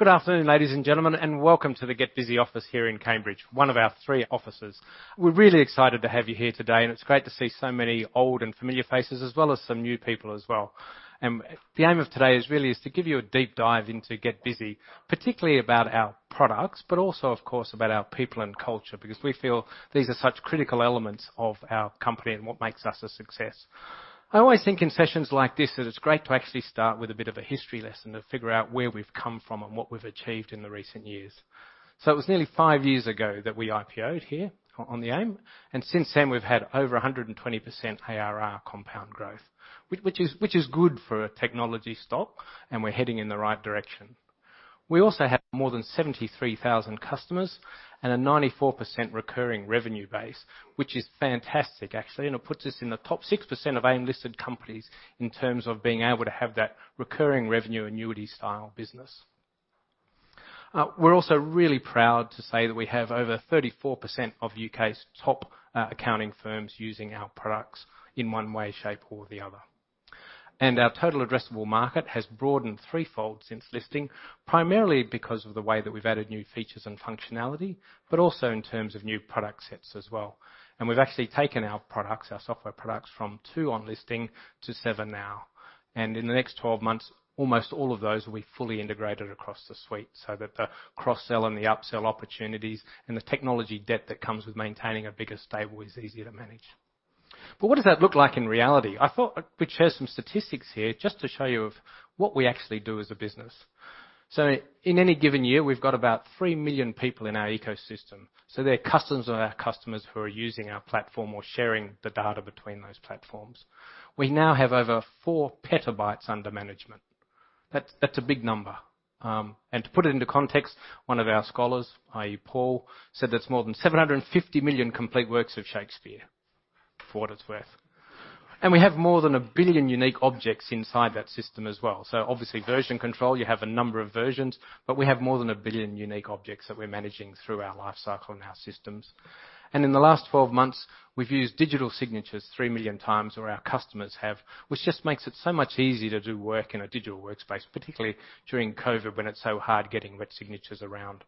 Good afternoon, ladies and gentlemen, and welcome to the GetBusy office here in Cambridge, one of our three offices. We're really excited to have you here today, and it's great to see so many old and familiar faces as well as some new people as well. The aim of today is really to give you a deep dive into GetBusy, particularly about our products, but also, of course, about our people and culture, because we feel these are such critical elements of our company and what makes us a success. I always think in sessions like this that it's great to actually start with a bit of a history lesson to figure out where we've come from and what we've achieved in the recent years. It was nearly 5 years ago that we IPO'd here on the AIM, and since then, we've had over 120% ARR compound growth, which is good for a technology stock, and we're heading in the right direction. We also have more than 73,000 customers and a 94% recurring revenue base, which is fantastic actually, and it puts us in the top 6% of AIM-listed companies in terms of being able to have that recurring revenue, annuity style business. We're also really proud to say that we have over 34% of UK's top accounting firms using our products in one way shape, or the other. Our total addressable market has broadened threefold since listing, primarily because of the way that we've added new features and functionality, but also in terms of new product sets as well. We've actually taken our products, our software products, from 2 on listing to 7 now. In the next 12 months, almost all of those will be fully integrated across the suite, so that the cross-sell and the upsell opportunities and the technology debt that comes with maintaining a bigger stable is easier to manage. What does that look like in reality? I thought we'd share some statistics here just to show you of what we actually do as a business. In any given year, we've got about 3 million people in our ecosystem. They're customers of our customers who are using our platform or sharing the data between those platforms. We now have over 4 PB under management. That's, that's a big number. To put it into context, one of our scholars, i.e., Paul, said that's more than 750 million complete works of Shakespeare, for what it's worth. We have more than a billion unique objects inside that system as well. Obviously, version control, you have a number of versions, but we have more than a billion unique objects that we're managing through our lifecycle and our systems. In the last 12 months, we've used digital signatures 3 million times, or our customers have, which just makes it so much easier to do work in a digital workspace, particularly during COVID, when it's so hard getting wet signatures around.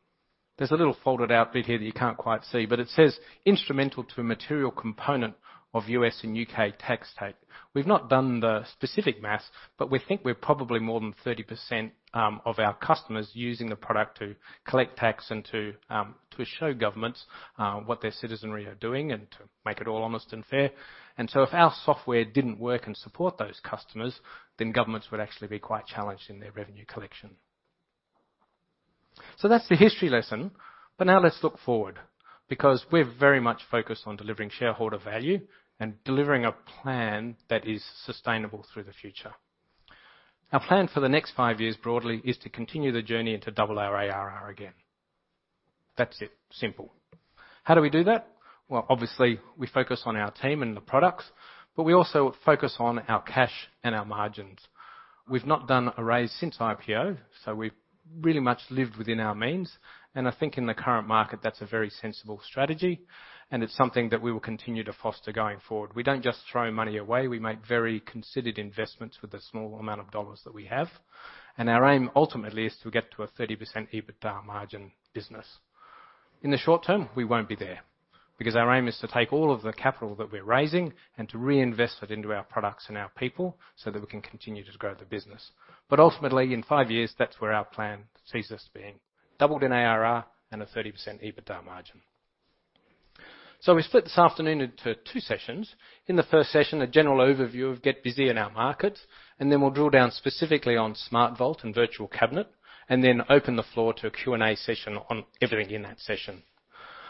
There's a little folded-out bit here that you can't quite see, but it says, "Instrumental to a material component of U.S. and U.K. tax take." We've not done the specific math, but we think we're probably more than 30% of our customers using the product to collect tax and to show governments what their citizenry are doing and to make it all honest and fair. If our software didn't work and support those customers, then governments would actually be quite challenged in their revenue collection. That's the history lesson. Now let's look forward, because we're very much focused on delivering shareholder value and delivering a plan that is sustainable through the future. Our plan for the next five years, broadly, is to continue the journey and to double our ARR again. That's it. Simple. How do we do that? Well, obviously, we focus on our team and the products, but we also focus on our cash and our margins. We've not done a raise since IPO, so we've really much lived within our means. I think in the current market, that's a very sensible strategy, and it's something that we will continue to foster going forward. We don't just throw money away. We make very considered investments with the small amount of dollars that we have. Our aim ultimately, is to get to a 30% EBITDA margin business. In the short term, we won't be there, because our aim is to take all of the capital that we're raising and to reinvest it into our products and our people so that we can continue to grow the business. Ultimately in five years, that's where our plan sees us being, doubled in ARR and a 30% EBITDA margin. We split this afternoon into two sessions. In the first session, a general overview of GetBusy in our markets, and then we'll drill down specifically on SmartVault and Virtual Cabinet, and then open the floor to a Q&A session on everything in that session.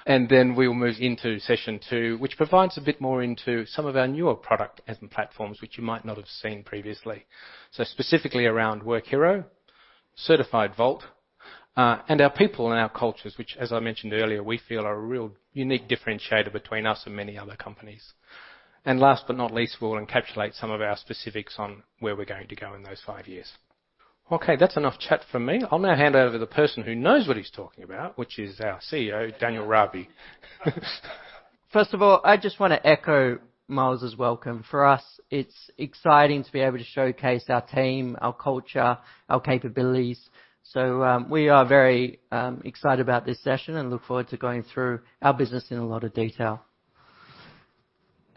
Then we'll move into session two, which provides a bit more into some of our newer product and platforms, which you might not have seen previously. Specifically around Workiro, Certified Vault, and our people and our cultures, which, as I mentioned earlier, we feel are a real unique differentiator between us and many other companies. Last but not least, we'll encapsulate some of our specifics on where we're going to go in those five years. Okay, that's enough chat from me. I'll now hand over to the person who knows what he's talking about, which is our CEO, Daniel Rabie. First of all, I just wanna echo Miles's welcome. For us, it's exciting to be able to showcase our team, our culture, our capabilities. We are very excited about this session and look forward to going through our business in a lot of detail.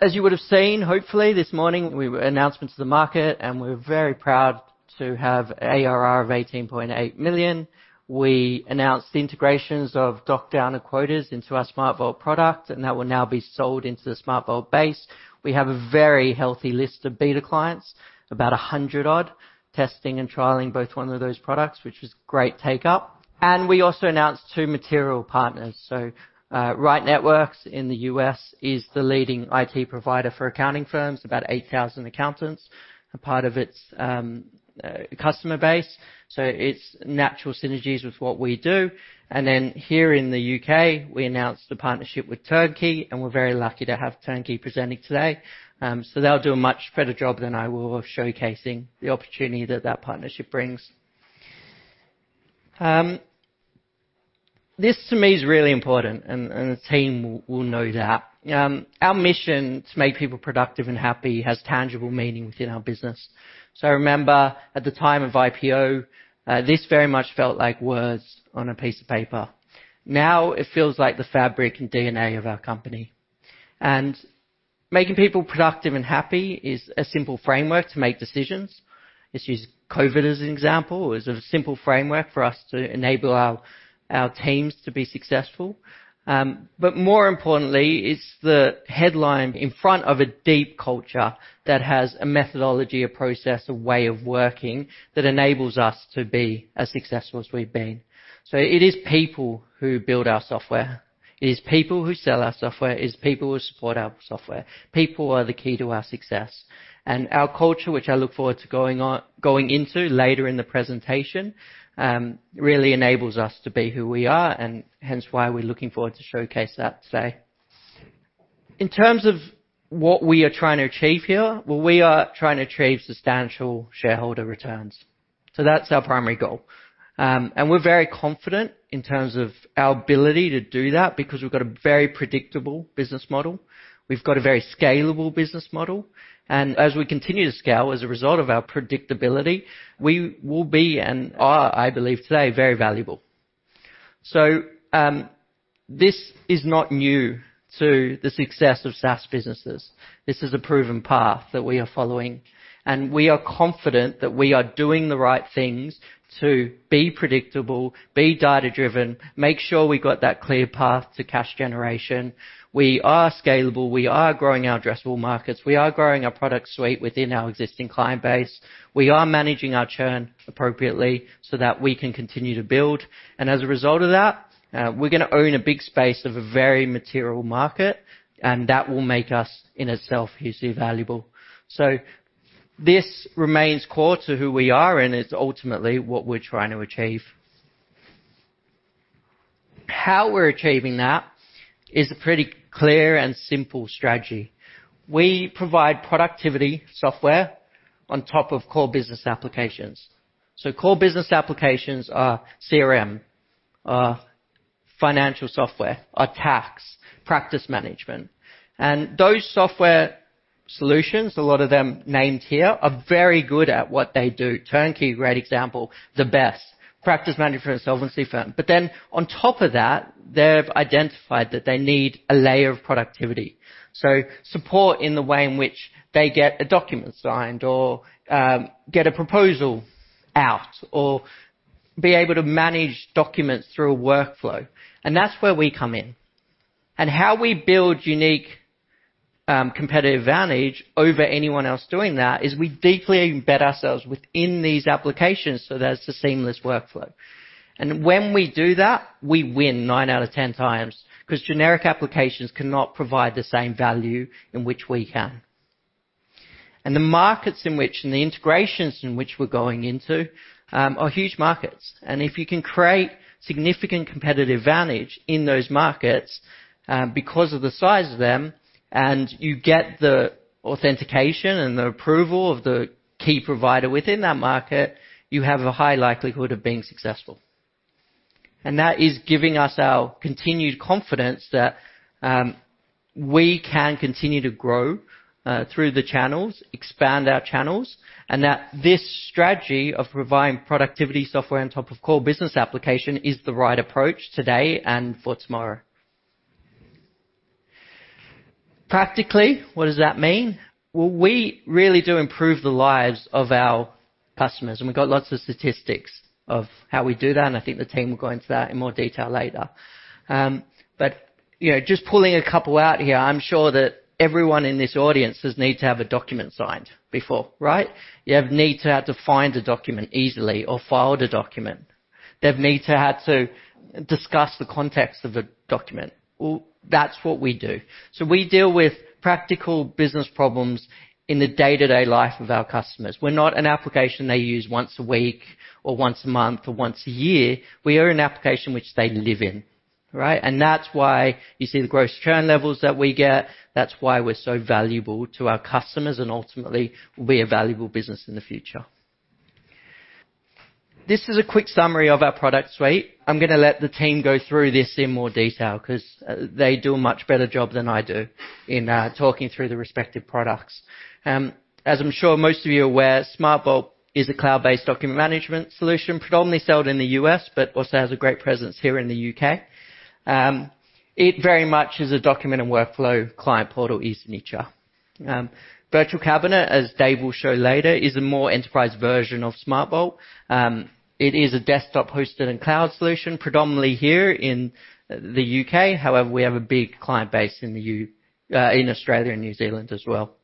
As you would have seen, hopefully this morning, we announced to the market, and we're very proud to have ARR of 18.8 million. We announced the integrations of DocDown and Quoters into our SmartVault product, and that will now be sold into the SmartVault base. We have a very healthy list of beta clients, about 100, testing and trialing both of those products, which was great take-up. We also announced two material partners. Right Networks in the US is the leading IT provider for accounting firms, about 8,000 accountants are part of its customer base. It's natural synergies with what we do. Here in the UK, we announced a partnership with Turnkey, and we're very lucky to have Turnkey presenting today. They’ll do a much better job than I will of showcasing the opportunity that that partnership brings. This to me is really important, and the team will know that. Our mission to make people productive and happy has tangible meaning within our business. I remember at the time of IPO, this very much felt like words on a piece of paper. Now it feels like the fabric and DNA of our company. Making people productive and happy is a simple framework to make decisions. Let's use COVID as an example, as a simple framework for us to enable our teams to be successful. More importantly, it's the headline in front of a deep culture that has a methodology, a process, a way of working that enables us to be as successful as we've been. It is people who build our software. It is people who sell our software. It is people who support our software. People are the key to our success. Our culture, which I look forward to going into later in the presentation, really enables us to be who we are, and hence why we're looking forward to showcase that today. In terms of what we are trying to achieve here, well, we are trying to achieve substantial shareholder returns. That's our primary goal. We're very confident in terms of our ability to do that because we've got a very predictable business model. We've got a very scalable business model. As we continue to scale as a result of our predictability, we will be, and are, I believe today, very valuable. This is not new to the success of SaaS businesses. This is a proven path that we are following. We are confident that we are doing the right things to be predictable, be data-driven, make sure we got that clear path to cash generation. We are scalable. We are growing our addressable markets. We are growing our product suite within our existing client base. We are managing our churn appropriately so that we can continue to build. As a result of that, we're gonna own a big space of a very material market, and that will make us in itself, usually valuable. This remains core to who we are and is ultimately what we're trying to achieve. How we're achieving that is a pretty clear and simple strategy. We provide productivity software on top of core business applications. Core business applications are CRM, are financial software, are tax, practice management. Those software solutions, a lot of them named here, are very good at what they do. Turnkey, great example, the best practice manager for an insolvency firm. On top of that, they've identified that they need a layer of productivity. Support in the way in which they get a document signed or get a proposal out or be able to manage documents through a workflow. That's where we come in. How we build unique competitive advantage over anyone else doing that is we deeply embed ourselves within these applications, so that's a seamless workflow. When we do that, we win 9 out of 10 times because generic applications cannot provide the same value in which we can. The markets in which, and the integrations in which we're going into, are huge markets. If you can create significant competitive advantage in those markets, because of the size of them, and you get the authentication and the approval of the key provider within that market, you have a high likelihood of being successful. That is giving us our continued confidence that we can continue to grow through the channels, expand our channels, and that this strategy of providing productivity software on top of core business application is the right approach today and for tomorrow. Practically, what does that mean? Well, we really do improve the lives of our customers, and we've got lots of statistics of how we do that, and I think the team will go into that in more detail later. But you know, just pulling a couple out here, I'm sure that everyone in this audience has needed to have a document signed before, right? You have needed to find a document easily or file the document. They've needed to discuss the context of the document. Well, that's what we do. We deal with practical business problems in the day-to-day life of our customers. We're not an application they use once a week or once a month or once a year. We are an application which they live in, right? That's why you see the gross churn levels that we get. That's why we're so valuable to our customers and ultimately will be a valuable business in the future. This is a quick summary of our product suite. I'm gonna let the team go through this in more detail 'cause they do a much better job than I do in talking through the respective products. As I'm sure most of you are aware, SmartVault is a cloud-based document management solution predominantly sold in the U.S., but also has a great presence here in the U.K. It very much is a document and workflow client portal in nature. Virtual Cabinet, as Dave will show later, is a more enterprise version of SmartVault. It is a desktop hosted and cloud solution predominantly here in the UK. However, we have a big client base in Australia and New Zealand as well.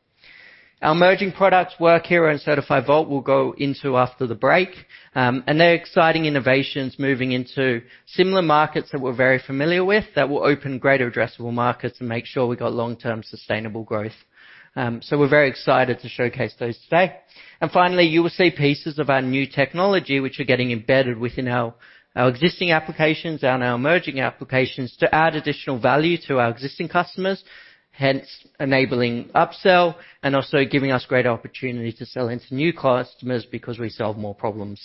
Our emerging products Workiro and Certified Vault will go into after the break. They're exciting innovations moving into similar markets that we're very familiar with that will open greater addressable markets and make sure we got long-term sustainable growth. We're very excited to showcase those today. Finally, you will see pieces of our new technology which are getting embedded within our existing applications and our emerging applications to add additional value to our existing customers. Hence enabling upsell and also giving us great opportunity to sell into new customers because we solve more problems.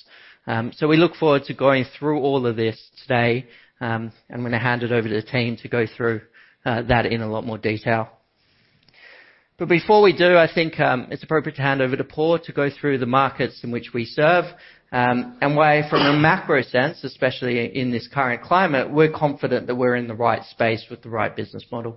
We look forward to going through all of this today, and I'm gonna hand it over to the team to go through that in a lot more detail. Before we do, I think it's appropriate to hand over to Paul to go through the markets in which we serve, and why from a macro sense, especially in this current climate, we're confident that we're in the right space with the right business model.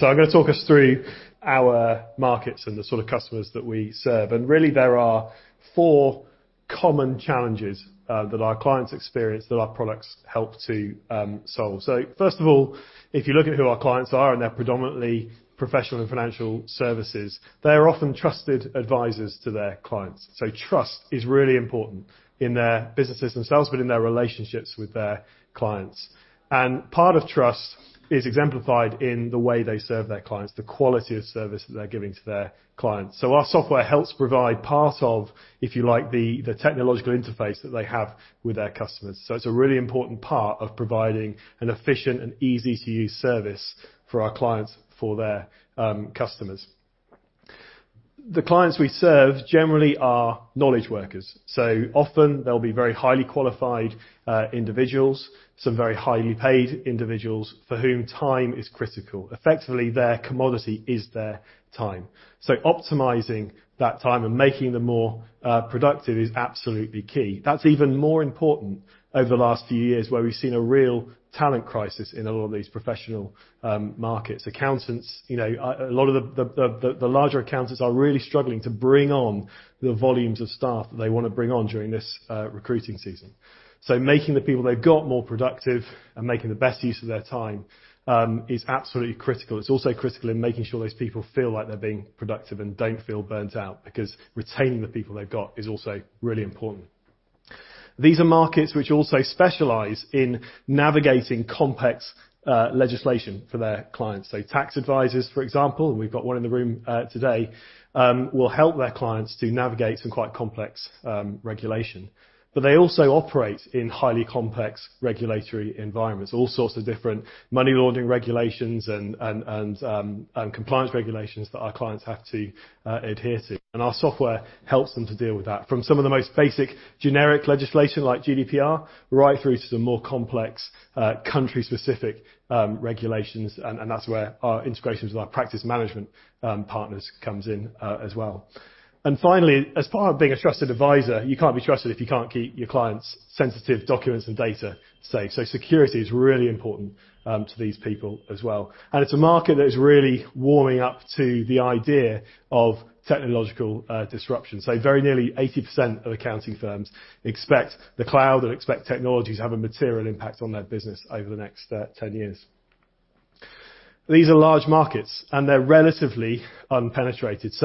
I'm gonna talk us through our markets and the sort of customers that we serve. Really, there are four common challenges that our clients experience that our products help to solve. First of all, if you look at who our clients are, and they're predominantly professional and financial services, they're often trusted advisors to their clients. Trust is really important in their businesses themselves, but in their relationships with their clients. Part of trust is exemplified in the way they serve their clients, the quality of service that they're giving to their clients. Our software helps provide part of, if you like, the technological interface that they have with their customers. It's a really important part of providing an efficient and easy-to-use service for our clients, for their customers. The clients we serve generally are knowledge workers, so often they'll be very highly qualified individuals, some very highly paid individuals for whom time is critical. Effectively, their commodity is their time. So optimizing that time and making them more productive is absolutely key. That's even more important over the last few years, where we've seen a real talent crisis in a lot of these professional markets. Accountants, you know, a lot of the larger accountants are really struggling to bring on the volumes of staff that they want to bring on during this recruiting season. So making the people they've got more productive and making the best use of their time is absolutely critical. It's also critical in making sure those people feel like they're being productive and don't feel burnt out, because retaining the people they've got is also really important. These are markets which also specialize in navigating complex legislation for their clients. Tax advisors, for example, and we've got one in the room today, will help their clients to navigate some quite complex regulation. They also operate in highly complex regulatory environments, all sorts of different money laundering regulations and compliance regulations that our clients have to adhere to. Our software helps them to deal with that from some of the most basic generic legislation like GDPR, right through to some more complex country-specific regulations, and that's where our integrations with our practice management partners comes in, as well. Finally, as part of being a trusted advisor, you can't be trusted if you can't keep your clients' sensitive documents and data safe. Security is really important to these people as well. It's a market that is really warming up to the idea of technological disruption. Very nearly 80% of accounting firms expect the cloud or expect technologies to have a material impact on their business over the next 10 years. These are large markets, and they're relatively unpenetrated.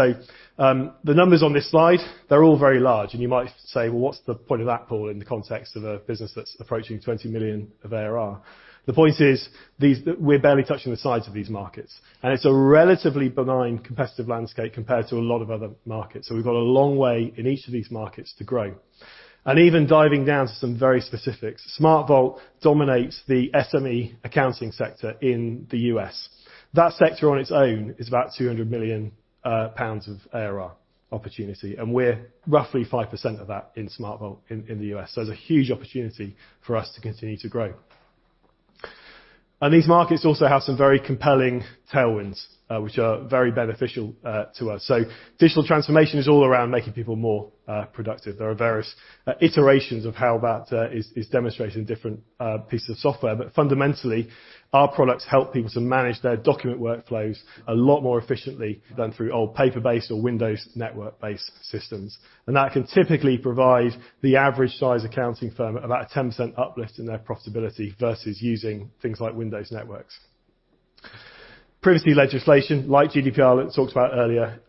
The numbers on this slide, they're all very large, and you might say, "Well, what's the point of that, Paul, in the context of a business that's approaching 20 million of ARR?" The point is these, we're barely touching the sides of these markets, and it's a relatively benign competitive landscape compared to a lot of other markets, so we've got a long way in each of these markets to grow. Even diving down to some very specifics, SmartVault dominates the SME accounting sector in the U.S. That sector on its own is about 200 million pounds of ARR opportunity, and we're roughly 5% of that in SmartVault in the U.S. There's a huge opportunity for us to continue to grow. These markets also have some very compelling tailwinds, which are very beneficial to us. Digital transformation is all around making people more productive. There are various iterations of how that is demonstrated in different pieces of software. Fundamentally, our products help people to manage their document workflows a lot more efficiently than through old paper-based or Windows network-based systems. That can typically provide the average size accounting firm about a 10% uplift in their profitability versus using things like Windows networks. Privacy legislation like GDPR that we talked about earlier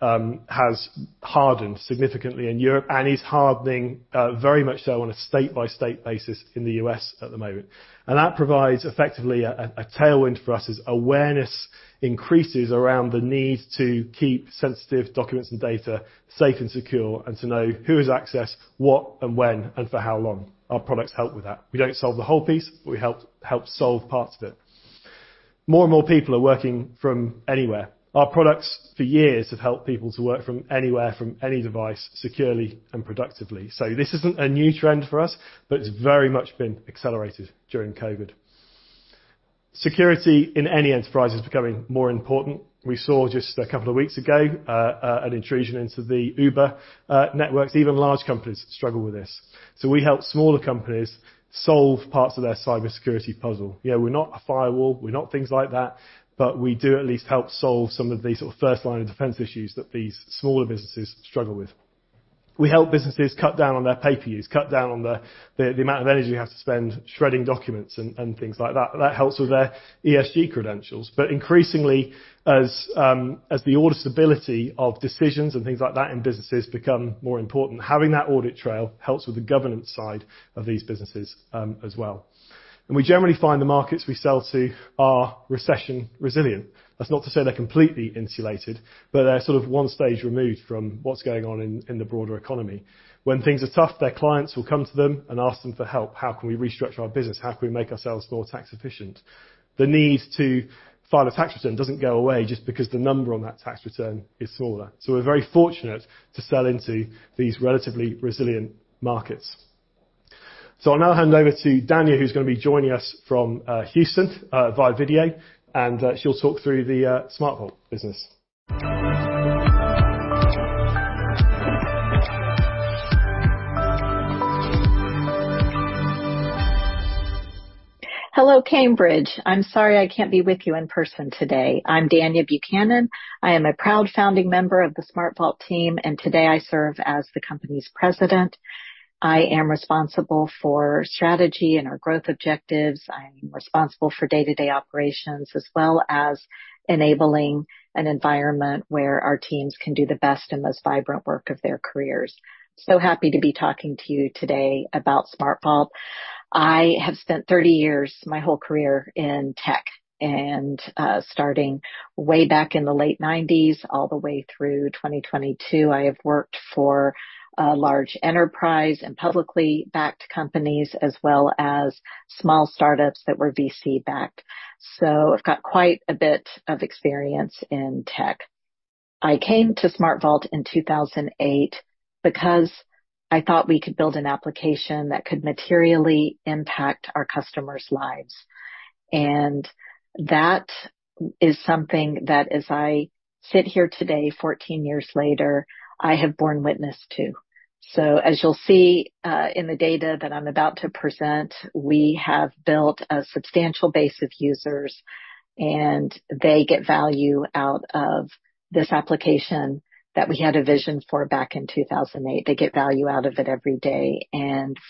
has hardened significantly in Europe and is hardening very much so on a state-by-state basis in the U.S. at the moment. That provides effectively a tailwind for us as awareness increases around the need to keep sensitive documents and data safe and secure and to know who has accessed what and when and for how long. Our products help with that. We don't solve the whole piece, but we help solve parts of it. More and more people are working from anywhere. Our products for years have helped people to work from anywhere, from any device securely and productively. This isn't a new trend for us, but it's very much been accelerated during COVID. Security in any enterprise is becoming more important. We saw just a couple of weeks ago, an intrusion into the Uber networks. Even large companies struggle with this. We help smaller companies solve parts of their cybersecurity puzzle. Yeah, we're not a firewall, we're not things like that, but we do at least help solve some of these sort of first line of defense issues that these smaller businesses struggle with. We help businesses cut down on their paper use, cut down on the amount of energy they have to spend shredding documents and things like that. That helps with their ESG credentials. Increasingly, as the auditability of decisions and things like that in businesses become more important, having that audit trail helps with the governance side of these businesses, as well. We generally find the markets we sell to are recession resilient. That's not to say they're completely insulated, but they're sort of one stage removed from what's going on in the broader economy. When things are tough, their clients will come to them and ask them for help. How can we restructure our business? How can we make ourselves more tax efficient? The need to file a tax return doesn't go away just because the number on that tax return is smaller. We're very fortunate to sell into these relatively resilient markets. I'll now hand over to Dania, who's gonna be joining us from Houston via video, and she'll talk through the SmartVault business. Hello, Cambridge. I'm sorry I can't be with you in person today. I'm Dania Buchanan. I am a proud founding member of the SmartVault team, and today I serve as the company's president. I am responsible for strategy and our growth objectives. I am responsible for day-to-day operations, as well as enabling an environment where our teams can do the best and most vibrant work of their careers. Happy to be talking to you today about SmartVault. I have spent 30 years, my whole career in tech, and starting way back in the late 1990s all the way through 2022. I have worked for large enterprise and publicly backed companies, as well as small startups that were VC backed. I've got quite a bit of experience in tech. I came to SmartVault in 2008 because I thought we could build an application that could materially impact our customers' lives. That is something that as I sit here today, 14 years later, I have borne witness to. As you'll see in the data that I'm about to present, we have built a substantial base of users, and they get value out of this application that we had a vision for back in 2008. They get value out of it every day.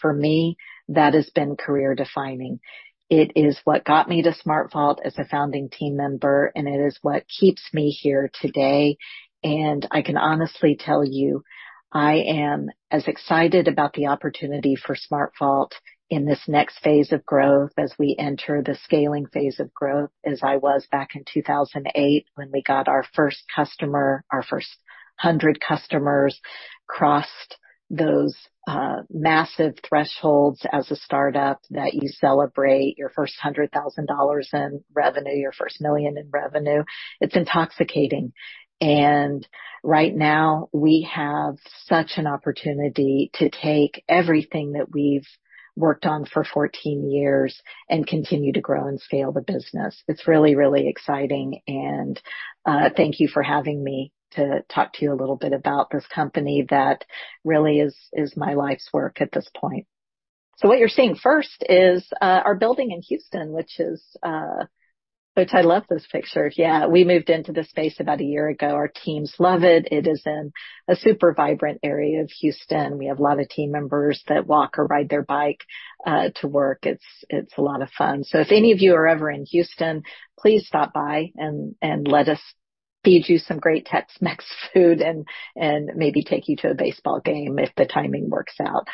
For me, that has been career defining. It is what got me to SmartVault as a founding team member, and it is what keeps me here today. I can honestly tell you, I am as excited about the opportunity for SmartVault in this next phase of growth as we enter the scaling phase of growth, as I was back in 2008 when we got our first customer, our first 100 customers, crossed those massive thresholds as a startup that you celebrate your first $100,000 in revenue, your first $1 million in revenue. It's intoxicating. Right now, we have such an opportunity to take everything that we've worked on for 14 years and continue to grow and scale the business. It's really, really exciting and, thank you for having me to talk to you a little bit about this company that really is my life's work at this point. What you're seeing first is our building in Houston, which I love this picture. Yeah, we moved into this space about a year ago. Our teams love it. It is in a super vibrant area of Houston. We have a lot of team members that walk or ride their bike to work. It's a lot of fun. If any of you are ever in Houston, please stop by and let us feed you some great Tex-Mex food and maybe take you to a baseball game if the timing works out.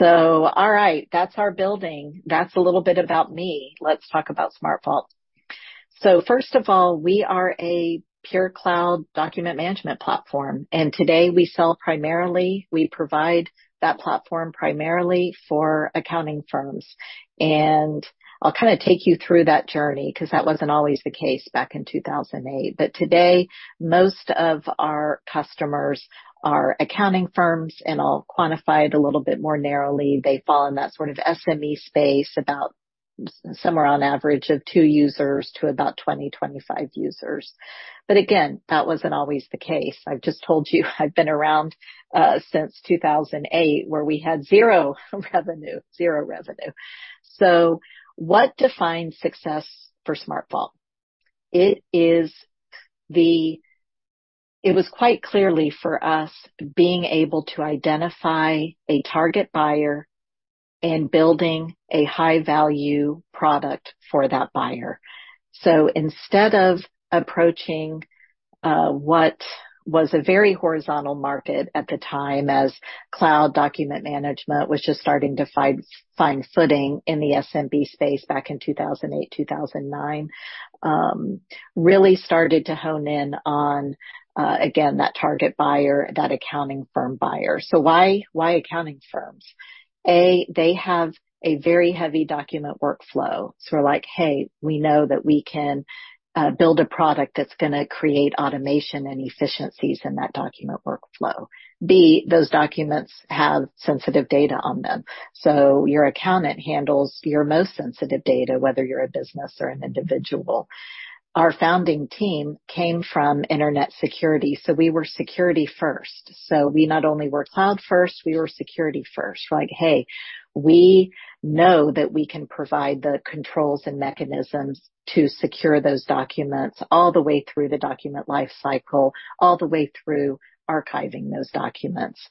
All right, that's our building. That's a little bit about me. Let's talk about SmartVault. First of all, we are a pure cloud document management platform, and today we sell primarily, we provide that platform primarily for accounting firms. I'll kinda take you through that journey 'cause that wasn't always the case back in 2008. Today, most of our customers are accounting firms, and I'll quantify it a little bit more narrowly. They fall in that sort of SME space about somewhere on average of 2 users to about 20-25 users. That wasn't always the case. I've just told you I've been around since 2008, where we had zero revenue. Zero revenue. What defines success for SmartVault? It was quite clearly for us being able to identify a target buyer and building a high-value product for that buyer. Instead of approaching what was a very horizontal market at the time, as cloud document management was just starting to find footing in the SMB space back in 2008-2009, really started to hone in on again that target buyer, that accounting firm buyer. Why accounting firms? A, they have a very heavy document workflow. We're like, "Hey, we know that we can build a product that's gonna create automation and efficiencies in that document workflow." B, those documents have sensitive data on them, so your accountant handles your most sensitive data, whether you're a business or an individual. Our founding team came from internet security, so we were security first. We not only were cloud first, we were security first. We're like, "Hey, we know that we can provide the controls and mechanisms to secure those documents all the way through the document lifecycle, all the way through archiving those documents."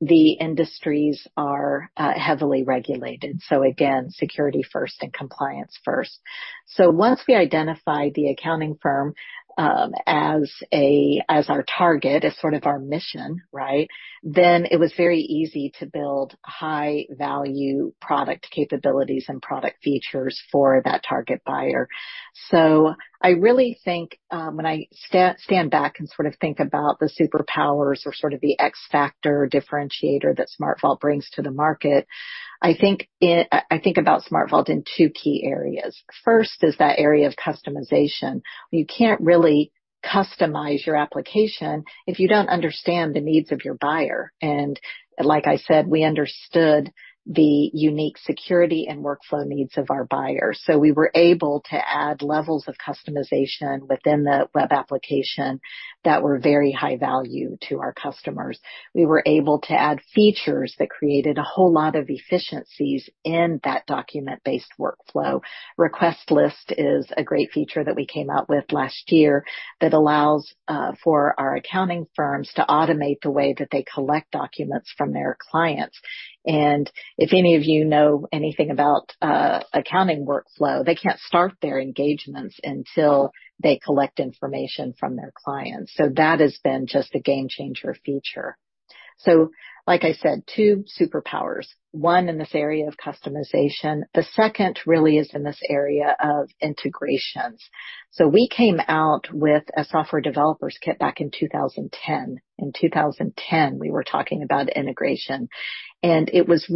The industries are heavily regulated, so again, security first and compliance first. Once we identified the accounting firm as our target, as sort of our mission, right? It was very easy to build high-value product capabilities and product features for that target buyer. I really think, when I stand back and sort of think about the superpowers or sort of the X factor differentiator that SmartVault brings to the market, I think about SmartVault in two key areas. First is that area of customization, where you can't really customize your application if you don't understand the needs of your buyer. Like I said, we understood the unique security and workflow needs of our buyers. We were able to add levels of customization within the web application that were very high value to our customers. We were able to add features that created a whole lot of efficiencies in that document-based workflow. Request list is a great feature that we came out with last year that allows for our accounting firms to automate the way that they collect documents from their clients. If any of you know anything about accounting workflow, they can't start their engagements until they collect information from their clients. That has been just a game changer feature. Like I said, two superpowers, one in this area of customization, the second really is in this area of integrations. We came out with a software developers kit back in 2010. In 2010, we were talking about integration. It was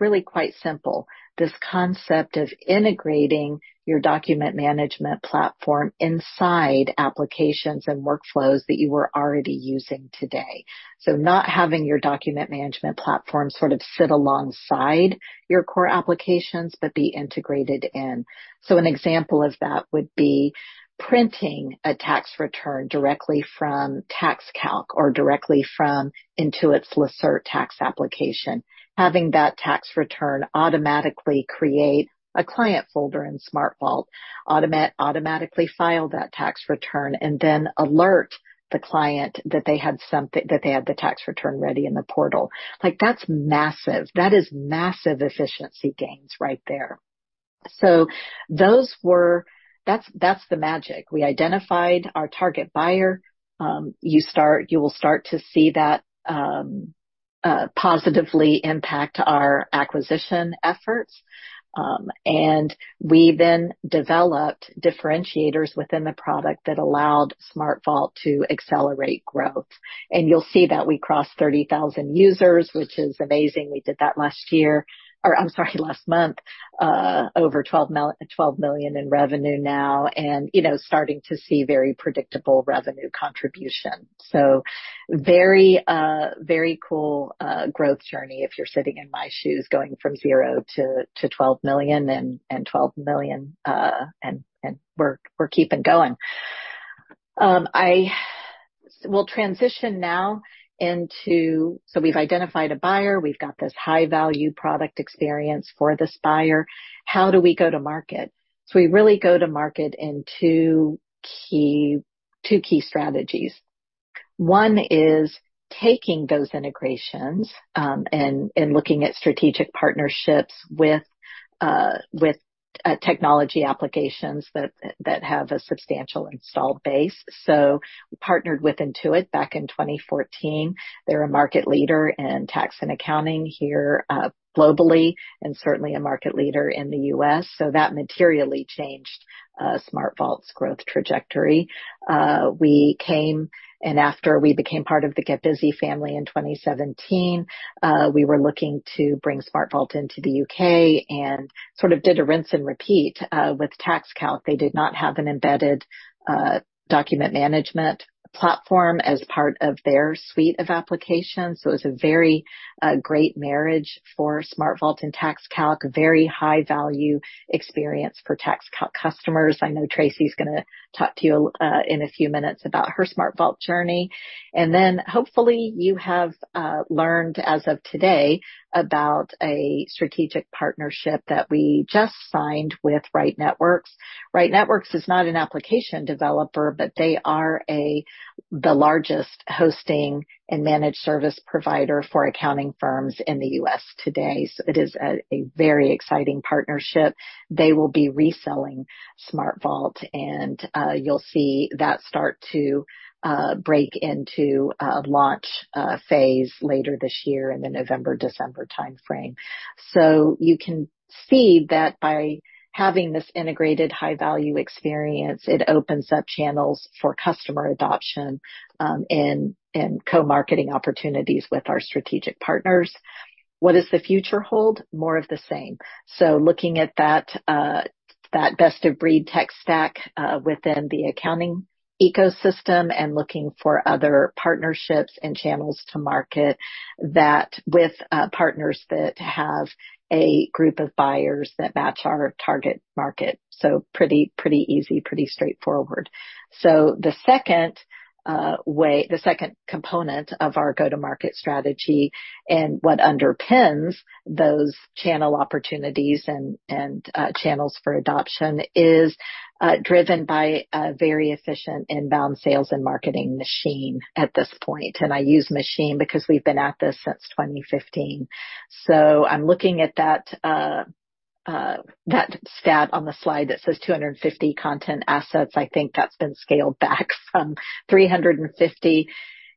really quite simple, this concept of integrating your document management platform inside applications and workflows that you were already using today. Not having your document management platform sort of sit alongside your core applications, but be integrated in. An example of that would be printing a tax return directly from TaxCalc or directly from Intuit's Lacerte tax application. Having that tax return automatically create a client folder in SmartVault, automatically file that tax return and then alert the client that they had the tax return ready in the portal. Like, that's massive. That is massive efficiency gains right there. Those were. That's the magic. We identified our target buyer. You will start to see that positively impact our acquisition efforts. We then developed differentiators within the product that allowed SmartVault to accelerate growth. You'll see that we crossed 30,000 users, which is amazing. We did that last year or, I'm sorry, last month. Over $12 million in revenue now and, you know, starting to see very predictable revenue contribution. Very cool growth journey if you're sitting in my shoes, going from zero to $12 million and we're keeping going. We'll transition now into. We've identified a buyer. We've got this high-value product experience for this buyer. How do we go to market? We really go to market in two key strategies. One is taking those integrations and looking at strategic partnerships with technology applications that have a substantial installed base. We partnered with Intuit back in 2014. They're a market leader in tax and accounting here, globally, and certainly a market leader in the U.S. That materially changed SmartVault's growth trajectory. We came, and after we became part of the GetBusy family in 2017, we were looking to bring SmartVault into the UK and sort of did a rinse and repeat with TaxCalc. They did not have an embedded document management platform as part of their suite of applications. It's a very great marriage for SmartVault and TaxCalc, a very high-value experience for TaxCalc customers. I know Tracy's gonna talk to you in a few minutes about her SmartVault journey. Then hopefully you have learned as of today about a strategic partnership that we just signed with Right Networks. Right Networks is not an application developer, but they are the largest hosting and managed service provider for accounting firms in the U.S. today. It is a very exciting partnership. They will be reselling SmartVault, and you'll see that start to break into a launch phase later this year in the November, December timeframe. You can see that by having this integrated high-value experience, it opens up channels for customer adoption, and co-marketing opportunities with our strategic partners. What does the future hold? More of the same. Looking at that best-of-breed tech stack within the accounting ecosystem and looking for other partnerships and channels to market that with partners that have a group of buyers that match our target market. Pretty easy, pretty straightforward. The second component of our go-to-market strategy and what underpins those channel opportunities and channels for adoption is driven by a very efficient inbound sales and marketing machine at this point. I use machine because we've been at this since 2015. I'm looking at that stat on the slide that says 250 content assets, I think that's been scaled back from 350.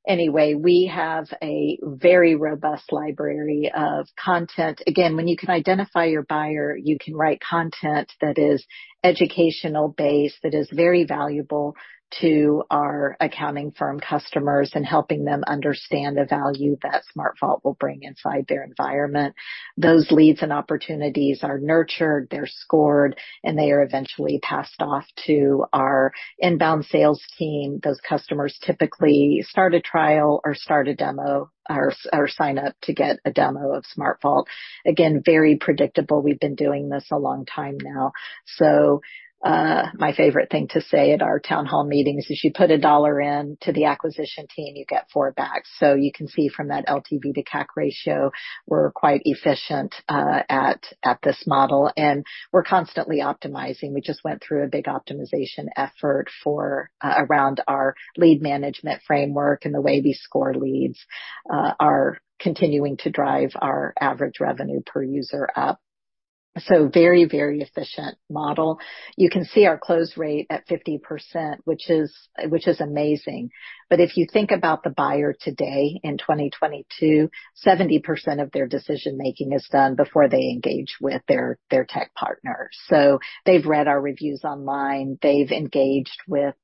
Anyway, we have a very robust library of content. Again, when you can identify your buyer, you can write content that is educational based, that is very valuable to our accounting firm customers and helping them understand the value that SmartVault will bring inside their environment. Those leads and opportunities are nurtured, they're scored, and they are eventually passed off to our inbound sales team. Those customers typically start a trial or start a demo or sign up to get a demo of SmartVault. Again, very predictable. We've been doing this a long time now. My favorite thing to say at our town hall meetings is, "You put a dollar in to the acquisition team, you get four back." You can see from that LTV to CAC ratio, we're quite efficient at this model, and we're constantly optimizing. We just went through a big optimization effort for around our lead management framework and the way we score leads are continuing to drive our average revenue per user up. Very, very efficient model. You can see our close rate at 50%, which is amazing. If you think about the buyer today in 2022, 70% of their decision-making is done before they engage with their tech partners. They've read our reviews online, they've engaged with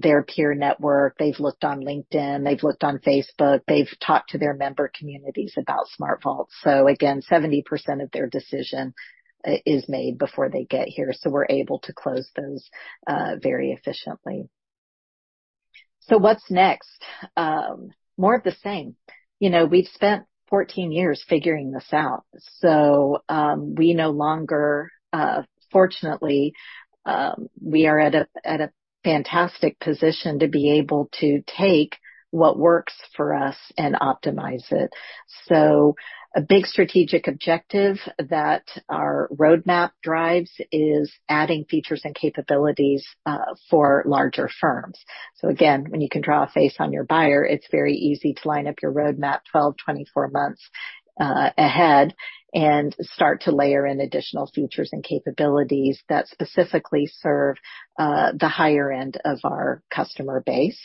their peer network, they've looked on LinkedIn, they've looked on Facebook, they've talked to their member communities about SmartVault. Again, 70% of their decision is made before they get here, so we're able to close those very efficiently. What's next? More of the same. You know, we've spent 14 years figuring this out, so we no longer fortunately we are at a fantastic position to be able to take what works for us and optimize it. A big strategic objective that our roadmap drives is adding features and capabilities for larger firms. Again, when you can draw a face on your buyer, it's very easy to line up your roadmap 12, 24 months ahead and start to layer in additional features and capabilities that specifically serve the higher end of our customer base.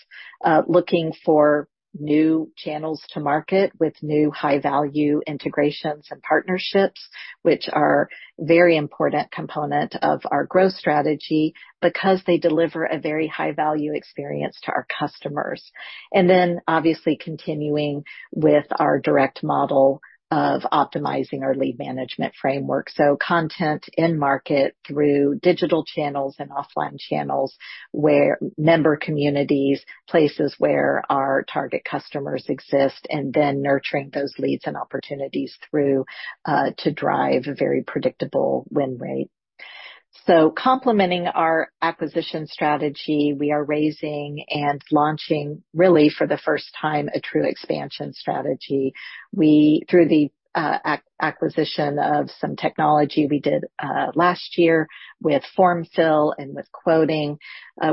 Looking for new channels to market with new high-value integrations and partnerships, which are very important component of our growth strategy because they deliver a very high-value experience to our customers. Then obviously continuing with our direct model of optimizing our lead management framework. Content in market through digital channels and offline channels, where member communities, places where our target customers exist, and then nurturing those leads and opportunities through to drive a very predictable win rate. Complementing our acquisition strategy, we are raising and launching, really for the first time, a true expansion strategy. We, through the acquisition of some technology we did last year with form-fill and with quoting,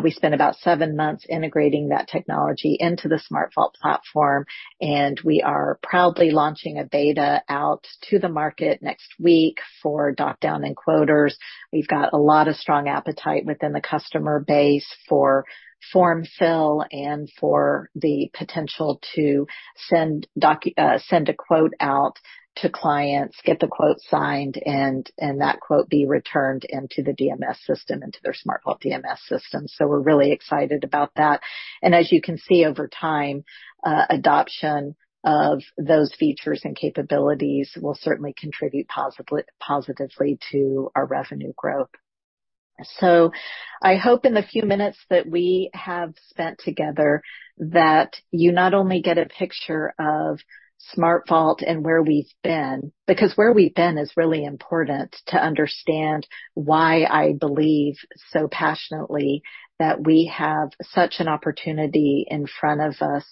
we spent about seven months integrating that technology into the SmartVault platform, and we are proudly launching a beta out to the market next week for DocDown and Quoters. We've got a lot of strong appetite within the customer base for form-fill and for the potential to send a quote out to clients, get the quote signed, and that quote be returned into the DMS system, into their SmartVault DMS system. We're really excited about that. As you can see over time, adoption of those features and capabilities will certainly contribute positively to our revenue growth. I hope in the few minutes that we have spent together, that you not only get a picture of SmartVault and where we've been, because where we've been is really important to understand why I believe so passionately that we have such an opportunity in front of us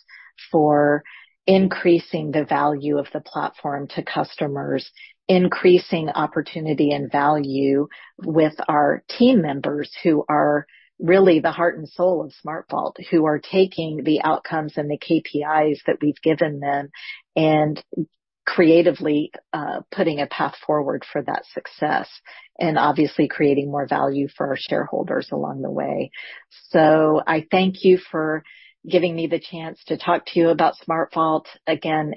for increasing the value of the platform to customers, increasing opportunity and value with our team members who are really the heart and soul of SmartVault, who are taking the outcomes and the KPIs that we've given them and creatively putting a path forward for that success, and obviously creating more value for our shareholders along the way. I thank you for giving me the chance to talk to you about SmartVault. Again,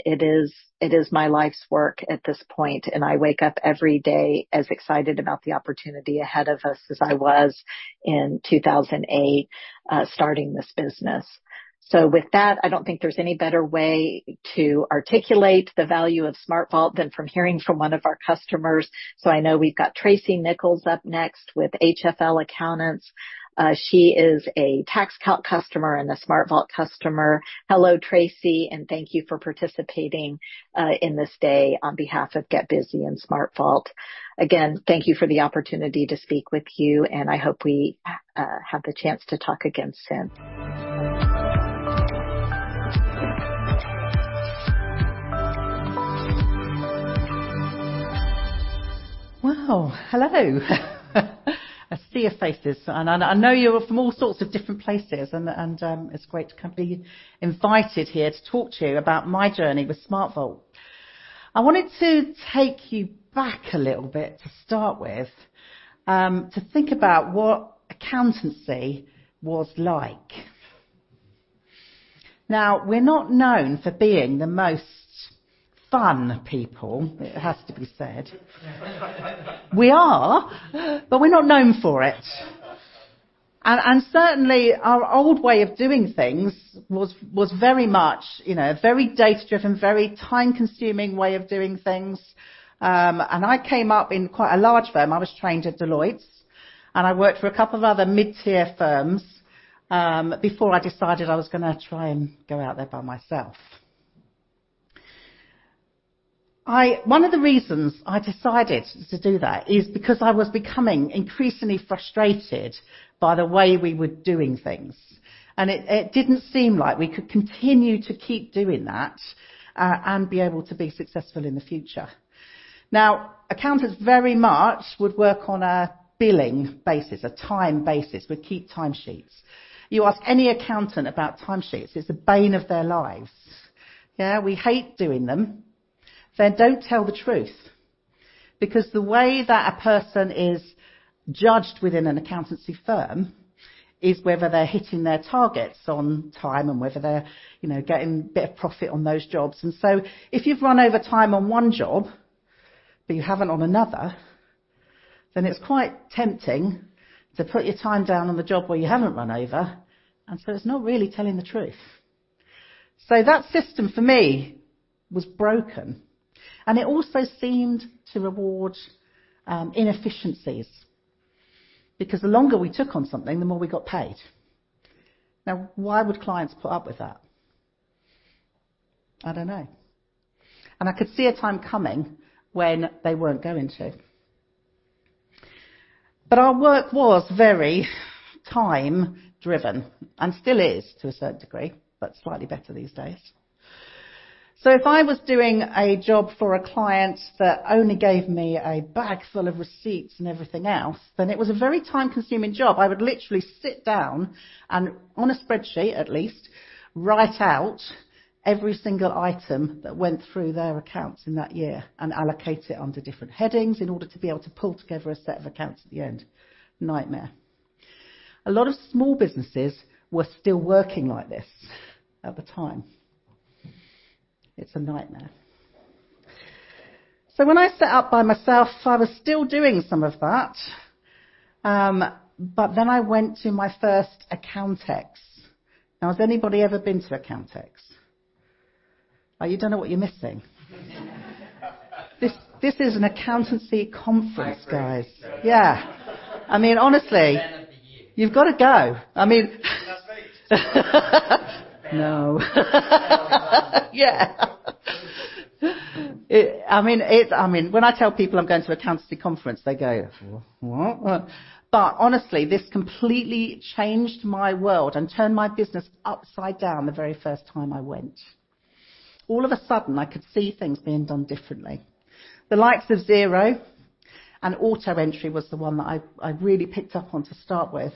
it is my life's work at this point, and I wake up every day as excited about the opportunity ahead of us as I was in 2008 starting this business. With that, I don't think there's any better way to articulate the value of SmartVault than from hearing from one of our customers. I know we've got Tracey Nicholls up next with HFL Accountants. She is a TaxCalc customer and a SmartVault customer. Hello, Tracey, and thank you for participating in this day on behalf of GetBusy and SmartVault. Again, thank you for the opportunity to speak with you, and I hope we have the chance to talk again soon. Well, hello. A sea of faces. I know you're from all sorts of different places and it's great to kind of be invited here to talk to you about my journey with SmartVault. I wanted to take you back a little bit to start with to think about what accountancy was like. Now, we're not known for being the most fun people, it has to be said. We are, but we're not known for it. Certainly, our old way of doing things was very much, you know, very data-driven, very time-consuming way of doing things. I came up in quite a large firm. I was trained at Deloitte, and I worked for a couple of other mid-tier firms before I decided I was gonna try and go out there by myself. One of the reasons I decided to do that is because I was becoming increasingly frustrated by the way we were doing things, and it didn't seem like we could continue to keep doing that, and be able to be successful in the future. Now, accountants very much would work on a billing basis, a time basis. We keep time sheets. You ask any accountant about time sheets, it's the bane of their lives. Yeah, we hate doing them. They don't tell the truth, because the way that a person is judged within an accounting firm is whether they're hitting their targets on time and whether they're, you know, getting a bit of profit on those jobs. If you've run over time on one job, but you haven't on another, then it's quite tempting to put your time down on the job where you haven't run over, and so it's not really telling the truth. That system for me was broken. It also seemed to reward inefficiencies, because the longer we took on something, the more we got paid. Now, why would clients put up with that? I don't know. I could see a time coming when they weren't going to. Our work was very time-driven, and still is to a certain degree, but slightly better these days. If I was doing a job for a client that only gave me a bag full of receipts and everything else, then it was a very time-consuming job. I would literally sit down and, on a spreadsheet at least, write out every single item that went through their accounts in that year and allocate it under different headings in order to be able to pull together a set of accounts at the end. Nightmare. A lot of small businesses were still working like this at the time. It's a nightmare. When I set out by myself, I was still doing some of that. But then I went to my first Accountex. Now, has anybody ever been to Accountex? Oh, you don't know what you're missing. This is an accountancy conference, guys. I agree. Yeah. I mean, honestly. Event of the year. You've got to go. I mean. Can I speak? No. Yeah. I mean, when I tell people I'm going to accountancy conference, they go, "What? What?" Honestly, this completely changed my world and turned my business upside down the very first time I went. All of a sudden, I could see things being done differently. The likes of Xero and AutoEntry was the one that I really picked up on to start with.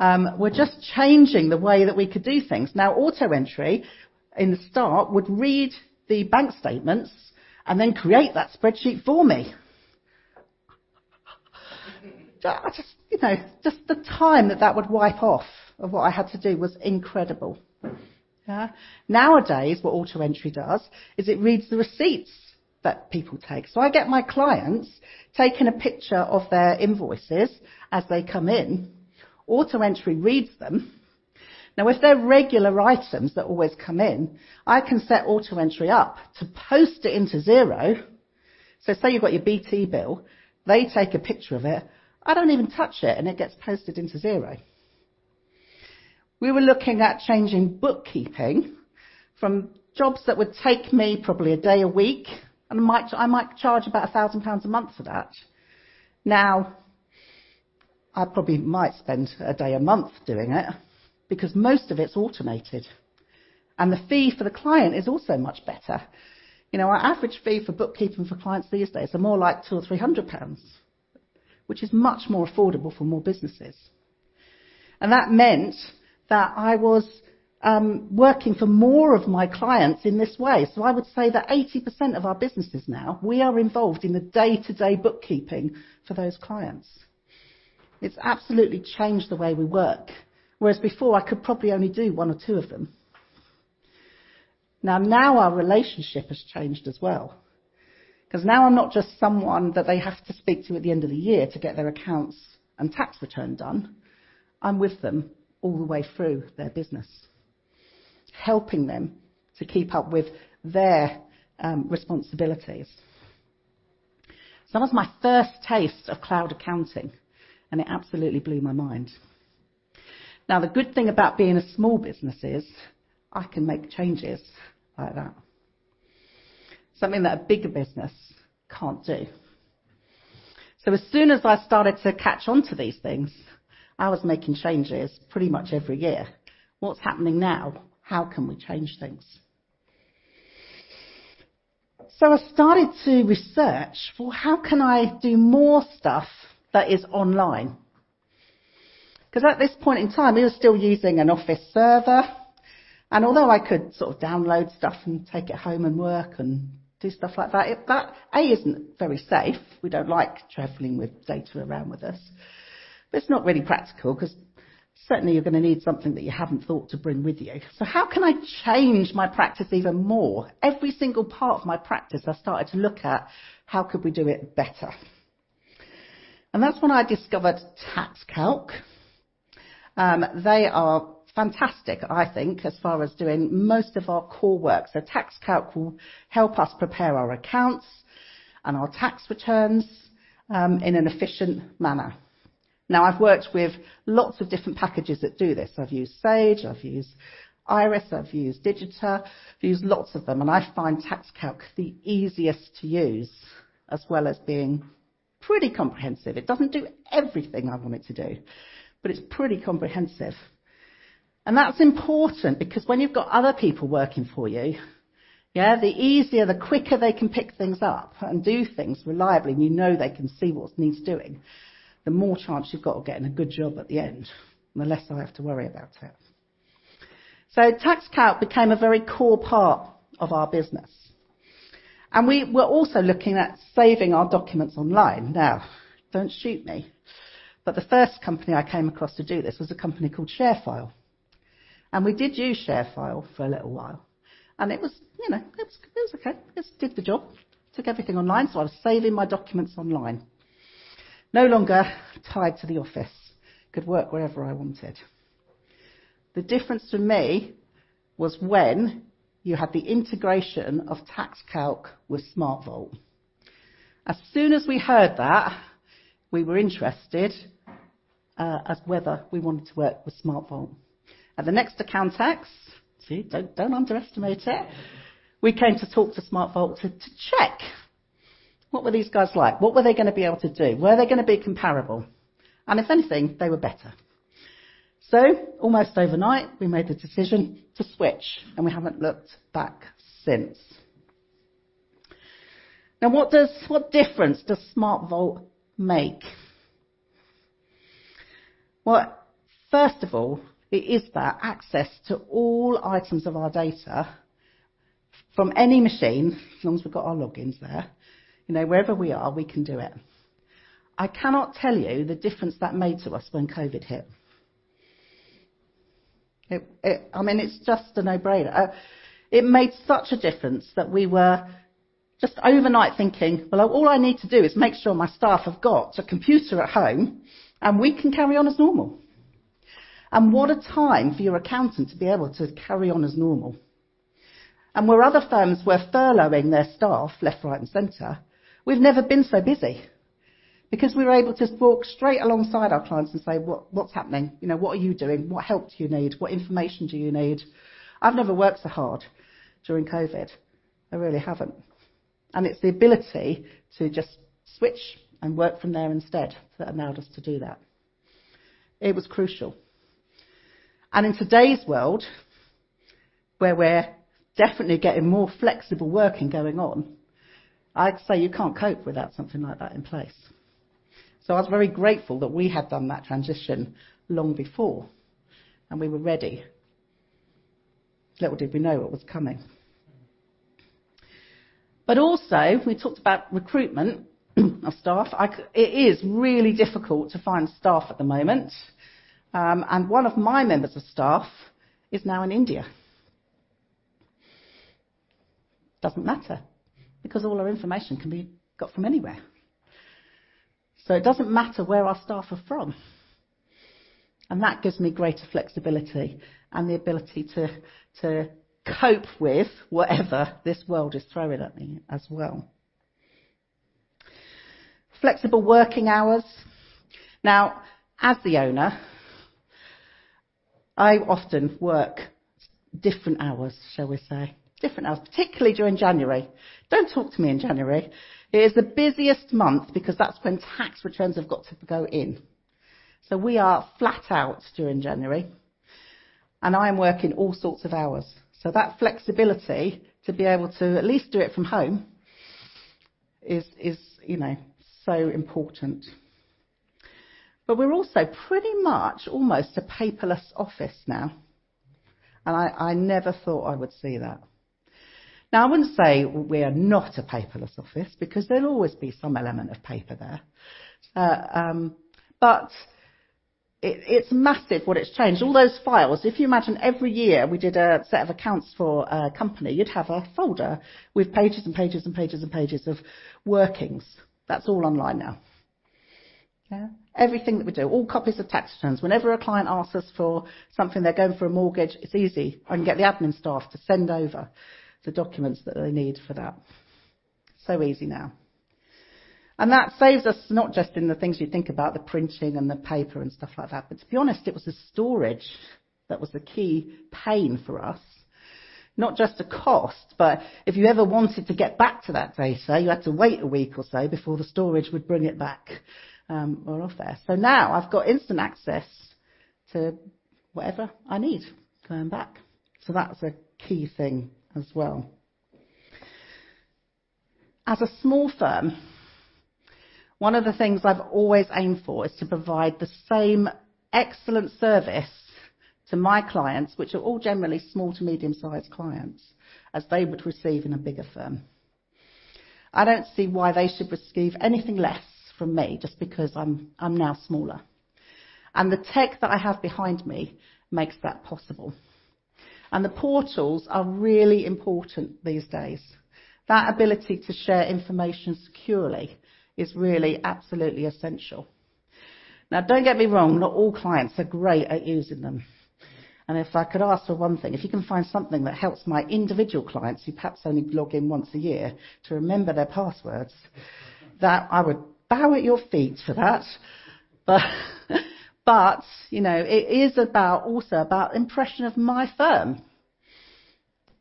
Were just changing the way that we could do things. Now, AutoEntry, in the start, would read the bank statements and then create that spreadsheet for me. I just, you know, just the time that would wipe off of what I had to do was incredible. Yeah. Nowadays, what AutoEntry does is it reads the receipts that people take. I get my clients taking a picture of their invoices as they come in. AutoEntry reads them. Now, if they're regular items that always come in, I can set AutoEntry up to post it into Xero. Say you've got your BT bill, they take a picture of it. I don't even touch it, and it gets posted into Xero. We were looking at changing bookkeeping from jobs that would take me probably a day a week, I might charge about 1,000 pounds a month for that. Now, I probably might spend a day a month doing it because most of it's automated, and the fee for the client is also much better. You know, our average fee for bookkeeping for clients these days are more like 200-300 pounds, which is much more affordable for more businesses. That meant that I was working for more of my clients in this way. I would say that 80% of our businesses now, we are involved in the day-to-day bookkeeping for those clients. It's absolutely changed the way we work. Whereas before, I could probably only do one or two of them. Now our relationship has changed as well, 'cause now I'm not just someone that they have to speak to at the end of the year to get their accounts and tax return done. I'm with them all the way through their business, helping them to keep up with their responsibilities. That was my first taste of cloud accounting, and it absolutely blew my mind. Now, the good thing about being a small business is I can make changes like that, something that a bigger business can't do. As soon as I started to catch on to these things, I was making changes pretty much every year. What's happening now? How can we change things? I started to research for how can I do more stuff that is online. 'Cause at this point in time, we were still using an office server, and although I could sort of download stuff and take it home and work and do stuff like that isn't very safe. We don't like traveling with data around with us. It's not really practical 'cause certainly you're gonna need something that you haven't thought to bring with you. How can I change my practice even more? Every single part of my practice, I started to look at how could we do it better. That's when I discovered TaxCalc. They are fantastic, I think, as far as doing most of our core work. TaxCalc will help us prepare our accounts and our tax returns, in an efficient manner. I've worked with lots of different packages that do this. I've used Sage, I've used IRIS, I've used Digita. I've used lots of them, and I find TaxCalc the easiest to use, as well as being pretty comprehensive. It doesn't do everything I want it to do, but it's pretty comprehensive. That's important because when you've got other people working for you, yeah, the easier, the quicker they can pick things up and do things reliably, and you know they can see what needs doing, the more chance you've got of getting a good job at the end, and the less I have to worry about it. TaxCalc became a very core part of our business. We were also looking at saving our documents online. Now, don't shoot me, but the first company I came across to do this was a company called ShareFile. We did use ShareFile for a little while. It was okay. It did the job. Took everything online, so I was saving my documents online. No longer tied to the office. Could work wherever I wanted. The difference for me was when you had the integration of TaxCalc with SmartVault. As soon as we heard that, we were interested in whether we wanted to work with SmartVault. At the next Accountex, we came to talk to SmartVault to check what were these guys like? What were they gonna be able to do? Were they gonna be comparable? If anything, they were better. Almost overnight, we made the decision to switch, and we haven't looked back since. Now, what difference does SmartVault make? Well, first of all, it is that access to all items of our data from any machine, as long as we've got our logins there. You know, wherever we are, we can do it. I cannot tell you the difference that made to us when COVID hit. I mean, it's just a no-brainer. It made such a difference that we were just overnight thinking, "Well, all I need to do is make sure my staff have got a computer at home, and we can carry on as normal." What a time for your accountant to be able to carry on as normal. Where other firms were furloughing their staff left, right, and center, we've never been so busy. Because we were able to walk straight alongside our clients and say, "What's happening? You know, what are you doing? What help do you need? What information do you need?" I've never worked so hard during COVID. I really haven't. It's the ability to just switch and work from there instead that allowed us to do that. It was crucial. In today's world, where we're definitely getting more flexible working going on, I'd say you can't cope without something like that in place. I was very grateful that we had done that transition long before, and we were ready. Little did we know what was coming. Also, we talked about recruitment of staff. It is really difficult to find staff at the moment, and one of my members of staff is now in India. Doesn't matter, because all our information can be got from anywhere. It doesn't matter where our staff are from, and that gives me greater flexibility and the ability to cope with whatever this world is throwing at me as well. Flexible working hours. Now, as the owner, I often work different hours, shall we say. Different hours, particularly during January. Don't talk to me in January. It is the busiest month because that's when tax returns have got to go in. We are flat out during January, and I am working all sorts of hours. That flexibility to be able to at least do it from home is, you know, so important. We're also pretty much almost a paperless office now, and I never thought I would see that. Now, I wouldn't say we're not a paperless office because there'll always be some element of paper there. It's massive what it's changed. All those files. If you imagine every year we did a set of accounts for a company, you'd have a folder with pages and pages and pages and pages of workings. That's all online now. Yeah. Everything that we do, all copies of tax returns. Whenever a client asks us for something, they're going for a mortgage, it's easy. I can get the admin staff to send over the documents that they need for that. Easy now. That saves us not just in the things you think about, the printing and the paper and stuff like that, but to be honest, it was the storage that was the key pain for us. Not just the cost, but if you ever wanted to get back to that data, you had to wait a week or so before the storage would bring it back, or off there. Now I've got instant access to whatever I need going back. That's a key thing as well. As a small firm, one of the things I've always aimed for is to provide the same excellent service to my clients, which are all generally small to medium-sized clients, as they would receive in a bigger firm. I don't see why they should receive anything less from me just because I'm now smaller. The tech that I have behind me makes that possible. The portals are really important these days. That ability to share information securely is really absolutely essential. Now, don't get me wrong, not all clients are great at using them. If I could ask for one thing, if you can find something that helps my individual clients who perhaps only log in once a year to remember their passwords, that I would bow at your feet for that. But you know, it is also about impression of my firm.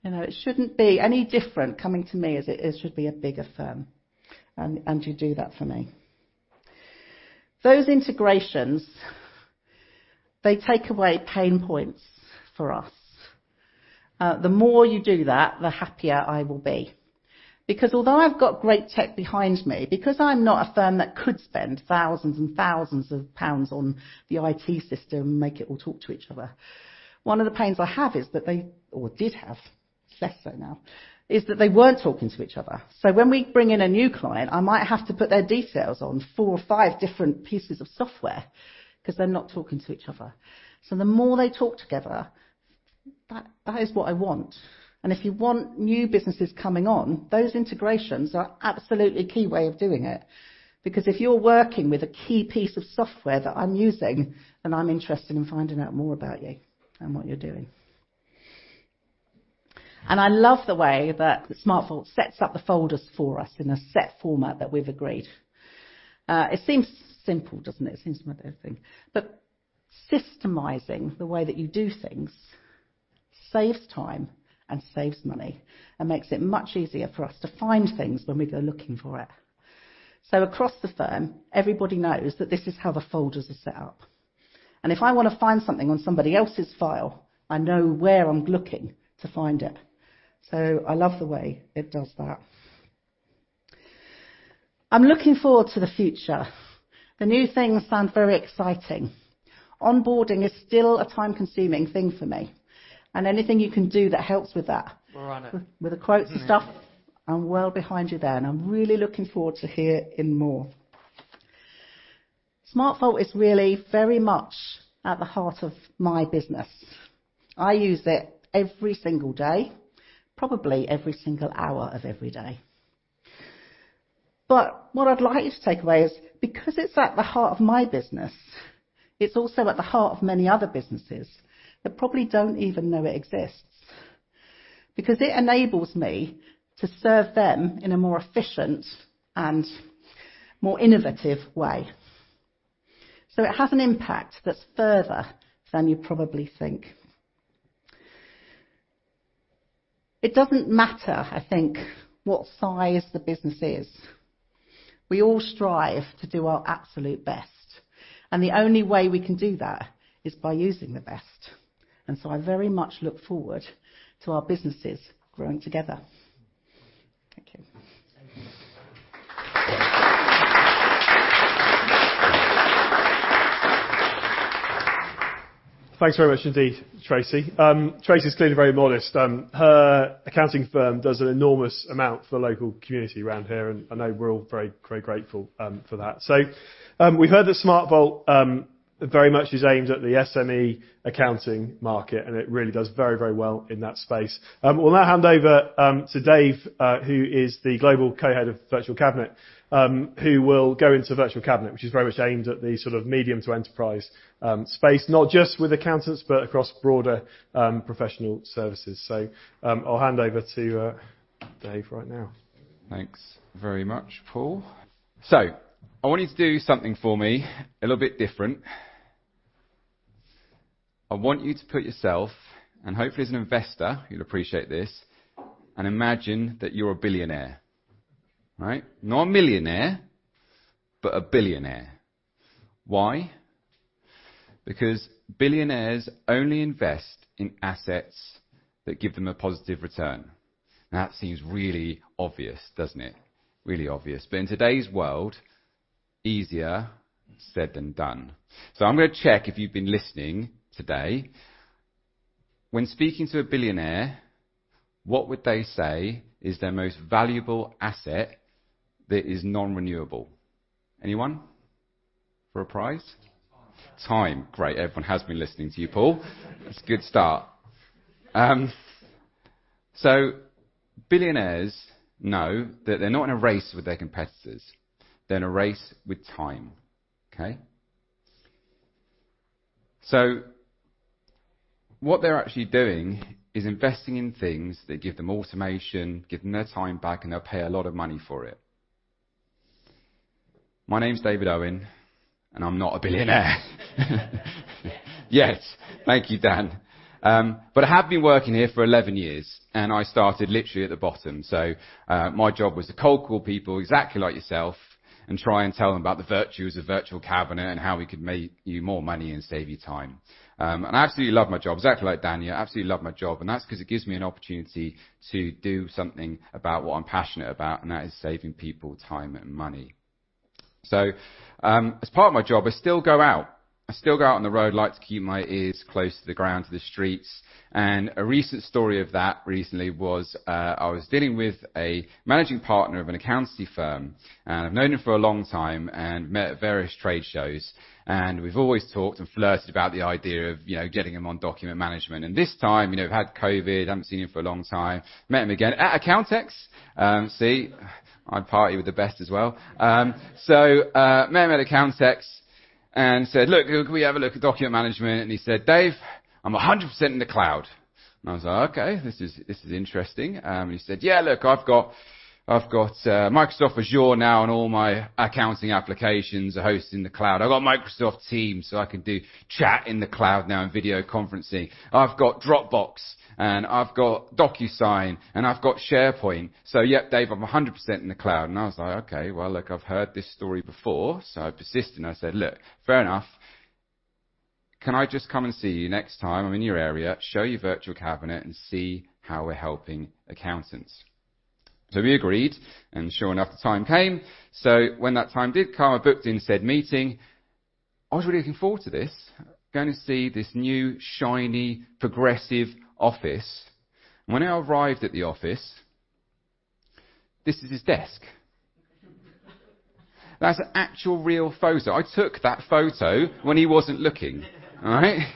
You know, it shouldn't be any different coming to me as it is should be a bigger firm, and you do that for me. Those integrations, they take away pain points for us. The more you do that, the happier I will be. Because although I've got great tech behind me, because I'm not a firm that could spend thousands and thousands of pounds on the IT system, make it all talk to each other. One of the pains I have is that they or did have, less so now, is that they weren't talking to each other. When we bring in a new client, I might have to put their details on four or five different pieces of software 'cause they're not talking to each other. The more they talk together, that is what I want. If you want new businesses coming on, those integrations are absolutely key way of doing it. Because if you're working with a key piece of software that I'm using, then I'm interested in finding out more about you and what you're doing. I love the way that SmartVault sets up the folders for us in a set format that we've agreed. It seems simple, doesn't it? It seems like everything. Systemizing the way that you do things saves time and saves money and makes it much easier for us to find things when we go looking for it. Across the firm, everybody knows that this is how the folders are set up. If I wanna find something on somebody else's file, I know where I'm looking to find it. I love the way it does that. I'm looking forward to the future. The new things sound very exciting. Onboarding is still a time-consuming thing for me. Anything you can do that helps with that. We're on it. With the quotes and stuff, I'm well behind you there, and I'm really looking forward to hearing more. SmartVault is really very much at the heart of my business. I use it every single day, probably every single hour of every day. What I'd like you to take away is because it's at the heart of my business, it's also at the heart of many other businesses that probably don't even know it exists. Because it enables me to serve them in a more efficient and more innovative way. It has an impact that's further than you probably think. It doesn't matter, I think, what size the business is. We all strive to do our absolute best, and the only way we can do that is by using the best. I very much look forward to our businesses growing together. Thank you. Thank you. Thanks very much indeed, Tracy. Tracy is clearly very modest. Her accounting firm does an enormous amount for the local community around here, and I know we're all very, very grateful for that. We heard that SmartVault very much is aimed at the SME accounting market, and it really does very, very well in that space. We'll now hand over to David, who is the global co-head of Virtual Cabinet, who will go into Virtual Cabinet, which is very much aimed at the sort of medium to enterprise space, not just with accountants, but across broader professional services. I'll hand over to David right now. Thanks very much, Paul. I want you to do something for me a little bit different. I want you to put yourself, and hopefully as an investor, you'll appreciate this, and imagine that you're a billionaire, right? Not a millionaire, but a billionaire. Why? Because billionaires only invest in assets that give them a positive return. That seems really obvious, doesn't it? Really obvious. In today's world, easier said than done. I'm gonna check if you've been listening today. When speaking to a billionaire, what would they say is their most valuable asset that is non-renewable? Anyone for a price? Time. Time. Great. Everyone has been listening to you, Paul. That's a good start. Billionaires know that they're not in a race with their competitors. They're in a race with time. What they're actually doing is investing in things that give them automation, give them their time back, and they'll pay a lot of money for it. My name's David Owen, and I'm not a billionaire. Yes. Thank you, Dan. I have been working here for 11 years, and I started literally at the bottom. My job was to cold call people exactly like yourself and try and tell them about the virtues of Virtual Cabinet and how we could make you more money and save you time. I absolutely love my job. Exactly like Dan, yeah, I absolutely love my job, and that's 'cause it gives me an opportunity to do something about what I'm passionate about, and that is saving people time and money. As part of my job, I still go out on the road. I like to keep my ears close to the ground, to the streets. A recent story of that recently was, I was dealing with a managing partner of an accounting firm, and I've known him for a long time and met at various trade shows, and we've always talked and flirted about the idea of, you know, getting him on document management. This time, you know, we've had COVID, haven't seen him for a long time. Met him again at Accountex. I party with the best as well. Met him at Accountex and said, "Look, could we have a look at document management?" He said, "Dave, I'm 100% in the cloud." I was like, "Okay, this is interesting." He said, "Yeah, look, I've got Microsoft Azure now, and all my accounting applications are hosted in the cloud. I've got Microsoft Teams, so I can do chat in the cloud now and video conferencing. I've got Dropbox, and I've got DocuSign, and I've got SharePoint. Yep, Dave, I'm 100% in the cloud." I was like, "Okay. Well, look, I've heard this story before." I persisted, and I said, "Look, fair enough. Can I just come and see you next time I'm in your area, show you Virtual Cabinet and see how we're helping accountants?" We agreed, and sure enough, the time came. When that time did come, I booked in said meeting. I was really looking forward to this. Going to see this new, shiny, progressive office. When I arrived at the office, this is his desk. That's an actual real photo. I took that photo when he wasn't looking. All right?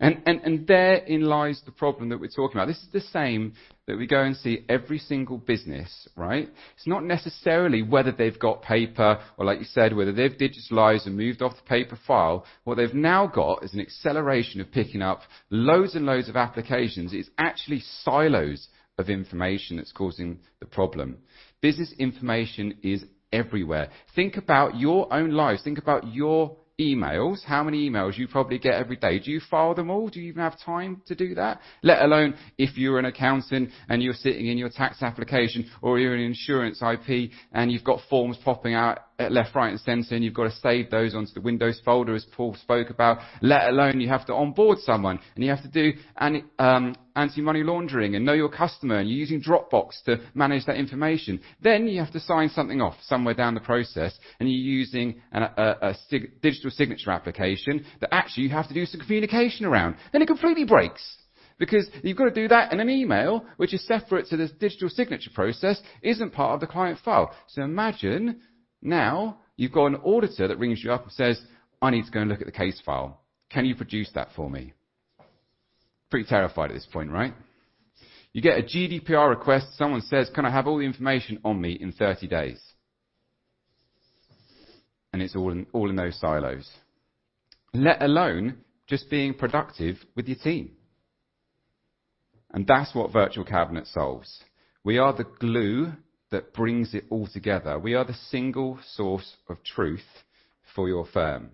Therein lies the problem that we're talking about. This is the same that we go and see every single business, right? It's not necessarily whether they've got paper or, like you said, whether they've digitalized and moved off the paper file. What they've now got is an acceleration of picking up loads and loads of applications. It's actually silos of information that's causing the problem. Business information is everywhere. Think about your own lives. Think about your emails. How many emails you probably get every day. Do you file them all? Do you even have time to do that? Let alone if you're an accountant, and you're sitting in your tax application, or you're an insurance IP, and you've got forms popping out left, right and center, and you've got to save those onto the Windows folder, as Paul spoke about. Let alone you have to onboard someone, and you have to do an anti-money laundering and know your customer, and you're using Dropbox to manage that information. Then you have to sign something off somewhere down the process, and you're using a digital signature application that actually you have to do some communication around. It completely breaks because you've got to do that in an email which is separate to this digital signature process, isn't part of the client file. Imagine now you've got an auditor that rings you up and says, "I need to go and look at the case file. Can you produce that for me?" Pretty terrified at this point, right? You get a GDPR request. Someone says, "Can I have all the information on me in 30 days?" It's all in those silos. Let alone just being productive with your team. That's what Virtual Cabinet solves. We are the glue that brings it all together. We are the single source of truth for your firm.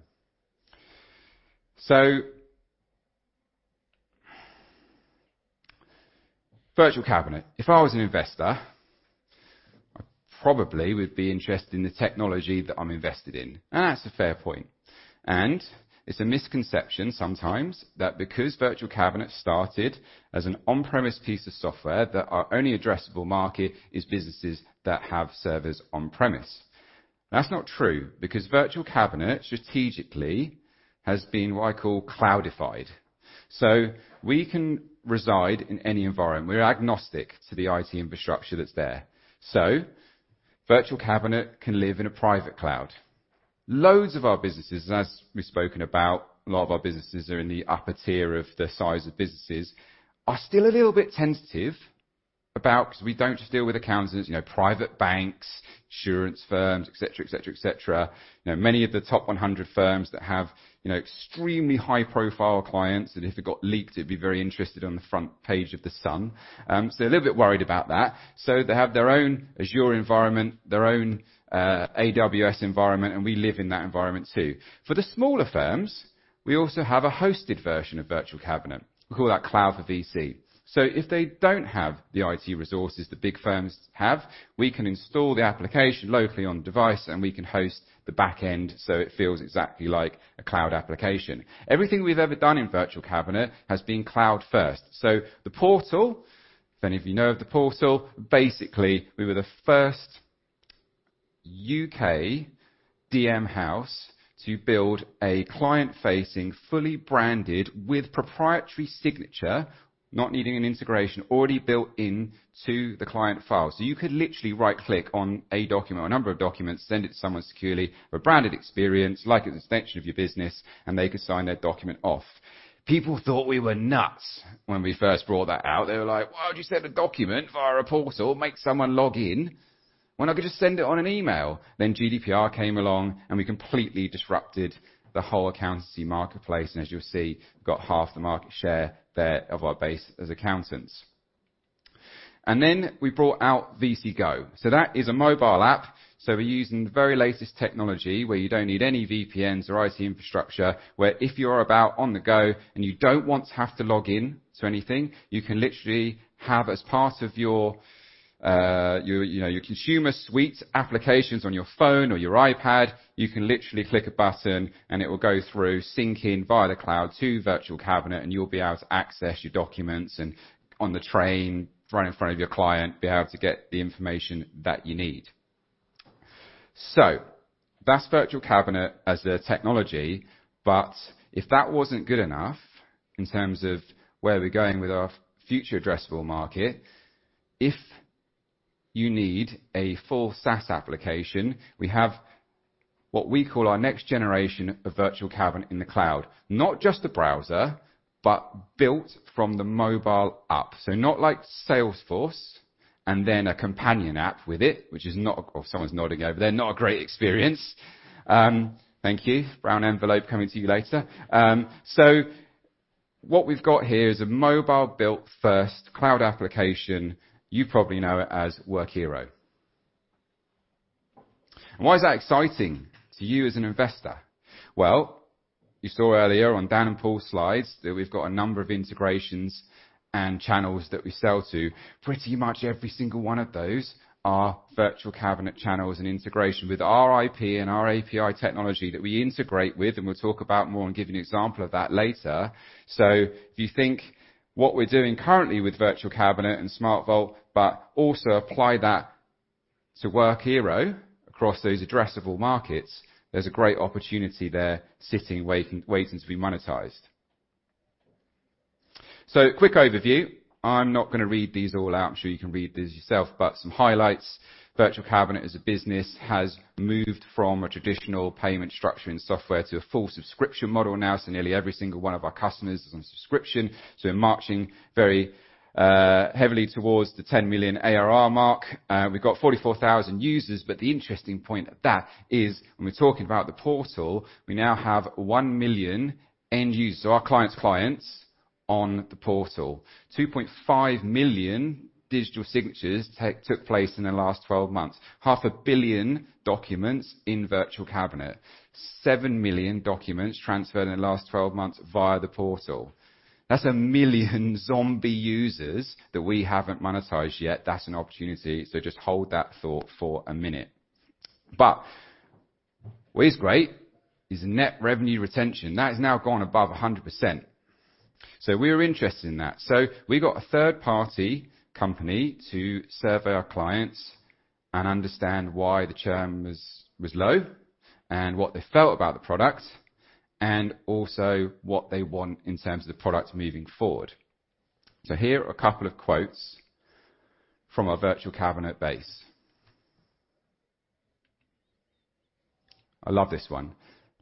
Virtual Cabinet. If I was an investor, I probably would be interested in the technology that I'm invested in, and that's a fair point. It's a misconception sometimes that because Virtual Cabinet started as an on-premise piece of software, that our only addressable market is businesses that have servers on premise. That's not true because Virtual Cabinet strategically has been what I call cloudified. We can reside in any environment. We're agnostic to the IT infrastructure that's there. Virtual Cabinet can live in a private cloud. Loads of our businesses, and as we've spoken about, a lot of our businesses are in the upper tier of the size of businesses, are still a little bit tentative about, because we don't just deal with accountants, you know, private banks, insurance firms, et cetera. You know, many of the top 100 firms that have, you know, extremely high-profile clients that if it got leaked, it'd be very interesting on the front page of The Sun. A little bit worried about that. They have their own Azure environment, their own AWS environment, and we live in that environment too. For the smaller firms, we also have a hosted version of Virtual Cabinet. We call that Cloud for VC. If they don't have the IT resources the big firms have, we can install the application locally on the device, and we can host the back end, so it feels exactly like a cloud application. Everything we've ever done in Virtual Cabinet has been cloud first. The portal, if any of you know of the portal, basically, we were the first UK DMS house to build a client-facing, fully branded, with proprietary signature, not needing an integration, already built into the client file. You could literally right-click on a document or a number of documents, send it to someone securely for a branded experience, like it's an extension of your business, and they could sign their document off. People thought we were nuts when we first brought that out. They were like, "Why would you send a document via a portal, make someone log in when I could just send it on an email?" GDPR came along, and we completely disrupted the whole accountancy marketplace. As you'll see, we've got half the market share there of our base as accountants. We brought out VC Go. That is a mobile app. We're using the very latest technology where you don't need any VPNs or IT infrastructure, where if you're out on the go and you don't want to have to log in to anything, you can literally have as part of your, you know, your consumer suite applications on your phone or your iPad. You can literally click a button and it will go through syncing via the cloud to Virtual Cabinet, and you'll be able to access your documents and on the train, right in front of your client, be able to get the information that you need. That's Virtual Cabinet as the technology. If that wasn't good enough in terms of where we're going with our future addressable market, if you need a full SaaS application, we have what we call our next generation of Virtual Cabinet in the cloud. Not just a browser, but built from the mobile app. Not like Salesforce, and then a companion app with it, which is not a great experience. Someone's nodding over there. Thank you. Brown envelope coming to you later. What we've got here is a mobile-built first cloud application. You probably know it as Workiro. Why is that exciting to you as an investor? Well, you saw earlier on Dan and Paul's slides that we've got a number of integrations and channels that we sell to. Pretty much every single one of those are Virtual Cabinet channels and integration with our IP and our API technology that we integrate with, and we'll talk about more and give you an example of that later. If you think what we're doing currently with Virtual Cabinet and SmartVault, but also apply that to Workiro across those addressable markets, there's a great opportunity there sitting, waiting to be monetized. Quick overview. I'm not gonna read these all out. I'm sure you can read these yourself, but some highlights. Virtual Cabinet as a business has moved from a traditional payment structure in software to a full subscription model now, so nearly every single one of our customers is on subscription. We're marching very heavily towards the 10 million ARR mark. We've got 44,000 users, but the interesting point at that is when we're talking about the portal, we now have 1 million end users. Our clients' clients on the portal. 2.5 million digital signatures took place in the last 12 months. 500 million documents in Virtual Cabinet. 7 million documents transferred in the last 12 months via the portal. That's 1 million zombie users that we haven't monetized yet. That's an opportunity, so just hold that thought for a minute. What is great is net revenue retention. That has now gone above 100%. We're interested in that. We got a third-party company to survey our clients and understand why the churn was low and what they felt about the product and also what they want in terms of the product moving forward. Here are a couple of quotes from our Virtual Cabinet base. I love this one.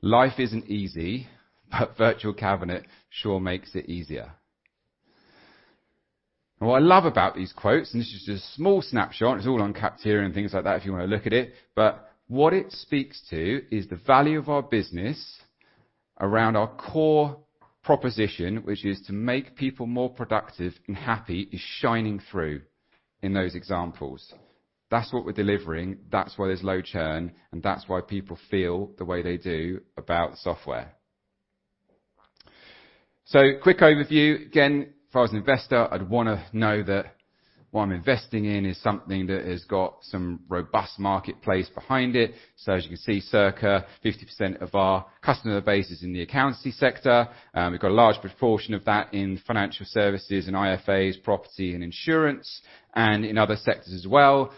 Life isn't easy, but Virtual Cabinet sure makes it easier." What I love about these quotes, and this is just a small snapshot, it's all on Capterra and things like that, if you wanna look at it, but what it speaks to is the value of our business around our core proposition, which is to make people more productive and happy, is shining through in those examples. That's what we're delivering, that's why there's low churn, and that's why people feel the way they do about software. Quick overview. Again, if I was an investor, I'd wanna know that what I'm investing in is something that has got some robust marketplace behind it. As you can see, circa 50% of our customer base is in the accounting sector. We've got a large proportion of that in financial services and IFAs, property and insurance, and in other sectors as well.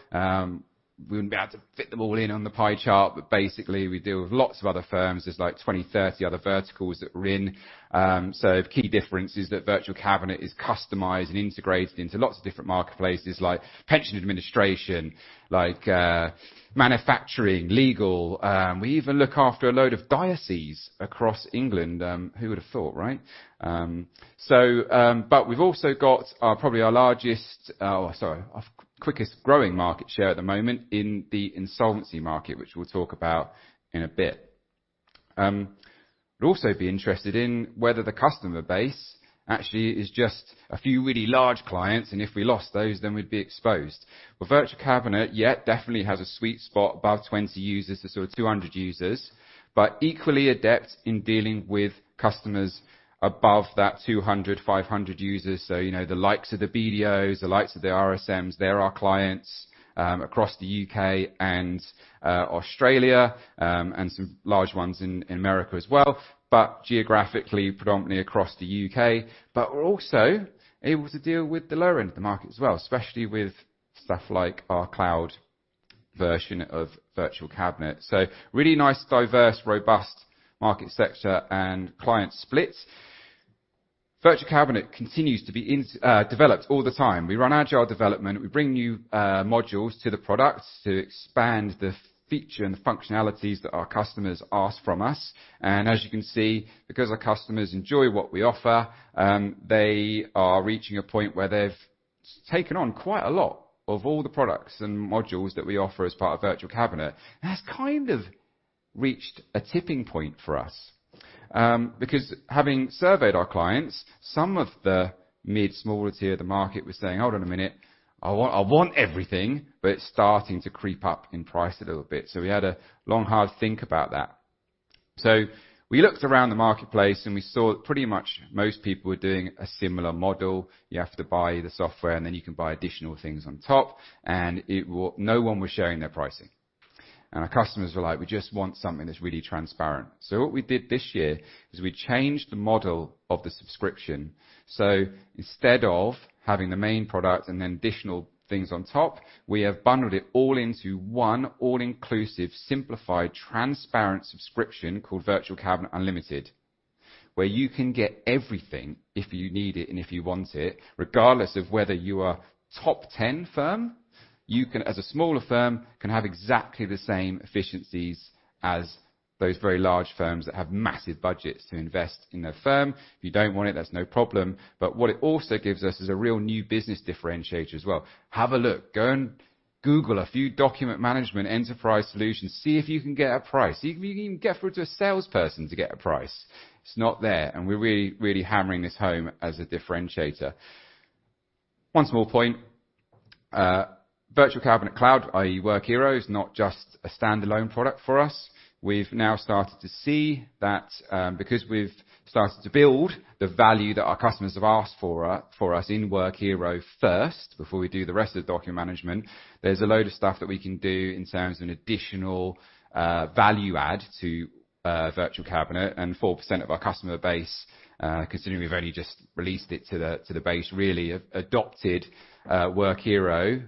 We wouldn't be able to fit them all in on the pie chart, but basically, we deal with lots of other firms. There's like 20, 30 other verticals that we're in. The key difference is that Virtual Cabinet is customized and integrated into lots of different marketplaces like pension administration, like, manufacturing, legal, we even look after a load of dioceses across England. Who would have thought, right? We've also got our quickest growing market share at the moment in the insolvency market, which we'll talk about in a bit. We'll also be interested in whether the customer base actually is just a few really large clients, and if we lost those, then we'd be exposed. Virtual Cabinet yes definitely has a sweet spot above 20 users to sort of 200 users, but equally adept in dealing with customers above that 200, 500 users. You know, the likes of the BDOs, the likes of the RSMs, they're our clients across the UK and Australia and some large ones in America as well. Geographically, predominantly across the UK, but we're also able to deal with the lower end of the market as well, especially with stuff like our cloud version of Virtual Cabinet. Really nice, diverse, robust market sector and client splits. Virtual Cabinet continues to be developed all the time. We run agile development. We bring new modules to the product to expand the feature and the functionalities that our customers ask from us. As you can see, because our customers enjoy what we offer, they are reaching a point where they've taken on quite a lot of all the products and modules that we offer as part of Virtual Cabinet, and that's kind of reached a tipping point for us. Because having surveyed our clients, some of the mid smaller tier of the market were saying, "Hold on a minute. I want everything, but it's starting to creep up in price a little bit." We had a long, hard think about that. We looked around the marketplace, and we saw pretty much most people were doing a similar model. You have to buy the software, and then you can buy additional things on top, and it. No one was sharing their pricing. Our customers were like, "We just want something that's really transparent." What we did this year is we changed the model of the subscription. Instead of having the main product and then additional things on top, we have bundled it all into one all-inclusive, simplified, transparent subscription called Virtual Cabinet Unlimited, where you can get everything if you need it and if you want it. Regardless of whether you are top ten firm, you can, as a smaller firm, have exactly the same efficiencies as those very large firms that have massive budgets to invest in their firm. If you don't want it, that's no problem. What it also gives us is a real new business differentiator as well. Have a look. Go and google a few document management enterprise solutions, see if you can get a price. See if you can even get through to a salesperson to get a price. It's not there, and we're really, really hammering this home as a differentiator. One small point. Virtual Cabinet Cloud, i.e. Workiro, is not just a standalone product for us. We've now started to see that, because we've started to build the value that our customers have asked for us in Workiro first, before we do the rest of the document management, there's a load of stuff that we can do in terms of an additional, value add to, Virtual Cabinet. Four percent of our customer base, considering we've only just released it to the base, really have adopted, Workiro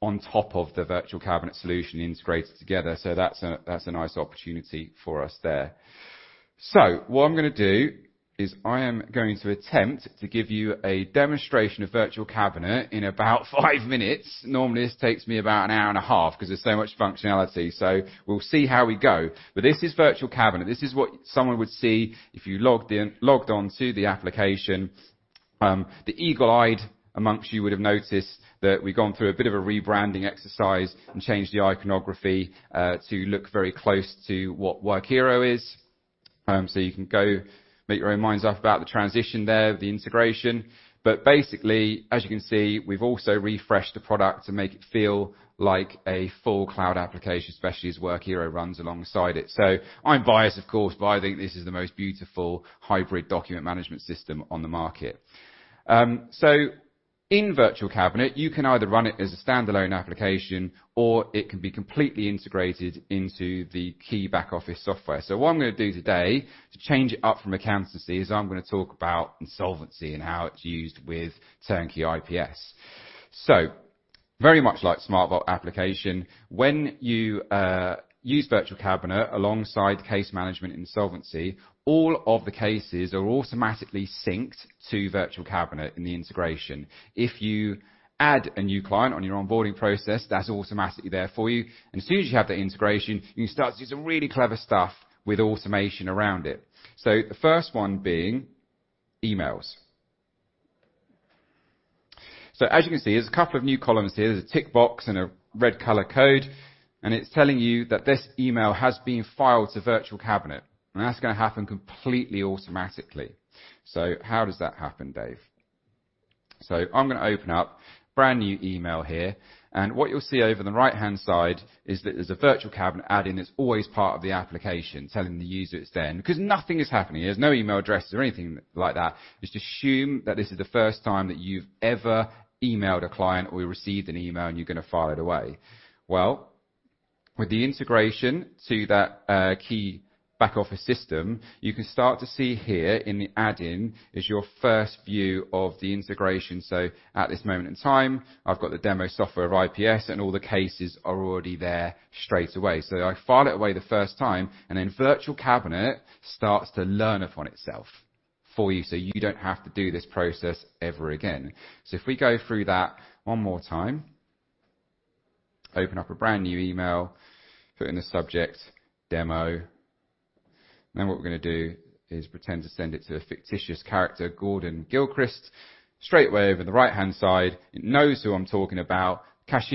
on top of the Virtual Cabinet solution integrated together. That's a nice opportunity for us there. What I'm gonna do is I am going to attempt to give you a demonstration of Virtual Cabinet in about 5 minutes. Normally, this takes me about an hour and a half because there's so much functionality. We'll see how we go. This is Virtual Cabinet. This is what someone would see if you logged in, logged on to the application. The eagle-eyed amongst you would have noticed that we've gone through a bit of a rebranding exercise and changed the iconography to look very close to what Workiro is. You can go make up your own minds about the transition there, the integration. Basically, as you can see, we've also refreshed the product to make it feel like a full cloud application, especially as Workiro runs alongside it. I'm biased, of course, but I think this is the most beautiful hybrid document management system on the market. In Virtual Cabinet, you can either run it as a standalone application or it can be completely integrated into the key back office software. What I'm gonna do today to change it up from accountancy is I'm gonna talk about insolvency and how it's used with Turnkey IPS. Very much like SmartVault application, when you use Virtual Cabinet alongside case management insolvency, all of the cases are automatically synced to Virtual Cabinet in the integration. If you add a new client on your onboarding process, that's automatically there for you. As soon as you have that integration, you can start to do some really clever stuff with automation around it. The first one being emails. As you can see, there's a couple of new columns here. There's a tick box and a red color code, and it's telling you that this email has been filed to Virtual Cabinet, and that's gonna happen completely automatically. How does that happen, Dave? I'm gonna open up brand new email here, and what you'll see over the right-hand side is that there's a Virtual Cabinet add-in that's always part of the application, telling the user it's there. Because nothing is happening, there's no email address or anything like that, just assume that this is the first time that you've ever emailed a client or you received an email, and you're gonna file it away. With the integration to that key back office system, you can start to see here in the add-in is your first view of the integration. At this moment in time, I've got the demo software of IPS, and all the cases are already there straight away. I file it away the first time, and then Virtual Cabinet starts to learn upon itself for you, so you don't have to do this process ever again. If we go through that one more time, open up a brand new email, put in the subject, demo. What we're gonna do is pretend to send it to a fictitious character, Gordon Gilchrist. Straight away over the right-hand side, it knows who I'm talking about. Case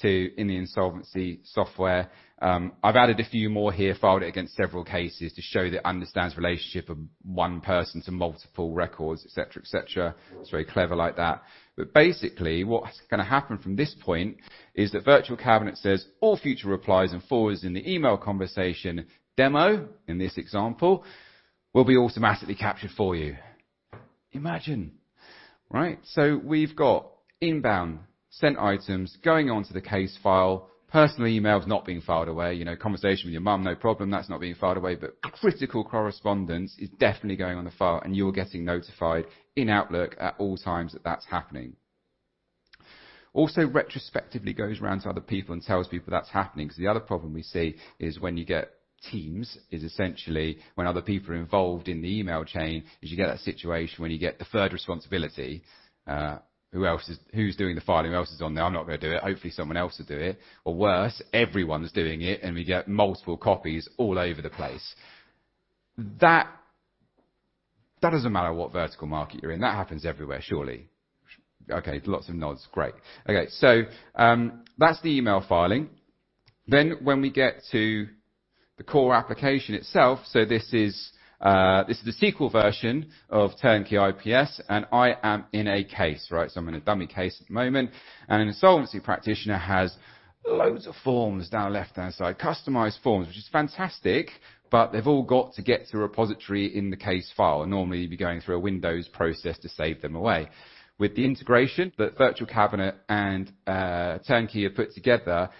2 in the insolvency software. I've added a few more here, filed it against several cases to show that it understands the relationship of one person to multiple records, et cetera, et cetera. It's very clever like that. Basically, what's gonna happen from this point is that Virtual Cabinet says, "All future replies and forwards in the email conversation," demo, in this example, "will be automatically captured for you." Imagine. Right? So we've got inbound sent items going onto the case file. Personal emails not being filed away. You know, conversation with your mom, no problem. That's not being filed away. But critical correspondence is definitely going on the file, and you're getting notified in Outlook at all times that that's happening. Also, retrospectively goes around to other people and tells people that's happening, 'cause the other problem we see is when you get Teams, is essentially when other people are involved in the email chain, is you get that situation when you get deferred responsibility. Who's doing the filing? Who else is on there? I'm not gonna do it. Hopefully, someone else will do it. Or worse, everyone's doing it, and we get multiple copies all over the place. That doesn't matter what vertical market you're in. That happens everywhere, surely. Okay, lots of nods. Great. Okay, so that's the email filing. When we get to the core application itself, this is IPS SQL, and I am in a case, right? I'm in a dummy case at the moment, and an insolvency practitioner has loads of forms down left-hand side, customized forms, which is fantastic, but they've all got to get to a repository in the case file. Normally, you'd be going through a Windows process to save them away. With the integration that Virtual Cabinet and Turnkey have put together,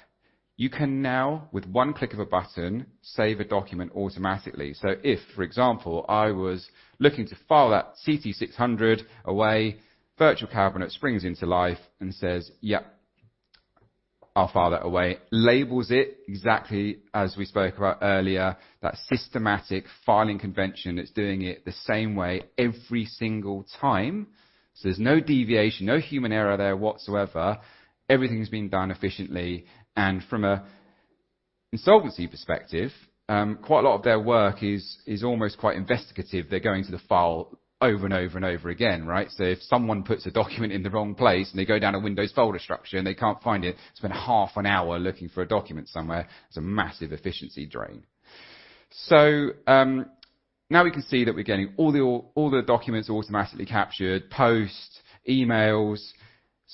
you can now, with one click of a button, save a document automatically. If, for example, I was looking to file that CT600 away, Virtual Cabinet springs into life and says, "Yep, I'll file that away." Labels it exactly as we spoke about earlier. That systematic filing convention, it's doing it the same way every single time. There's no deviation, no human error there whatsoever. Everything's being done efficiently and from an insolvency perspective, quite a lot of their work is almost quite investigative. They're going to the file over and over and over again, right? If someone puts a document in the wrong place and they go down a Windows folder structure and they can't find it, spend half an hour looking for a document somewhere, it's a massive efficiency drain. Now we can see that we're getting all the documents automatically captured, posts, emails,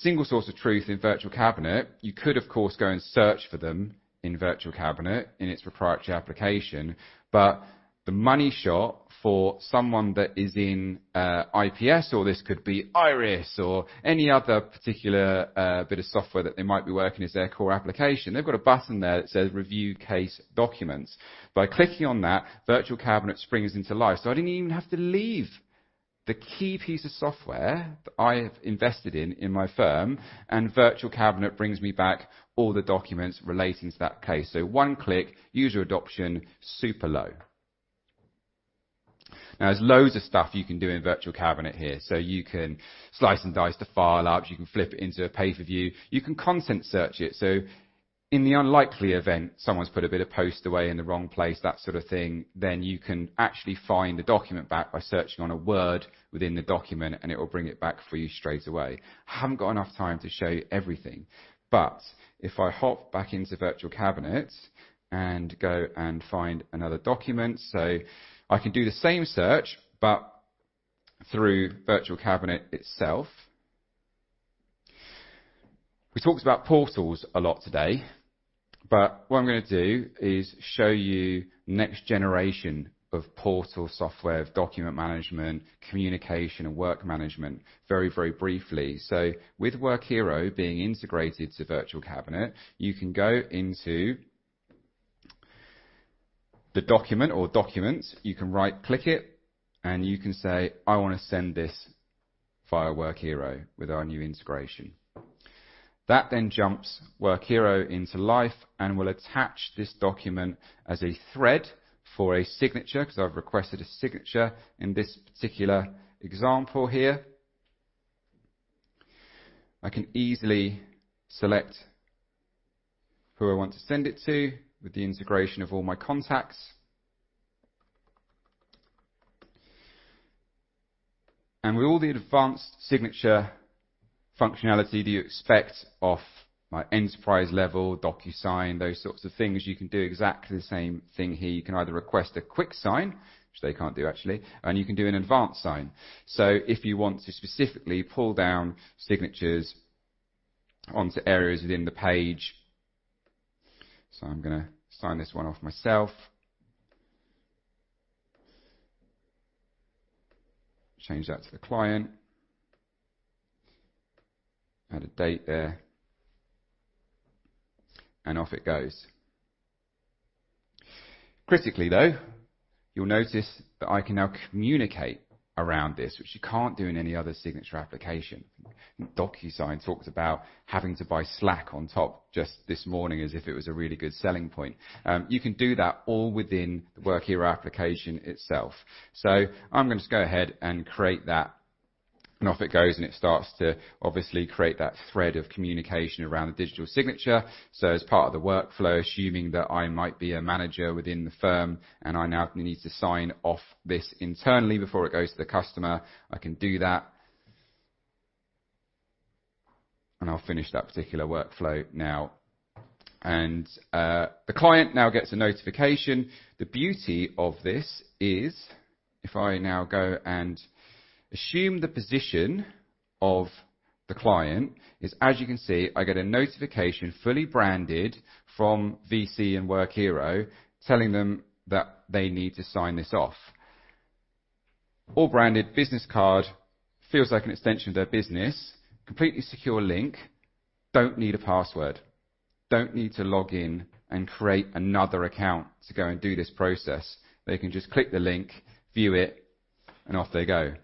single source of truth in Virtual Cabinet. You could, of course, go and search for them in Virtual Cabinet in its proprietary application. The money shot for someone that is in IPS, or this could be IRIS or any other particular bit of software that they might be working as their core application. They've got a button there that says Review Case Documents. By clicking on that, Virtual Cabinet springs into life. I didn't even have to leave the key piece of software that I have invested in in my firm, and Virtual Cabinet brings me back all the documents relating to that case. One click, user adoption, super low. Now, there's loads of stuff you can do in Virtual Cabinet here. You can slice and dice the file up. You can flip it into a pay-per-view. You can content search it. In the unlikely event someone's put a bit of post away in the wrong place, that sort of thing, then you can actually find the document back by searching on a word within the document, and it will bring it back for you straight away. I haven't got enough time to show you everything, but if I hop back into Virtual Cabinet and go and find another document, so I can do the same search, but through Virtual Cabinet itself. We talked about portals a lot today, but what I'm gonna do is show you next generation of portal software of document management, communication, and work management very, very briefly. With Workiro being integrated to Virtual Cabinet, you can go into the document or documents, you can right-click it, and you can say, "I wanna send this via Workiro with our new integration." That then jumps Workiro into life and will attach this document as a thread for a signature, 'cause I've requested a signature in this particular example here. I can easily select who I want to send it to with the integration of all my contacts. With all the advanced signature functionality that you expect of my enterprise level, DocuSign, those sorts of things, you can do exactly the same thing here. You can either request a quick sign, which they can't do actually, and you can do an advanced sign. If you want to specifically pull down signatures onto areas within the page. I'm gonna sign this one off myself. Change that to the client. Add a date there. Off it goes. Critically, though, you'll notice that I can now communicate around this, which you can't do in any other signature application. DocuSign talks about having to buy Slack on top just this morning, as if it was a really good selling point. You can do that all within the Workiro application itself. I'm gonna just go ahead and create that, and off it goes, and it starts to obviously create that thread of communication around the digital signature. As part of the workflow, assuming that I might be a manager within the firm, and I now need to sign off this internally before it goes to the customer, I can do that. I'll finish that particular workflow now. The client now gets a notification. The beauty of this is if I now go and assume the position of the client is, as you can see, I get a notification fully branded from VC and Workiro telling them that they need to sign this off. All branded business card feels like an extension of their business. Completely secure link. Don't need a password. Don't need to log in and create another account to go and do this process. They can just click the link, view it, and off they go.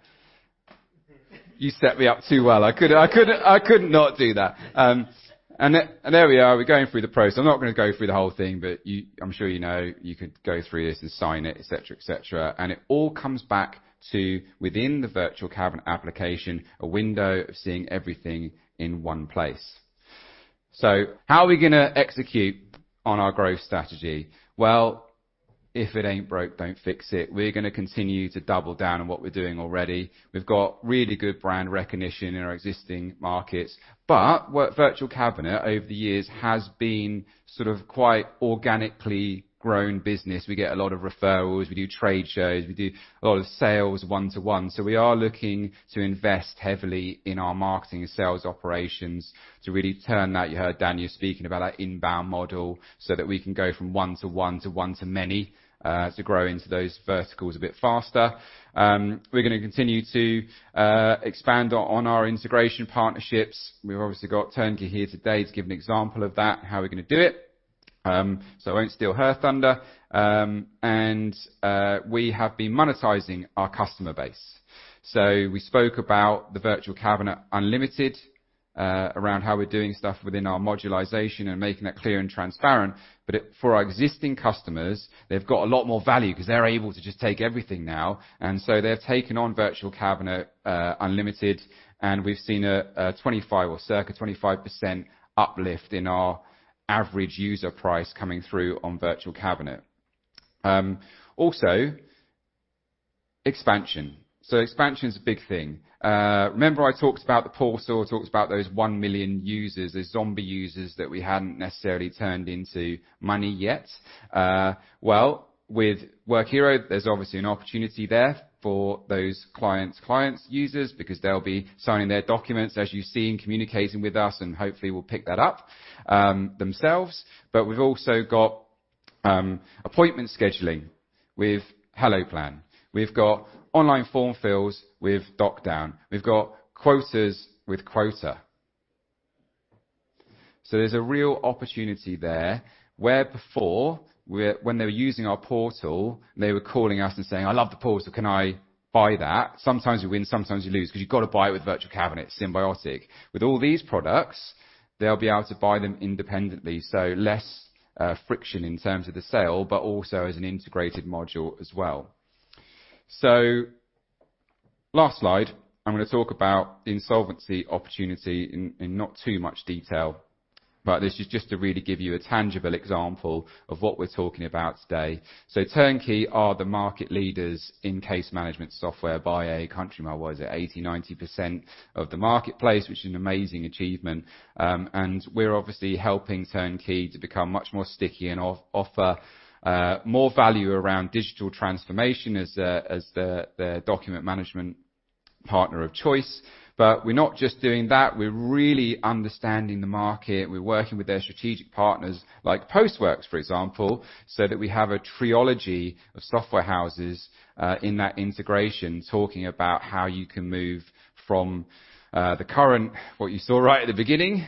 You set me up too well. I couldn't not do that. And there we are. We're going through the process. I'm not gonna go through the whole thing, but I'm sure you know, you could go through this and sign it, et cetera, et cetera. It all comes back to within the Virtual Cabinet application, a window of seeing everything in one place. How are we gonna execute on our growth strategy? Well, if it ain't broke, don't fix it. We're gonna continue to double down on what we're doing already. We've got really good brand recognition in our existing markets. What Virtual Cabinet over the years has been sort of quite organically grown business. We get a lot of referrals, we do trade shows, we do a lot of sales one-to-one. We are looking to invest heavily in our marketing and sales operations to really turn that. You heard Dania speaking about that inbound model, so that we can go from one-to-one to one-to-many, to grow into those verticals a bit faster. We're gonna continue to expand on our integration partnerships. We've obviously got Turnkey here today to give an example of that, how we're gonna do it. I won't steal her thunder. We have been monetizing our customer base. We spoke about the Virtual Cabinet Unlimited around how we're doing stuff within our modularization and making that clear and transparent. For our existing customers, they've got a lot more value 'cause they're able to just take everything now, and they're taking on Virtual Cabinet Unlimited, and we've seen a 25 or circa 25% uplift in our average user price coming through on Virtual Cabinet. Also expansion. Expansion's a big thing. Remember I talked about the portal, talked about those 1 million users, those zombie users that we hadn't necessarily turned into money yet. With Workiro, there's obviously an opportunity there for those clients' users, because they'll be signing their documents, as you've seen, communicating with us, and hopefully we'll pick that up, themselves. We've also got appointment scheduling with HelloPlan. We've got online form fills with DocDown. We've got quotes with Quoters. There's a real opportunity there, where before, when they were using our portal, they were calling us and saying, "I love the portal, so can I buy that?" Sometimes you win, sometimes you lose, 'cause you've gotta buy it with Virtual Cabinet, it's symbiotic. With all these products, they'll be able to buy them independently. Less friction in terms of the sale, but also as an integrated module as well. Last slide, I'm gonna talk about the insolvency opportunity in not too much detail, but this is just to really give you a tangible example of what we're talking about today. Turnkey are the market leaders in case management software by a country mile, what is it, 80%-90% of the marketplace, which is an amazing achievement. We're obviously helping Turnkey to become much more sticky and offer more value around digital transformation as the document management partner of choice. We're not just doing that, we're really understanding the market. We're working with their strategic partners, like Postworks, for example, so that we have a trilogy of software houses in that integration, talking about how you can move from the current, what you saw right at the beginning,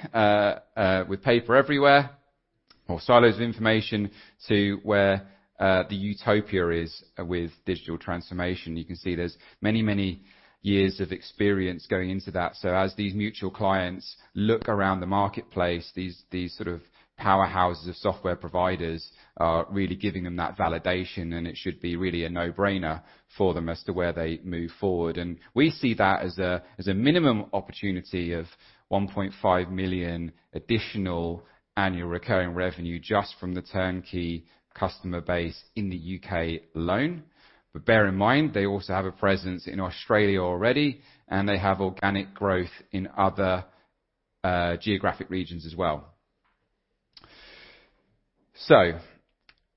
with paper everywhere or silos of information, to where the utopia is with digital transformation. You can see there's many, many years of experience going into that. As these mutual clients look around the marketplace, these sort of powerhouses of software providers are really giving them that validation, and it should be really a no-brainer for them as to where they move forward. We see that as a minimum opportunity of 1.5 million additional annual recurring revenue just from the Turnkey customer base in the UK alone. Bear in mind, they also have a presence in Australia already, and they have organic growth in other geographic regions as well.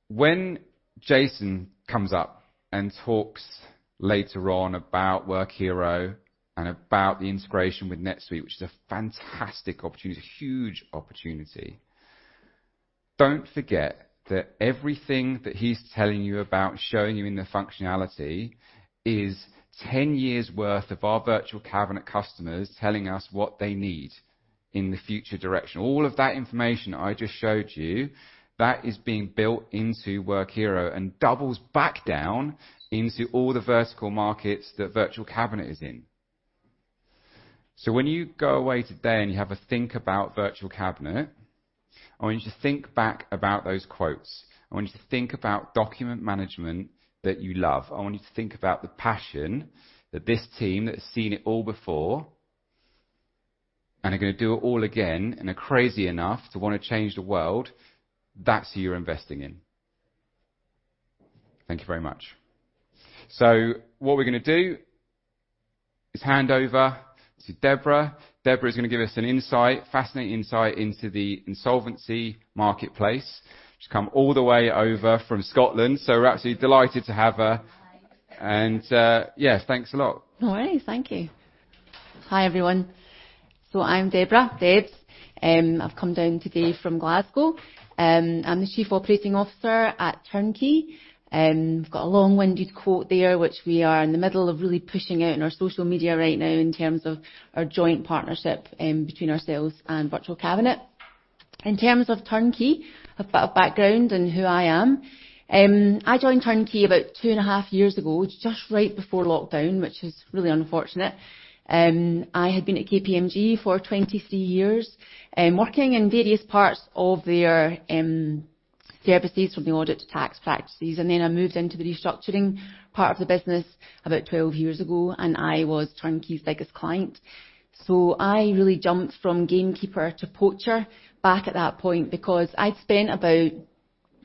When Jason comes up and talks later on about Workiro and about the integration with NetSuite, which is a fantastic opportunity, it's a huge opportunity, don't forget that everything that he's telling you about, showing you in the functionality, is 10 years worth of our Virtual Cabinet customers telling us what they need in the future direction. All of that information I just showed you, that is being built into Workiro and doubles back down into all the vertical markets that Virtual Cabinet is in. When you go away today and you have a think about Virtual Cabinet, I want you to think back about those quotes. I want you to think about document management that you love. I want you to think about the passion that this team that has seen it all before and are gonna do it all again and are crazy enough to wanna change the world, that's who you're investing in. Thank you very much. What we're gonna do is hand over to Deborah. Deborah is gonna give us an insight, fascinating insight into the insolvency marketplace. She's come all the way over from Scotland, so we're absolutely delighted to have her. Hi. Yeah, thanks a lot. All right. Thank you. Hi, everyone. I'm Deborah, Debs. I've come down today from Glasgow. I'm the Chief Operating Officer at Turnkey, and we've got a long-winded quote there, which we are in the middle of really pushing out in our social media right now in terms of our joint partnership between ourselves and Virtual Cabinet. In terms of Turnkey, a bit of background on who I am. I joined Turnkey about 2.5 years ago, just right before lockdown, which is really unfortunate. I had been at KPMG for 23 years, working in various parts of their Services from the audit to tax practices. Then I moved into the restructuring part of the business about 12 years ago, and I was Turnkey's biggest client. I really jumped from gamekeeper to poacher back at that point because I'd spent about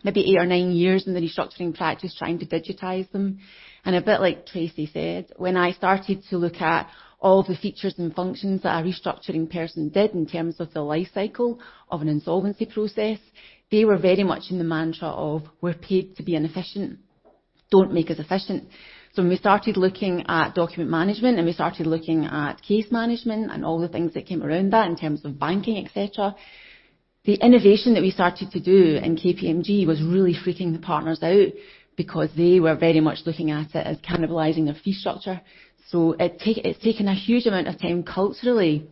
maybe eight or nine years in the restructuring practice trying to digitize them. A bit like Tracey said, when I started to look at all the features and functions that a restructuring person did in terms of the life cycle of an insolvency process, they were very much in the mantra of, "We're paid to be inefficient. Don't make us efficient." We started looking at document management, and we started looking at case management and all the things that came around that in terms of banking, et cetera. The innovation that we started to do in KPMG was really freaking the partners out because they were very much looking at it as cannibalizing their fee structure. It's taken a huge amount of time culturally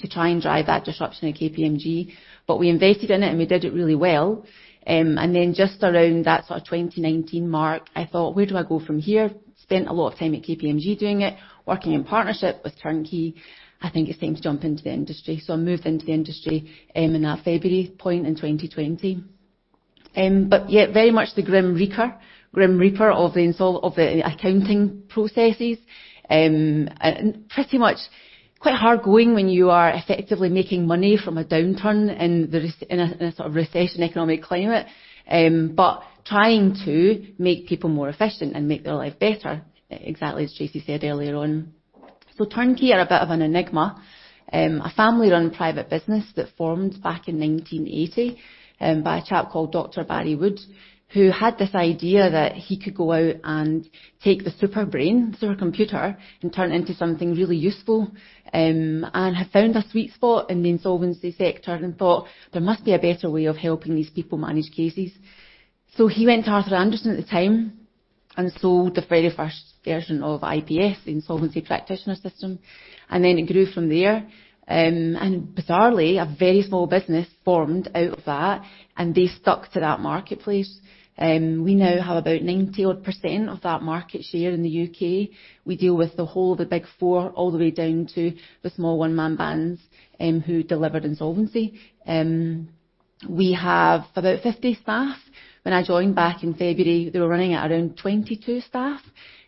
to try and drive that disruption at KPMG. We invested in it, and we did it really well. Just around that sort of 2019 mark, I thought, "Where do I go from here?" Spent a lot of time at KPMG doing it, working in partnership with Turnkey. I think it's time to jump into the industry. I moved into the industry in that February point in 2020. Yeah, very much the grim reaper of the accounting processes. Pretty much quite hard going when you are effectively making money from a downturn in a sort of recession economic climate, trying to make people more efficient and make their life better, exactly as Tracey said earlier on. Turnkey are a bit of an enigma. A family-run private business that formed back in 1980, by a chap called Dr. Barry Wood, who had this idea that he could go out and take the super brain, super computer, and turn it into something really useful, and have found a sweet spot in the insolvency sector and thought, "There must be a better way of helping these people manage cases." He went to Arthur Andersen at the time and sold the very first version of IPS, Insolvency Practitioner System, and then it grew from there. And bizarrely, a very small business formed out of that, and they stuck to that marketplace. We now have about 90% of that market share in the UK. We deal with the whole of the Big Four all the way down to the small one-man bands who deliver insolvency. We have about 50 staff. When I joined back in February, they were running at around 22 staff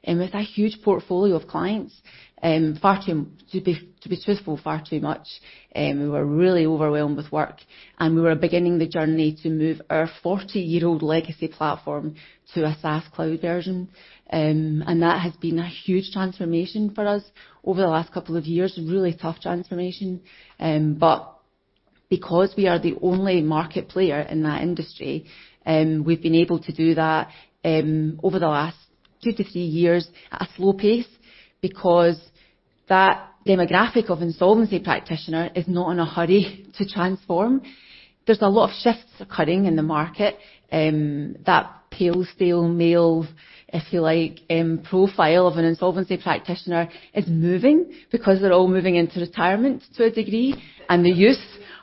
with a huge portfolio of clients. Far too much, to be truthful. We were really overwhelmed with work, and we were beginning the journey to move our 40-year-old legacy platform to a SaaS cloud version. That has been a huge transformation for us over the last couple of years. Really tough transformation. Because we are the only market player in that industry, we've been able to do that over the last 2-3 years at a slow pace because that demographic of insolvency practitioner is not in a hurry to transform. There's a lot of shifts occurring in the market. That pale, stale, male, if you like, profile of an insolvency practitioner is moving because they're all moving into retirement to a degree, and the youth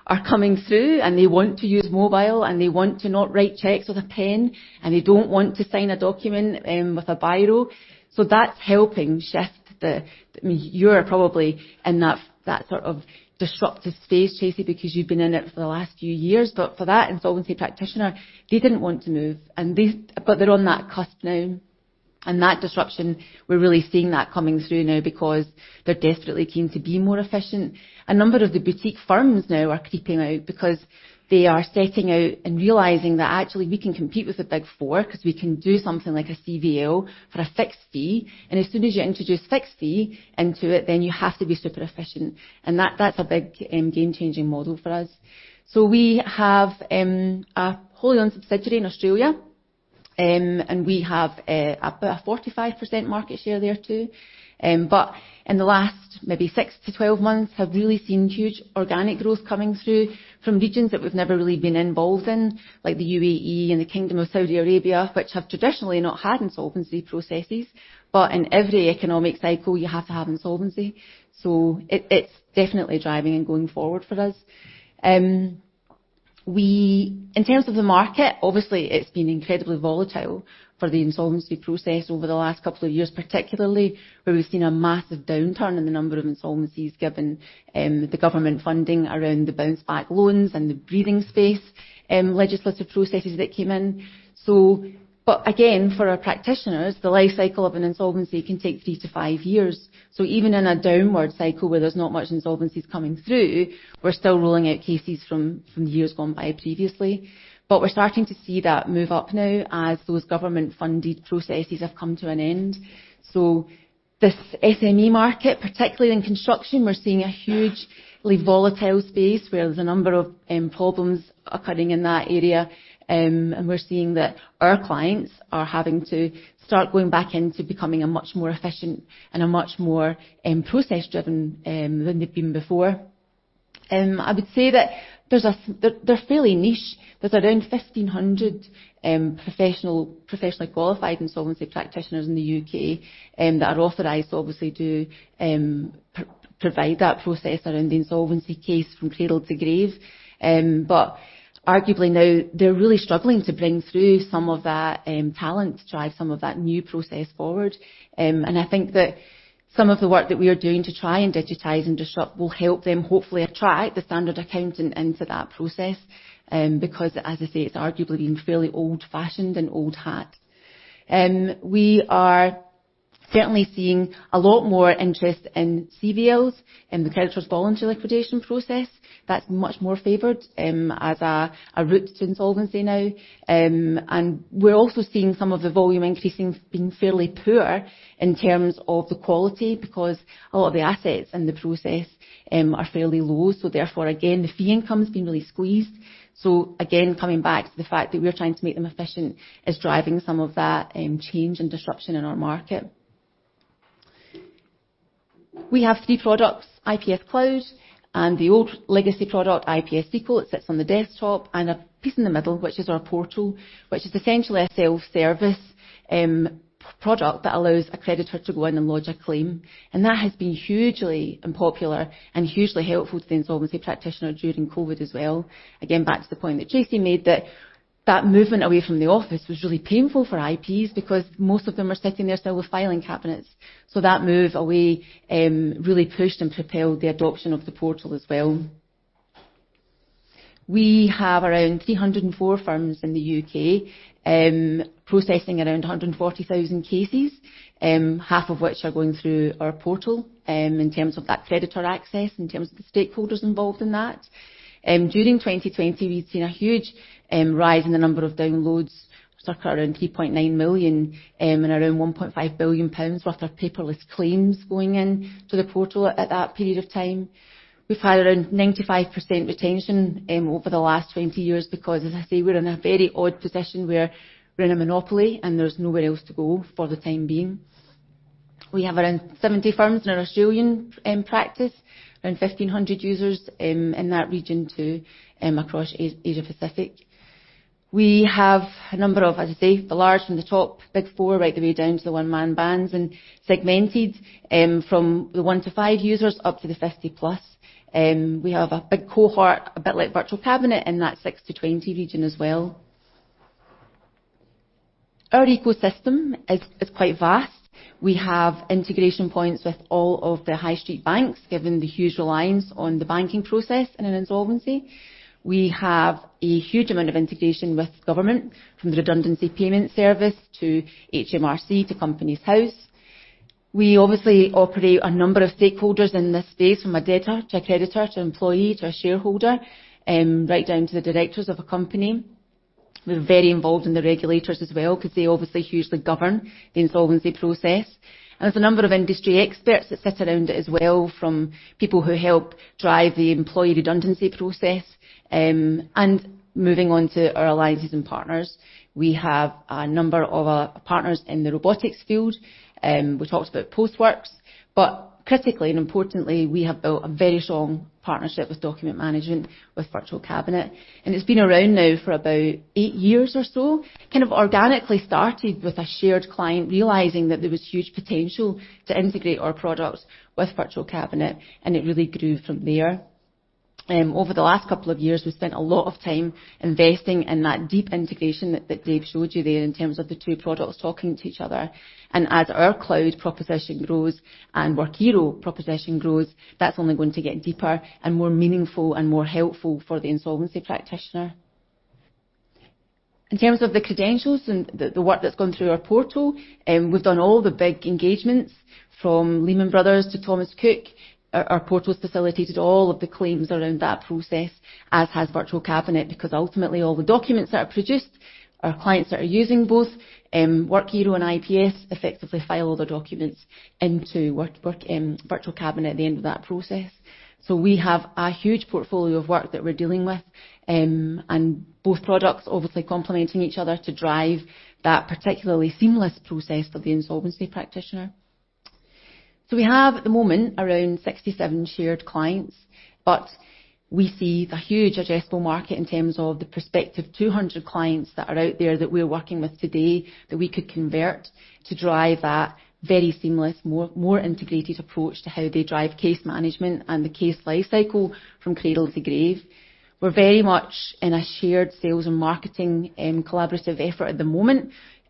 are coming through, and they want to use mobile, and they want to not write checks with a pen, and they don't want to sign a document with a biro. That's helping shift the. I mean, you're probably in that sort of disruptive space, Tracy, because you've been in it for the last few years. For that insolvency practitioner, they didn't want to move. They're on that cusp now. That disruption, we're really seeing that coming through now because they're desperately keen to be more efficient. A number of the boutique firms now are creeping out because they are setting out and realizing that actually we can compete with the Big Four 'cause we can do something like a CVA for a fixed fee. As soon as you introduce fixed fee into it, then you have to be super efficient. That's a big, game-changing model for us. We have a wholly owned subsidiary in Australia, and we have about a 45% market share there too. But in the last maybe 6-12 months have really seen huge organic growth coming through from regions that we've never really been involved in, like the UAE and the Kingdom of Saudi Arabia, which have traditionally not had insolvency processes. In every economic cycle, you have to have insolvency. It's definitely driving and going forward for us. In terms of the market, obviously it's been incredibly volatile for the insolvency process over the last couple of years, particularly where we've seen a massive downturn in the number of insolvencies given the government funding around the Bounce Back Loans and the Breathing Space legislative processes that came in. Again, for our practitioners, the life cycle of an insolvency can take 3-5 years. Even in a downward cycle where there's not much insolvencies coming through, we're still rolling out cases from years gone by previously. We're starting to see that move up now as those government-funded processes have come to an end. This SME market, particularly in construction, we're seeing a hugely volatile space where there's a number of problems occurring in that area. We're seeing that our clients are having to start going back into becoming a much more efficient and a much more process driven than they've been before. I would say that they're fairly niche. There's around 1,500 professionally qualified insolvency practitioners in the UK that are authorized to obviously do provide that process around the insolvency case from cradle to grave. Arguably now they're really struggling to bring through some of that talent to drive some of that new process forward. I think that some of the work that we are doing to try and digitize and disrupt will help them hopefully attract the standard accountant into that process because as I say, it's arguably been fairly old-fashioned and old hat. We are certainly seeing a lot more interest in CVLs, in the creditors' voluntary liquidation process. That's much more favored as a route to insolvency now. We're also seeing some of the volume increasing being fairly poor in terms of the quality because a lot of the assets in the process are fairly low, so therefore again, the fee income's been really squeezed. So again, coming back to the fact that we're trying to make them efficient is driving some of that change and disruption in our market. We have three products: IPS Cloud and the old legacy product, IPS SQL, it sits on the desktop, and a piece in the middle, which is our portal, which is essentially a self-service product that allows a creditor to go in and lodge a claim. That has been hugely unpopular and hugely helpful to the insolvency practitioner during COVID as well. Again, back to the point that Tracy made that movement away from the office was really painful for IPs because most of them are sitting there still with filing cabinets. That move away really pushed and propelled the adoption of the portal as well. We have around 304 firms in the UK processing around 140,000 cases, half of which are going through our portal in terms of that creditor access, in terms of the stakeholders involved in that. During 2020, we've seen a huge rise in the number of downloads, circa around 3.9 million, and around 1.5 billion pounds worth of paperless claims going in to the portal at that period of time. We've had around 95% retention over the last 20 years because as I say, we're in a very odd position where we're in a monopoly and there's nowhere else to go for the time being. We have around 70 firms in our Australian practice, around 1,500 users in that region too, across Asia-Pacific. We have a number of, as I say, the large from the top, Big Four, right the way down to the one-man bands and segmented from the 1-5 users up to the 50+. We have a big cohort, a bit like Virtual Cabinet in that 6-20 region as well. Our ecosystem is quite vast. We have integration points with all of the High Street banks, given the huge reliance on the banking process in an insolvency. We have a huge amount of integration with government, from the Redundancy Payments Service to HMRC to Companies House. We obviously operate a number of stakeholders in this space from a debtor to a creditor to employee to a shareholder, right down to the directors of a company. We're very involved in the regulators as well because they obviously hugely govern the insolvency process. There's a number of industry experts that sit around it as well from people who help drive the employee redundancy process. Moving on to our alliances and partners, we have a number of our partners in the robotics field. We talked about Postworks, but critically and importantly, we have built a very strong partnership with document management with Virtual Cabinet. It's been around now for about eight years or so. Kind of organically started with a shared client realizing that there was huge potential to integrate our products with Virtual Cabinet, and it really grew from there. Over the last couple of years, we've spent a lot of time investing in that deep integration that Dave showed you there in terms of the two products talking to each other. As our cloud proposition grows and Workiro proposition grows, that's only going to get deeper and more meaningful and more helpful for the insolvency practitioner. In terms of the credentials and the work that's gone through our portal, we've done all the big engagements from Lehman Brothers to Thomas Cook. Our portal's facilitated all of the claims around that process, as has Virtual Cabinet, because ultimately all the documents that are produced, our clients that are using both Workiro and IPS effectively file all their documents into Workiro Virtual Cabinet at the end of that process. We have a huge portfolio of work that we're dealing with, and both products obviously complementing each other to drive that particularly seamless process for the insolvency practitioner. We have at the moment around 67 shared clients, but we see the huge addressable market in terms of the prospective 200 clients that are out there that we're working with today that we could convert to drive that very seamless, more integrated approach to how they drive case management and the case life cycle from cradle to grave. We're very much in a shared sales and marketing collaborative effort at the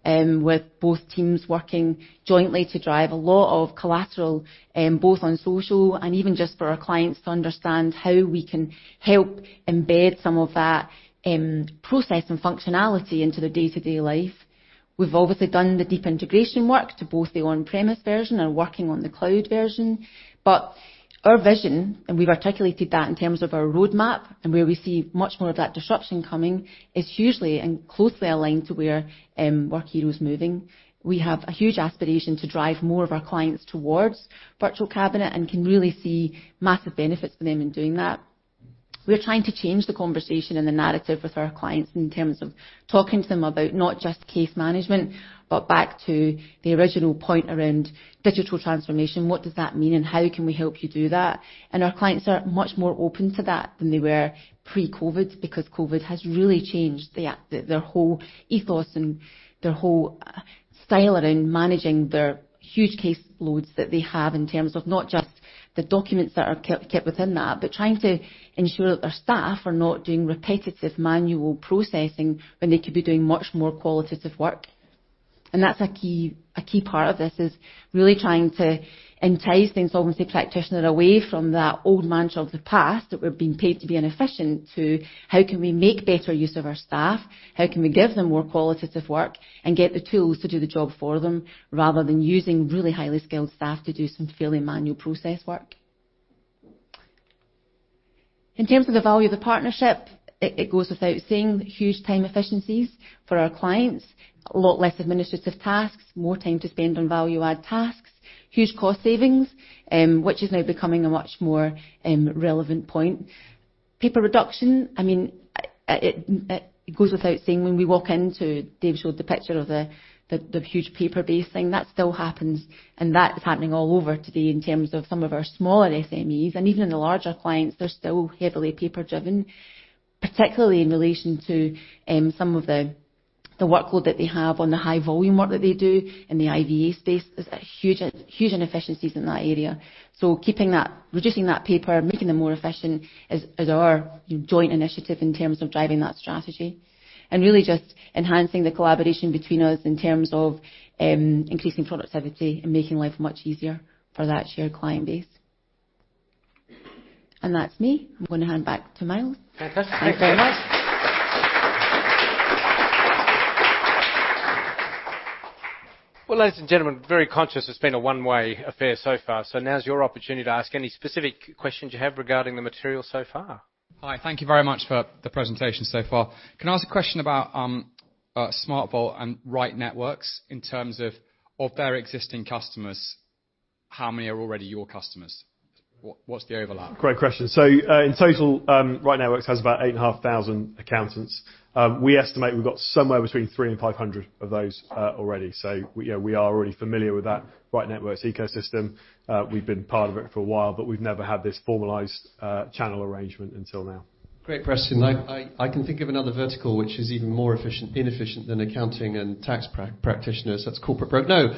moment with both teams working jointly to drive a lot of collateral both on social and even just for our clients to understand how we can help embed some of that process and functionality into their day-to-day life. We've obviously done the deep integration work to both the on-premise version and working on the cloud version. Our vision, and we've articulated that in terms of our roadmap and where we see much more of that disruption coming, is hugely and closely aligned to where Workiro is moving. We have a huge aspiration to drive more of our clients towards Virtual Cabinet and can really see massive benefits for them in doing that. We're trying to change the conversation and the narrative with our clients in terms of talking to them about not just case management, but back to the original point around digital transformation, what does that mean and how can we help you do that? Our clients are much more open to that than they were pre-COVID because COVID has really changed their whole ethos and their whole style around managing their huge case loads that they have in terms of not just the documents that are kept within that, but trying to ensure that their staff are not doing repetitive manual processing when they could be doing much more qualitative work. That's a key part of this, is really trying to entice the insolvency practitioner away from that old mantra of the past that we're being paid to be inefficient, to how can we make better use of our staff? How can we give them more qualitative work and get the tools to do the job for them, rather than using really highly skilled staff to do some fairly manual process work? In terms of the value of the partnership, it goes without saying, huge time efficiencies for our clients. A lot less administrative tasks, more time to spend on value-add tasks. Huge cost savings, which is now becoming a much more relevant point. Paper reduction, I mean, it goes without saying, when we walk into. Dave showed the picture of the huge paper-based thing that still happens, and that is happening all over today in terms of some of our smaller SMEs, and even the larger clients. They're still heavily paper-driven, particularly in relation to some of the workload that they have on the high volume work that they do in the IVA space. There's huge inefficiencies in that area. Reducing that paper, making them more efficient is our joint initiative in terms of driving that strategy. Really just enhancing the collaboration between us in terms of increasing productivity and making life much easier for that shared client base. That's me. I'm gonna hand back to Miles. Fantastic. Thank you very much. Well, ladies and gentlemen, very conscious it's been a one-way affair so far. Now is your opportunity to ask any specific questions you have regarding the material so far. Hi. Thank you very much for the presentation so far. Can I ask a question about SmartVault and Right Networks? In terms of their existing customers, how many are already your customers? What's the overlap? Great question. In total, Right Networks has about 8,500 accountants. We estimate we've got somewhere between 300 and 500 of those already. You know, we are already familiar with that Right Networks ecosystem. We've been part of it for a while, but we've never had this formalized channel arrangement until now. Great question. I can think of another vertical which is even more inefficient than accounting and tax practitioners. That's the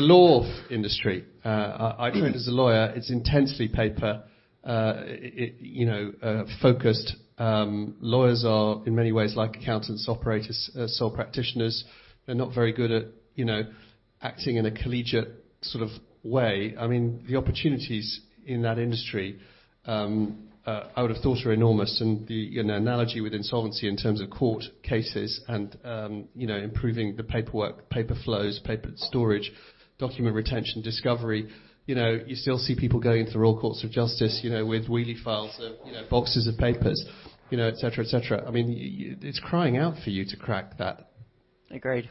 law industry. I trained as a lawyer. It's intensely paper, you know, focused. Lawyers are in many ways like accountants, operate as sole practitioners. They're not very good at, you know, acting in a collegiate sort of way. I mean, the opportunities in that industry, I would have thought are enormous. The, you know, analogy with insolvency in terms of court cases and, you know, improving the paperwork, paper flows, paper storage, document retention, discovery. You know, you still see people going through all courts of justice, you know, with wheelie files of, you know, boxes of papers, you know, et cetera, et cetera. I mean, it's crying out for you to crack that. Agreed.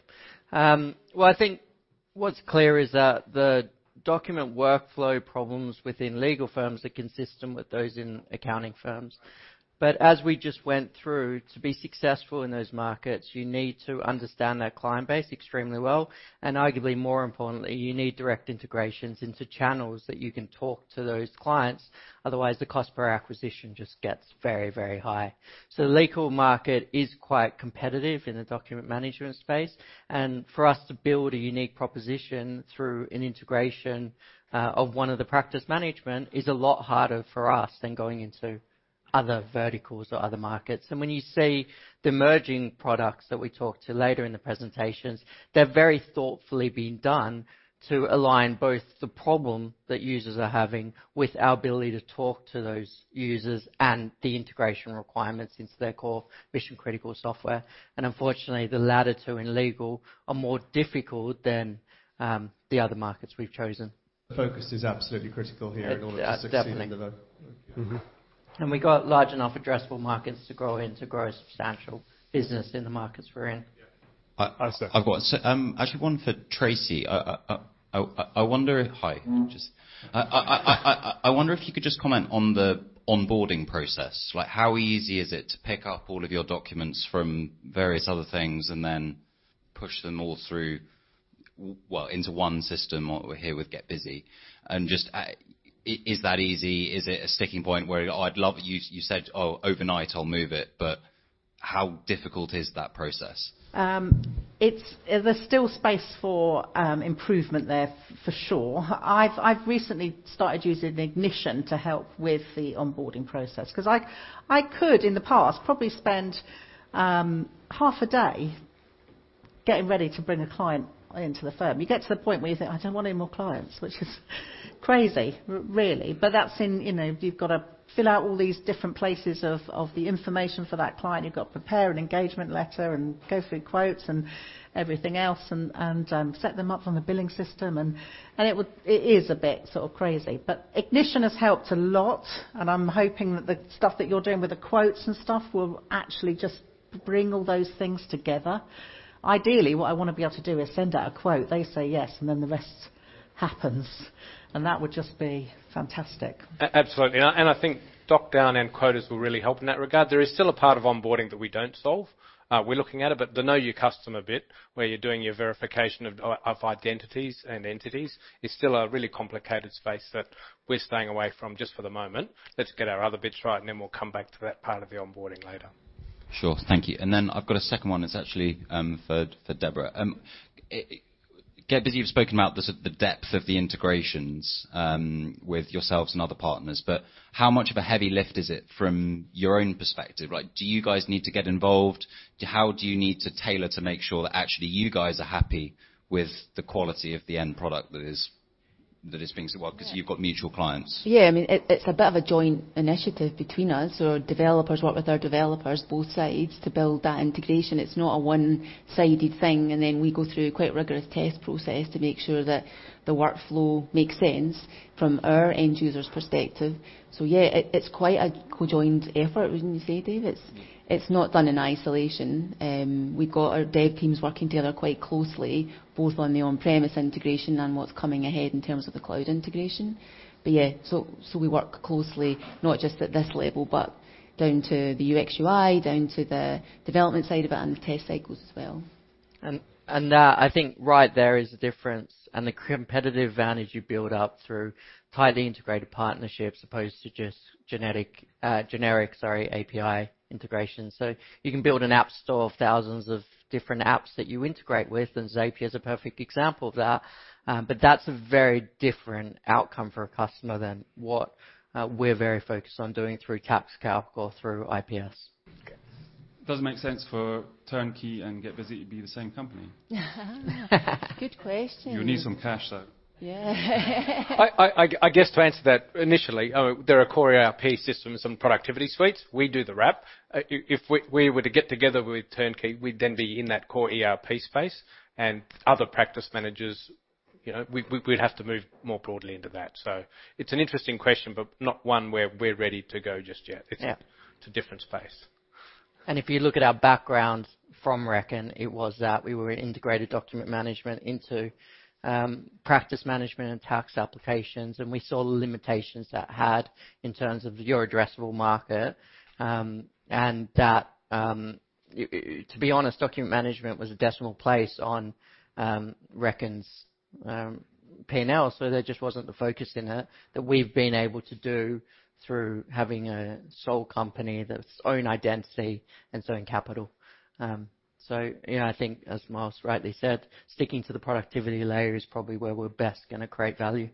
Well, I think what's clear is that the document workflow problems within legal firms are consistent with those in accounting firms. As we just went through, to be successful in those markets, you need to understand their client base extremely well. Arguably more importantly, you need direct integrations into channels that you can talk to those clients. Otherwise, the cost per acquisition just gets very, very high. The legal market is quite competitive in the document management space. For us to build a unique proposition through an integration of one of the practice management is a lot harder for us than going into other verticals or other markets. When you see the emerging products that we talk about later in the presentations, they're very thoughtfully being done to align both the problem that users are having with our ability to talk to those users and the integration requirements into their core mission-critical software. Unfortunately, the latter two in legal are more difficult than the other markets we've chosen. Focus is absolutely critical here. It definitely In order to succeed in the vote. We got large enough addressable markets to grow into, grow a substantial business in the markets we're in. Yeah. I. I've got. Actually one for Tracy. Hi. Just, I wonder if you could just comment on the onboarding process. Like, how easy is it to pick up all of your documents from various other things and then push them all through, well, into one system or here with GetBusy? Just, is that easy? Is it a sticking point where I'd love you said, "Oh, overnight, I'll move it," but how difficult is that process? There's still space for improvement there, for sure. I've recently started using Ignition to help with the onboarding process 'cause I could, in the past, probably spend half a day getting ready to bring a client into the firm. You get to the point where you think, "I don't want any more clients," which is crazy, really. That's in, you know, you've got to fill out all these different places of the information for that client. You've got to prepare an engagement letter and go through quotes and everything else and set them up on the billing system. It is a bit sort of crazy. Ignition has helped a lot, and I'm hoping that the stuff that you're doing with the quotes and stuff will actually just bring all those things together. Ideally, what I wanna be able to do is send out a quote. They say yes, and then the rest happens. That would just be fantastic. Absolutely. I think DocDown and Quoters will really help in that regard. There is still a part of onboarding that we don't solve. We're looking at it, but the know your customer bit, where you're doing your verification of identities and entities is still a really complicated space that we're staying away from just for the moment. Let's get our other bits right, and then we'll come back to that part of the onboarding later. Sure. Thank you. I've got a second one that's actually for Deborah. GetBusy, you've spoken about the depth of the integrations with yourselves and other partners, but how much of a heavy lift is it from your own perspective? Like, do you guys need to get involved? How do you need to tailor to make sure that actually you guys are happy with the quality of the end product that is being well, 'cause you've got mutual clients. Yeah, I mean, it's a bit of a joint initiative between us. Our developers work with their developers, both sides, to build that integration. It's not a one-sided thing. Then we go through a quite rigorous test process to make sure that the workflow makes sense from our end user's perspective. Yeah, it's quite a co-joined effort, wouldn't you say, David? Yeah. It's not done in isolation. We've got our dev teams working together quite closely, both on the on-premise integration and what's coming ahead in terms of the cloud integration. Yeah, so we work closely, not just at this level, but down to the UX/UI, down to the development side of it and the test cycles as well. That I think right there is a difference and the competitive advantage you build up through tightly integrated partnerships as opposed to just generic API integrations. You can build an app store of thousands of different apps that you integrate with, and Zapier is a perfect example of that. That's a very different outcome for a customer than what we're very focused on doing through TaxCalc or through IPS. Okay. Does it make sense for Turnkey and GetBusy to be the same company? Good question. You need some cash, though. Yeah. I guess to answer that initially, they're a core ERP system and some productivity suites. We do the wrap. If we were to get together with Turnkey, we'd then be in that core ERP space and other practice managers, you know, we'd have to move more broadly into that. It's an interesting question, but not one where we're ready to go just yet. Yeah. It's a different space. If you look at our background from Reckon, it was that we were integrated document management into practice management and tax applications, and we saw the limitations that had in terms of your addressable market, and that to be honest, document management was a decimal place on Reckon's P&L, so there just wasn't the focus in it that we've been able to do through having a sole company that's own identity and its own capital. So yeah, I think as Miles rightly said, sticking to the productivity layer is probably where we're best gonna create value.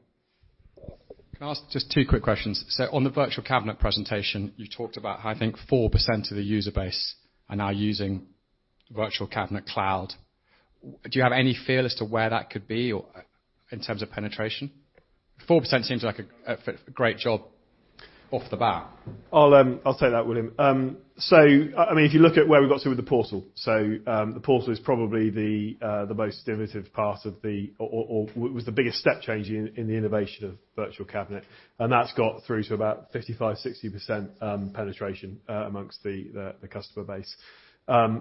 Can I ask just 2 quick questions? On the Virtual Cabinet presentation, you talked about how I think 4% of the user base are now using Virtual Cabinet Cloud. Do you have any feel as to where that could be or in terms of penetration? 4% seems like a great job off the bat. I'll take that, William. I mean, if you look at where we got to with the portal. The portal is probably the most innovative part of the or was the biggest step change in the innovation of Virtual Cabinet, and that's got through to about 55%-60% penetration among the customer base.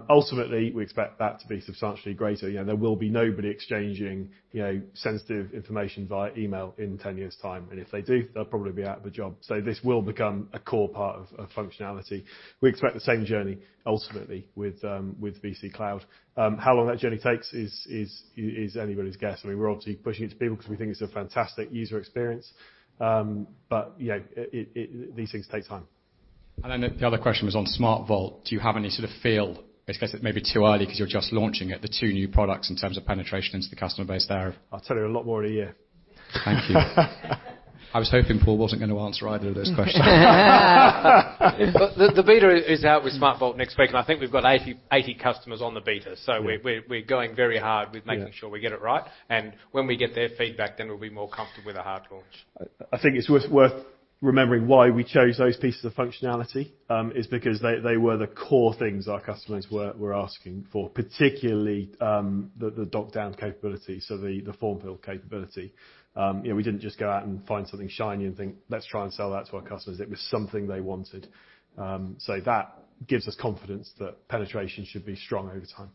Ultimately, we expect that to be substantially greater. You know, there will be nobody exchanging sensitive information via email in ten years' time. If they do, they'll probably be out of a job. This will become a core part of functionality. We expect the same journey ultimately with VC Cloud. How long that journey takes is anybody's guess. I mean, we're obviously pushing it to people 'cause we think it's a fantastic user experience. You know, these things take time. The other question was on SmartVault. Do you have any sort of feel? I guess it may be too early 'cause you're just launching it, the two new products in terms of penetration into the customer base there. I'll tell you a lot more in a year. Thank you. I was hoping Paul wasn't gonna answer either of those questions. The beta is out with SmartVault next week, and I think we've got 80 customers on the beta. Yeah. We're going very hard with making sure we get it right. When we get their feedback, then we'll be more comfortable with a hard launch. I think it's worth remembering why we chose those pieces of functionality is because they were the core things our customers were asking for, particularly the DocDown capability, so the form fill capability. You know, we didn't just go out and find something shiny and think, "Let's try and sell that to our customers." It was something they wanted. That gives us confidence that penetration should be strong over time.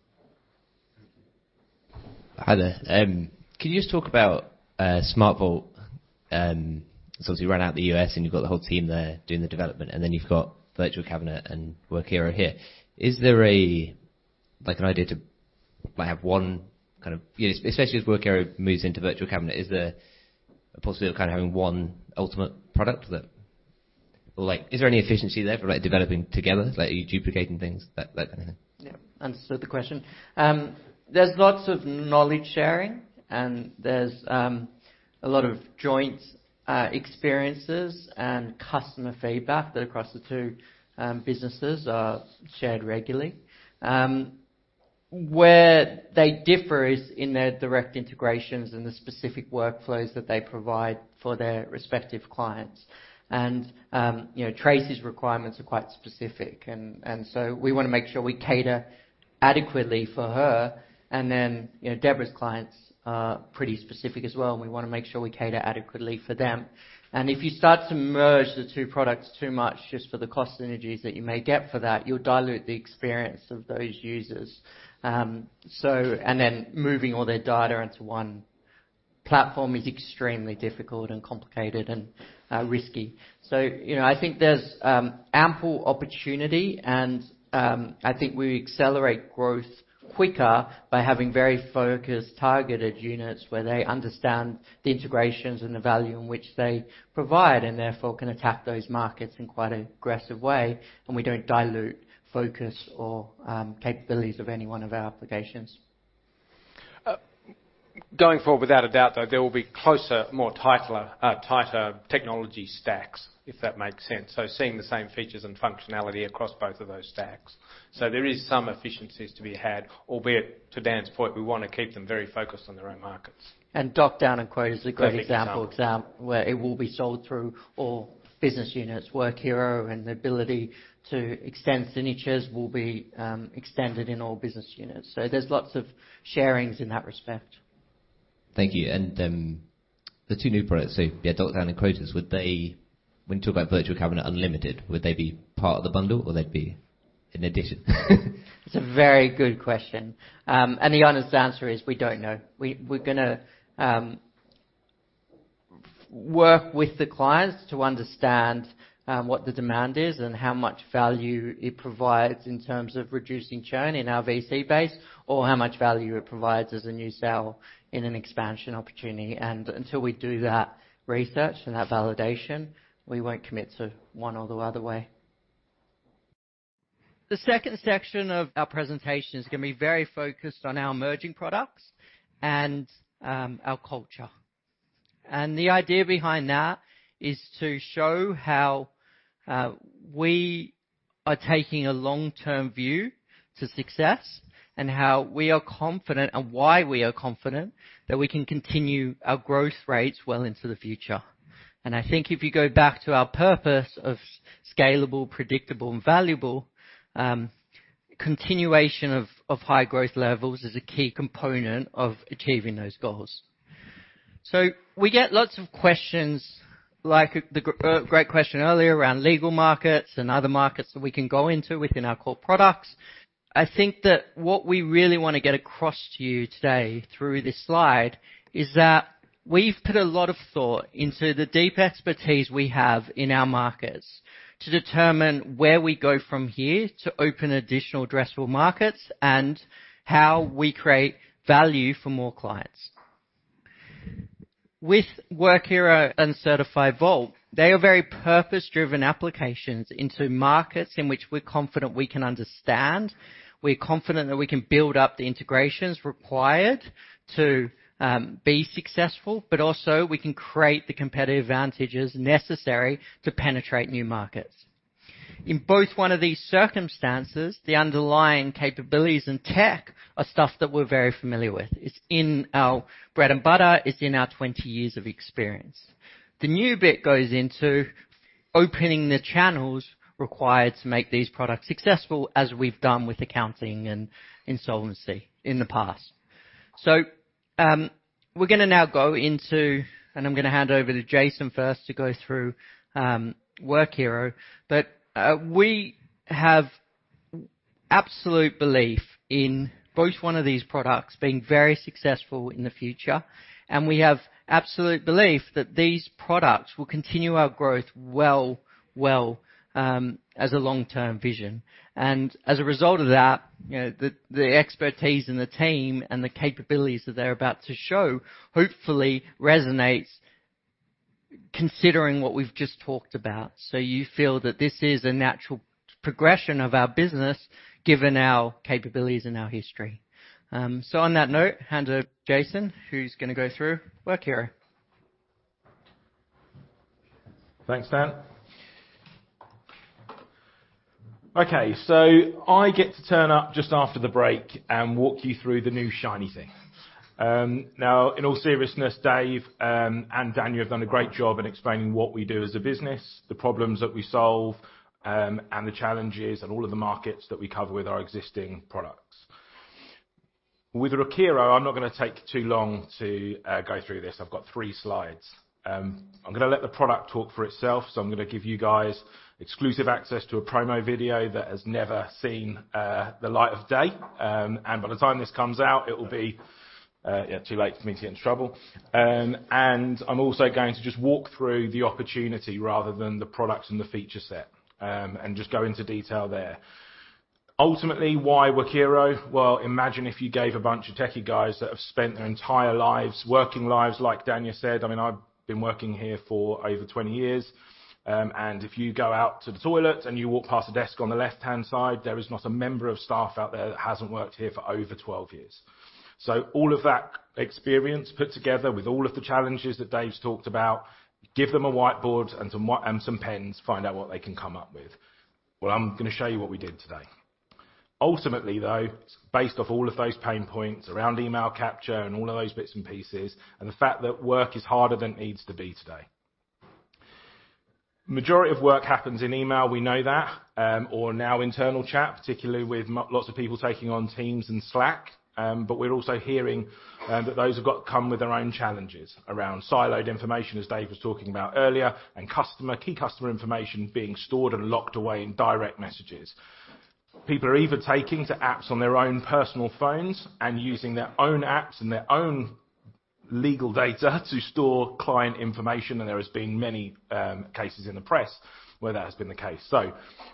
Thank you. Hi there. Can you just talk about SmartVault? So as you run the US and you've got the whole team there doing the development, and then you've got Virtual Cabinet and Workiro here. Is there a like an idea to like have one kind of... You know, especially as Workiro moves into Virtual Cabinet, is there a possibility of kind of having one ultimate product that... Or like is there any efficiency there for like developing together? Like are you duplicating things? That kind of thing. Yeah. Understood the question. There's lots of knowledge sharing and there's a lot of joint experiences and customer feedback that across the two businesses are shared regularly. Where they differ is in their direct integrations and the specific workflows that they provide for their respective clients. You know, Tracy's requirements are quite specific and so we wanna make sure we cater adequately for her. Then, you know, Deborah's clients are pretty specific as well, and we wanna make sure we cater adequately for them. If you start to merge the two products too much just for the cost synergies that you may get for that, you'll dilute the experience of those users. Moving all their data into one platform is extremely difficult and complicated and risky. You know, I think there's ample opportunity, and I think we accelerate growth quicker by having very focused, targeted units where they understand the integrations and the value in which they provide, and therefore can attack those markets in quite an aggressive way, and we don't dilute focus or capabilities of any one of our applications. Going forward, without a doubt, though, there will be closer, more tighter technology stacks, if that makes sense. Seeing the same features and functionality across both of those stacks. There is some efficiencies to be had, albeit to Dan's point, we wanna keep them very focused on their own markets. DocDown and Quoters is a great example. Perfect example. ...where it will be sold through all business units. Workiro and the ability to extend signatures will be extended in all business units. There's lots of sharings in that respect. Thank you. The two new products, so yeah, DocDown and Quoters, when you talk about Virtual Cabinet Unlimited, would they be part of the bundle or they'd be an addition? It's a very good question. The honest answer is we don't know. We're gonna work with the clients to understand what the demand is and how much value it provides in terms of reducing churn in our VC base, or how much value it provides as a new sale in an expansion opportunity. Until we do that research and that validation, we won't commit to one or the other way. The second section of our presentation is gonna be very focused on our emerging products and our culture. The idea behind that is to show how we are taking a long-term view to success and how we are confident and why we are confident that we can continue our growth rates well into the future. I think if you go back to our purpose of scalable, predictable and valuable continuation of high growth levels is a key component of achieving those goals. We get lots of questions like the great question earlier around legal markets and other markets that we can go into within our core products. I think that what we really wanna get across to you today through this slide is that we've put a lot of thought into the deep expertise we have in our markets to determine where we go from here to open additional addressable markets and how we create value for more clients. With Workiro and Certified Vault, they are very purpose-driven applications into markets in which we're confident we can understand. We're confident that we can build up the integrations required to be successful, but also we can create the competitive advantages necessary to penetrate new markets. In both of these circumstances, the underlying capabilities in tech are stuff that we're very familiar with. It's in our bread and butter, it's in our 20 years of experience. The new bit goes into opening the channels required to make these products successful, as we've done with accounting and insolvency in the past. We're gonna now go into, and I'm gonna hand over to Jason first to go through Workiro. We have absolute belief in both of these products being very successful in the future, and we have absolute belief that these products will continue our growth well, as a long-term vision. As a result of that, you know, the expertise and the team and the capabilities that they're about to show hopefully resonates considering what we've just talked about. You feel that this is a natural progression of our business given our capabilities and our history. On that note, hand over Jason, who's gonna go through Workiro. Thanks, Dan. Okay, so I get to turn up just after the break and walk you through the new shiny thing. Now, in all seriousness, Dave, and Dan, you have done a great job in explaining what we do as a business, the problems that we solve, and the challenges and all of the markets that we cover with our existing products. With Workiro, I'm not gonna take too long to go through this. I've got three slides. I'm gonna let the product talk for itself, so I'm gonna give you guys exclusive access to a promo video that has never seen the light of day. By the time this comes out, it'll be too late for me to get in trouble. I'm also going to just walk through the opportunity rather than the product and the feature set, and just go into detail there. Ultimately, why Workiro? Well, imagine if you gave a bunch of techie guys that have spent their entire lives, working lives, like Dan just said. I mean, I've been working here for over 20 years. If you go out to the toilet and you walk past a desk on the left-hand side, there is not a member of staff out there that hasn't worked here for over 12 years. All of that experience put together with all of the challenges that Dave's talked about, give them a whiteboard and some pens, find out what they can come up with. Well, I'm gonna show you what we did today. Ultimately, though, based off all of those pain points around email capture and all of those bits and pieces, and the fact that work is harder than it needs to be today. Majority of work happens in email, we know that, or now internal chat, particularly with lots of people taking on Teams and Slack. We're also hearing that those have come with their own challenges around siloed information, as Dave was talking about earlier, and key customer information being stored and locked away in direct messages. People are either taking to apps on their own personal phones and using their own apps and their own local data to store client information, and there has been many cases in the press where that has been the case.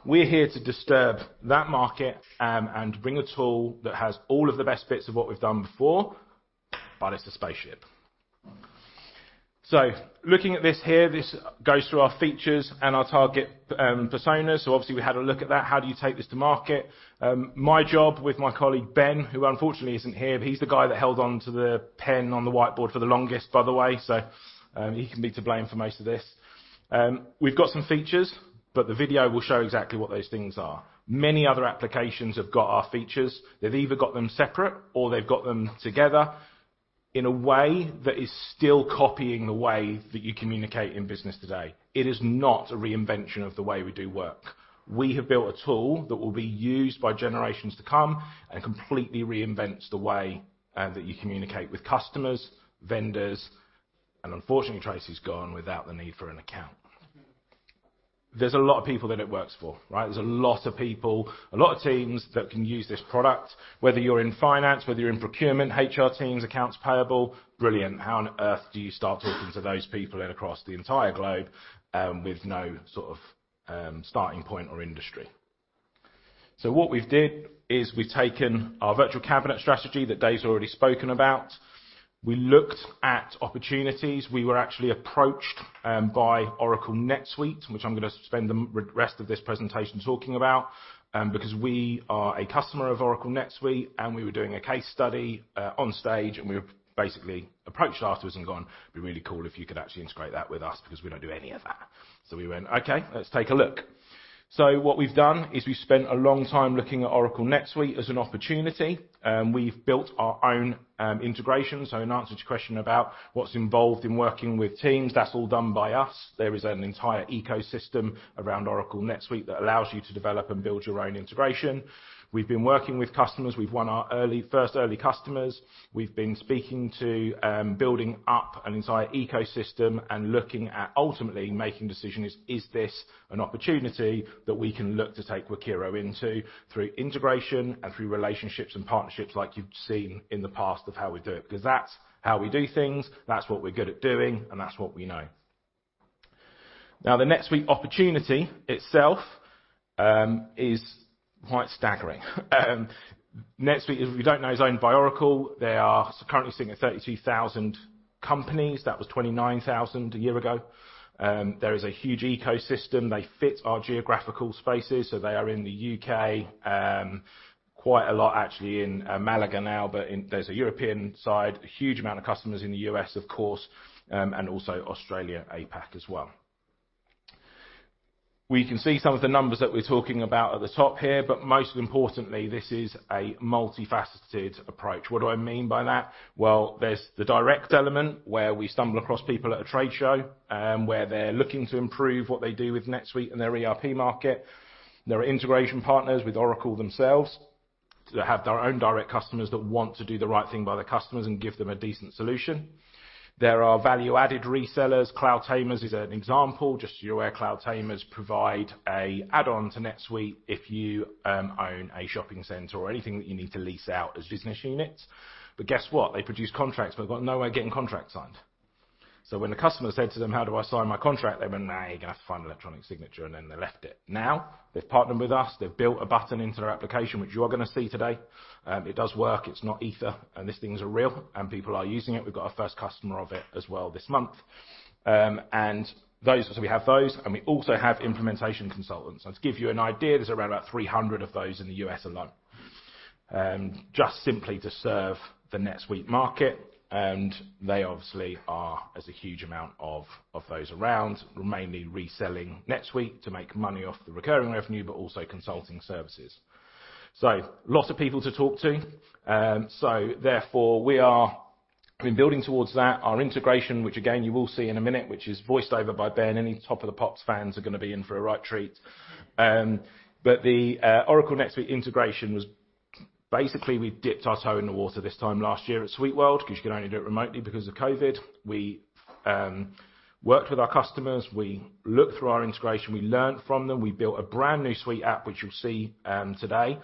We're here to disturb that market, and bring a tool that has all of the best bits of what we've done before, but it's a spaceship. Looking at this here, this goes through our features and our target personas. Obviously we had a look at that. How do you take this to market? My job with my colleague Ben, who unfortunately isn't here, but he's the guy that held on to the pen on the whiteboard for the longest, by the way. He can be to blame for most of this. We've got some features, but the video will show exactly what those things are. Many other applications have got our features. They've either got them separate or they've got them together in a way that is still copying the way that you communicate in business today. It is not a reinvention of the way we do work. We have built a tool that will be used by generations to come, and completely reinvents the way that you communicate with customers, vendors, and unfortunately Tracy's gone without the need for an account. There's a lot of people that it works for, right? A lot of teams that can use this product, whether you're in finance, whether you're in procurement, HR teams, accounts payable, brilliant. How on earth do you start talking to those people and across the entire globe, with no sort of starting point or industry? What we've did, is we've taken our Virtual Cabinet strategy that Dave's already spoken about. We looked at opportunities. We were actually approached by Oracle NetSuite, which I'm gonna spend the rest of this presentation talking about, because we are a customer of Oracle NetSuite, and we were doing a case study on stage, and we were basically approached afterwards and gone, "It'd be really cool if you could actually integrate that with us because we don't do any of that." We went, "Okay, let's take a look." What we've done is we've spent a long time looking at Oracle NetSuite as an opportunity, and we've built our own integration. In answer to your question about what's involved in working with Teams, that's all done by us. There is an entire ecosystem around Oracle NetSuite that allows you to develop and build your own integration. We've been working with customers. We've won our first early customers. We've been speaking to, building up an entire ecosystem and looking at ultimately making decisions, is this an opportunity that we can look to take Workiro into through integration and through relationships and partnerships like you've seen in the past of how we do it? Because that's how we do things, that's what we're good at doing, and that's what we know. Now, the NetSuite opportunity itself is quite staggering. NetSuite, if you don't know, is owned by Oracle. They are currently sitting at 32,000 companies. That was 29,000 a year ago. There is a huge ecosystem. They fit our geographical spaces, so they are in the U.K., quite a lot actually in Malaga now, but there's a European side, a huge amount of customers in the U.S. of course, and also Australia, APAC as well. We can see some of the numbers that we're talking about at the top here, but most importantly, this is a multifaceted approach. What do I mean by that? Well, there's the direct element where we stumble across people at a trade show, where they're looking to improve what they do with NetSuite and their ERP market. There are integration partners with Oracle themselves. They have their own direct customers that want to do the right thing by the customers and give them a decent solution. There are value-added resellers. CloudTamers is an example. Just so you're aware, CloudTamers provide an add-on to NetSuite if you own a shopping center or anything that you need to lease out as business units. Guess what? They produce contracts, but they've got no way of getting contracts signed. When the customer said to them, "How do I sign my contract?" They went, "Nah, you're gonna have to find electronic signature," and then they left it. Now, they've partnered with us. They've built a button into their application, which you're gonna see today. It does work. It's not either, and these things are real, and people are using it. We've got our first customer of it as well this month. We have those, and we also have implementation consultants. Now, to give you an idea, there's around about 300 of those in the U.S. alone, just simply to serve the NetSuite market. There's a huge amount of those around, mainly reselling NetSuite to make money off the recurring revenue, but also consulting services. Lots of people to talk to. Therefore we are. We've been building toward that. Our integration, which again you will see in a minute, which is voiced over by Ben. Any Top of the Pops fans are gonna be in for a right treat. The Oracle NetSuite integration was basically we dipped our toe in the water this time last year at SuiteWorld because you could only do it remotely because of COVID. We worked with our customers. We looked through our integration. We learned from them. We built a brand-new SuiteApp, which you'll see today.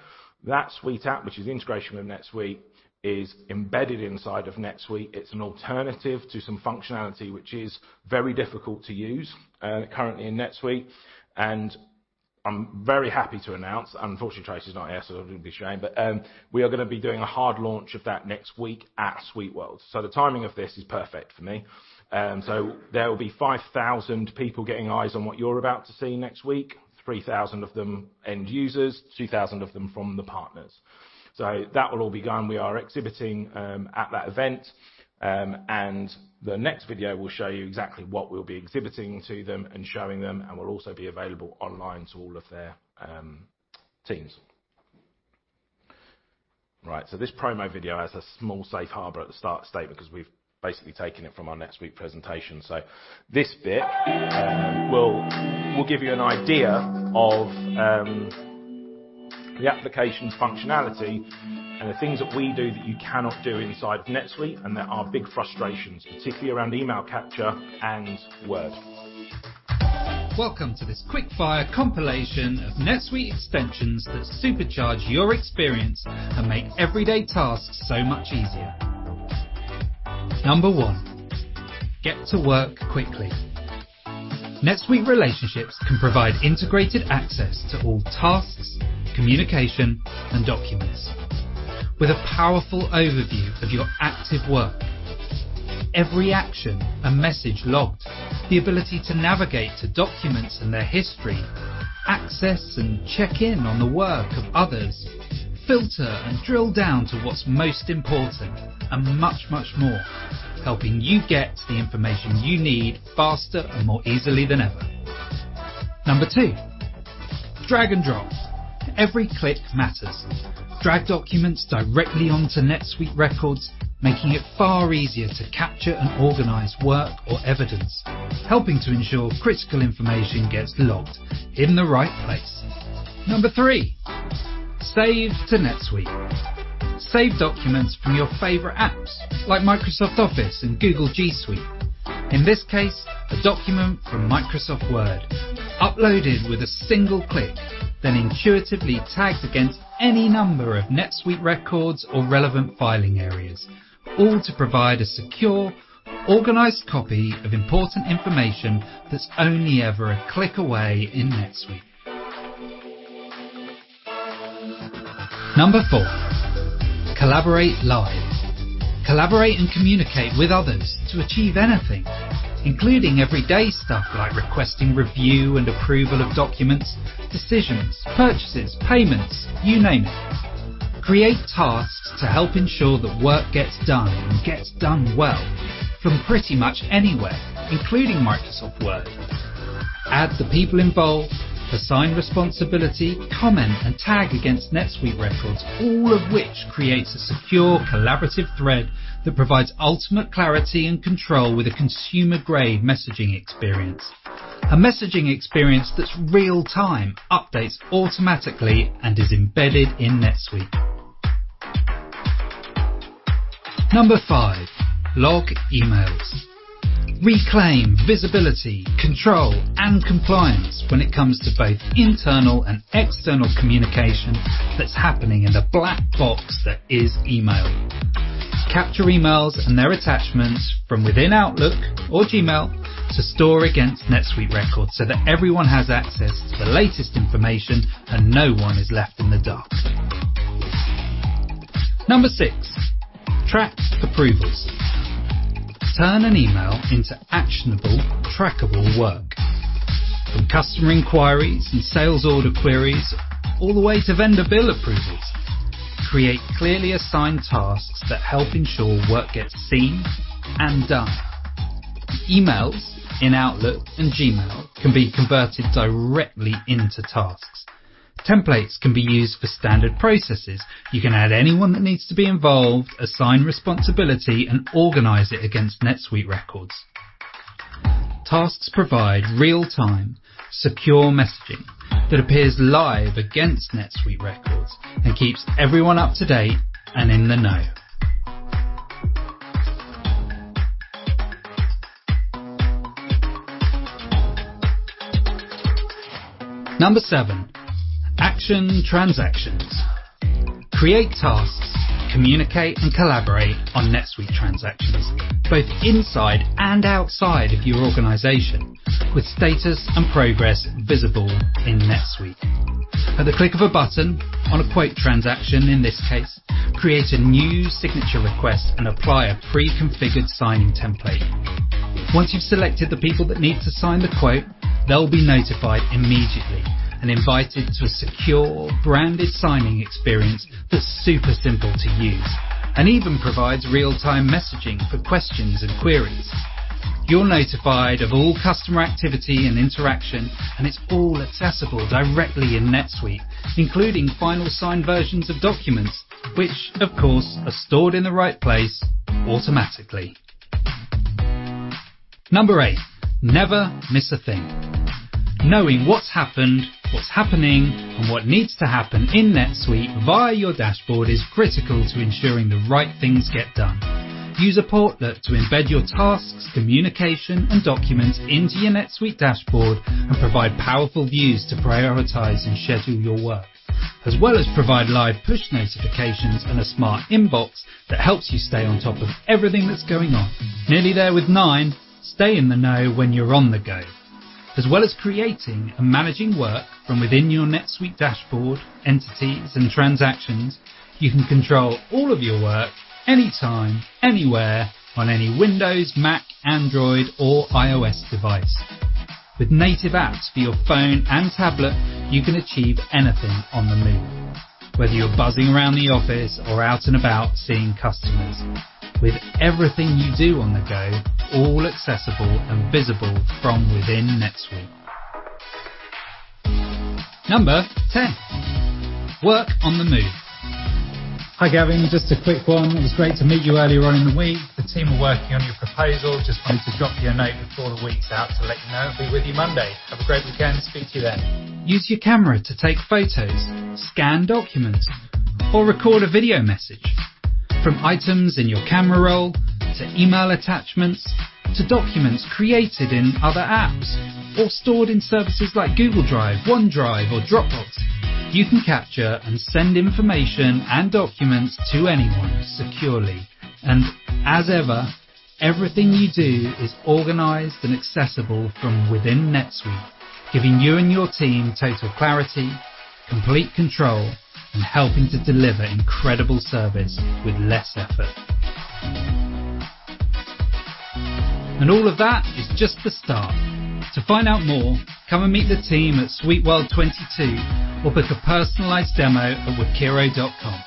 That SuiteApp, which is the integration with NetSuite, is embedded inside of NetSuite. It's an alternative to some functionality which is very difficult to use currently in NetSuite. I'm very happy to announce, unfortunately Tracy's not here, so I don't need to be ashamed, but we are gonna be doing a hard launch of that next week at SuiteWorld. The timing of this is perfect for me. There will be 5,000 people getting eyes on what you're about to see next week, 3,000 of them end users, 2,000 of them from the partners. That will all be gone. We are exhibiting at that event, and the next video will show you exactly what we'll be exhibiting to them and showing them, and we'll also be available online to all of their teams. Right. This promo video has a small safe harbor at the start statement because we've basically taken it from our NetSuite presentation. This bit will give you an idea of the application's functionality and the things that we do that you cannot do inside NetSuite, and there are big frustrations, particularly around email capture and Word. Welcome to this quick fire compilation of NetSuite extensions that supercharge your experience and make everyday tasks so much easier. Number one, get to work quickly. NetSuite Relationships can provide integrated access to all tasks, communication, and documents with a powerful overview of your active work. Every action and message logged, the ability to navigate to documents and their history, access and check in on the work of others, filter and drill down to what's most important and much, much more, helping you get the information you need faster and more easily than ever. Number two, drag and drop. Every click matters. Drag documents directly onto NetSuite records, making it far easier to capture and organize work or evidence, helping to ensure critical information gets logged in the right place. Number three, save to NetSuite. Save documents from your favorite apps like Microsoft Office and Google G Suite. In this case, a document from Microsoft Word, uploaded with a single click, then intuitively tagged against any number of NetSuite records or relevant filing areas, all to provide a secure, organized copy of important information that's only ever a click away in NetSuite. Number four, collaborate live. Collaborate and communicate with others to achieve anything, including everyday stuff like requesting review and approval of documents, decisions, purchases, payments, you name it. Create tasks to help ensure that work gets done and gets done well from pretty much anywhere, including Microsoft Word. Add the people involved, assign responsibility, comment, and tag against NetSuite records, all of which creates a secure, collaborative thread that provides ultimate clarity and control with a consumer-grade messaging experience. A messaging experience that's real-time, updates automatically, and is embedded in NetSuite. Number five, log emails. Reclaim visibility, control, and compliance when it comes to both internal and external communication that's happening in the black box that is email. Capture emails and their attachments from within Outlook or Gmail to store against NetSuite records so that everyone has access to the latest information and no one is left in the dark. Number six, track approvals. Turn an email into actionable, trackable work. From customer inquiries and sales order queries, all the way to vendor bill approvals. Create clearly assigned tasks that help ensure work gets seen and done. Emails in Outlook and Gmail can be converted directly into tasks. Templates can be used for standard processes. You can add anyone that needs to be involved, assign responsibility, and organize it against NetSuite records. Tasks provide real-time, secure messaging that appears live against NetSuite records and keeps everyone up to date and in the know. Number 7, action transactions. Create tasks, communicate, and collaborate on NetSuite transactions, both inside and outside of your organization with status and progress visible in NetSuite. At the click of a button on a quote transaction, in this case, create a new signature request and apply a pre-configured signing template. Once you've selected the people that need to sign the quote, they'll be notified immediately and invited to a secure, branded signing experience that's super simple to use and even provides real-time messaging for questions and queries. You're notified of all customer activity and interaction, and it's all accessible directly in NetSuite, including final signed versions of documents, which of course are stored in the right place automatically. Number 8, never miss a thing. Knowing what's happened, what's happening, and what needs to happen in NetSuite via your dashboard is critical to ensuring the right things get done. Use a portlet to embed your tasks, communication, and documents into your NetSuite dashboard and provide powerful views to prioritize and schedule your work, as well as provide live push notifications and a smart inbox that helps you stay on top of everything that's going on. Nearly there with 9. Stay in the know when you're on the go. As well as creating and managing work from within your NetSuite dashboard, entities, and transactions, you can control all of your work anytime, anywhere on any Windows, Mac, Android, or iOS device. With native apps for your phone and tablet, you can achieve anything on the move. Whether you're buzzing around the office or out and about seeing customers. With everything you do on the go, all accessible and visible from within NetSuite. Number 10, work on the move. Hi, Gavin. Just a quick one. It was great to meet you earlier on in the week. The team are working on your proposal. Just wanted to drop you a note before the week's out to let you know I'll be with you Monday. Have a great weekend. Speak to you then. Use your camera to take photos, scan documents, or record a video message. From items in your camera roll, to email attachments, to documents created in other apps or stored in services like Google Drive, OneDrive, or Dropbox. You can capture and send information and documents to anyone securely. As ever, everything you do is organized and accessible from within NetSuite, giving you and your team total clarity, complete control, and helping to deliver incredible service with less effort. All of that is just the start. To find out more, come and meet the team at SuiteWorld 2022 or book a personalized demo at workiro.com.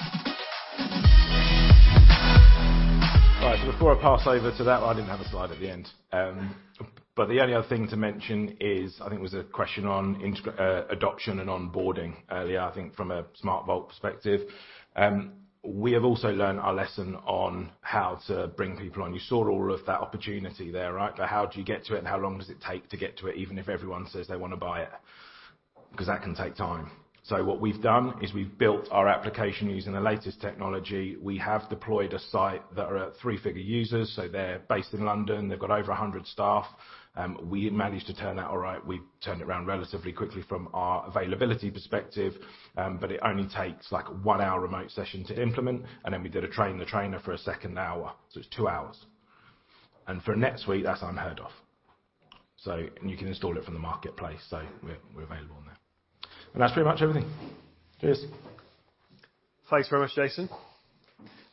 Right. Before I pass over to that. I didn't have a slide at the end. The only other thing to mention is, I think it was a question on adoption and onboarding earlier, I think from a SmartVault perspective. We have also learned our lesson on how to bring people on. You saw all of that opportunity there, right? How do you get to it, and how long does it take to get to it, even if everyone says they wanna buy it? 'Cause that can take time. What we've done is we've built our application using the latest technology. We have deployed sites that are at three-figure users. They're based in London, they've got over 100 staff. We have managed to turn that around. We turned it around relatively quickly from our availability perspective, but it only takes, like, a 1-hour remote session to implement. Then we did a train the trainer for a second hour, so it's 2 hours. For NetSuite, that's unheard of. You can install it from the marketplace, so we're available on there. That's pretty much everything. Cheers. Thanks very much, Jason.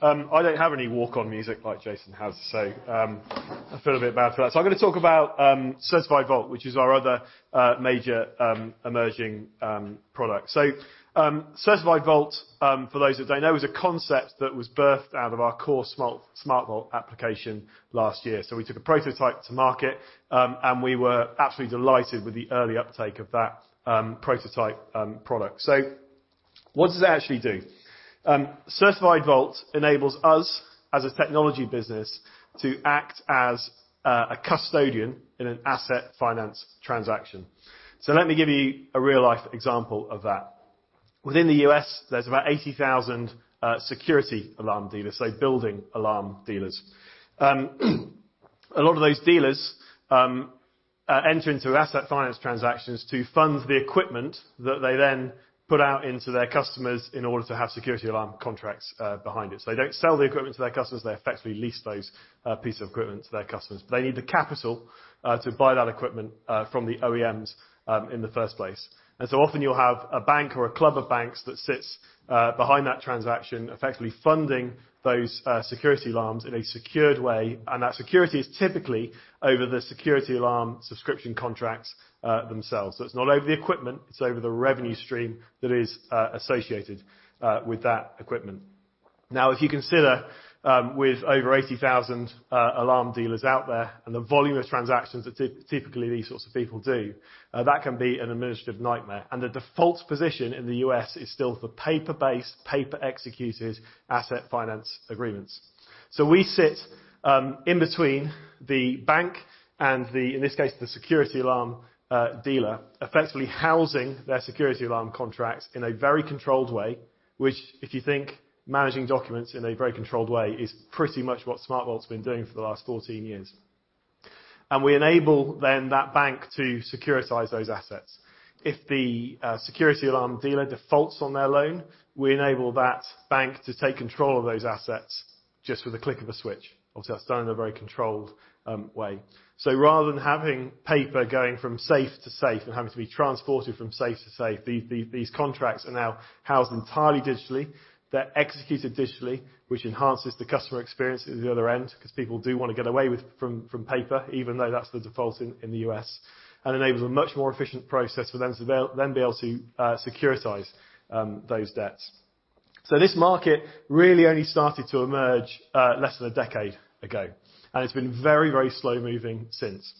I don't have any walk-on music like Jason has, so I feel a bit bad for that. I'm gonna talk about Certified Vault, which is our other major emerging product. Certified Vault, for those that don't know, is a concept that was birthed out of our core SmartVault application last year. We took a prototype to market, and we were absolutely delighted with the early uptake of that prototype product. What does it actually do? Certified Vault enables us as a technology business to act as a custodian in an asset finance transaction. Let me give you a real-life example of that. Within the U.S., there's about 80,000 security alarm dealers, so building alarm dealers. A lot of those dealers enter into asset finance transactions to fund the equipment that they then put out into their customers in order to have security alarm contracts behind it. They don't sell the equipment to their customers, they effectively lease those pieces of equipment to their customers. They need the capital to buy that equipment from the OEMs in the first place. Often you'll have a bank or a club of banks that sits behind that transaction, effectively funding those security alarms in a secured way, and that security is typically over the security alarm subscription contracts themselves. It's not over the equipment, it's over the revenue stream that is associated with that equipment. Now, if you consider with over 80,000 alarm dealers out there and the volume of transactions that typically these sorts of people do, that can be an administrative nightmare, and the default position in the U.S. is still for paper-based, paper-executed asset finance agreements. We sit in between the bank and the, in this case, the security alarm dealer, effectively housing their security alarm contracts in a very controlled way, which if you think managing documents in a very controlled way is pretty much what SmartVault's been doing for the last 14 years. We enable then that bank to securitize those assets. If the security alarm dealer defaults on their loan, we enable that bank to take control of those assets just with a click of a switch. Obviously, that's done in a very controlled way. Rather than having paper going from safe to safe and having to be transported from safe to safe, these contracts are now housed entirely digitally. They're executed digitally, which enhances the customer experience at the other end 'cause people do wanna get away from paper, even though that's the default in the U.S., and enables a much more efficient process for them to be able to securitize those debts. This market really only started to emerge less than a decade ago, and it's been very, very slow-moving since.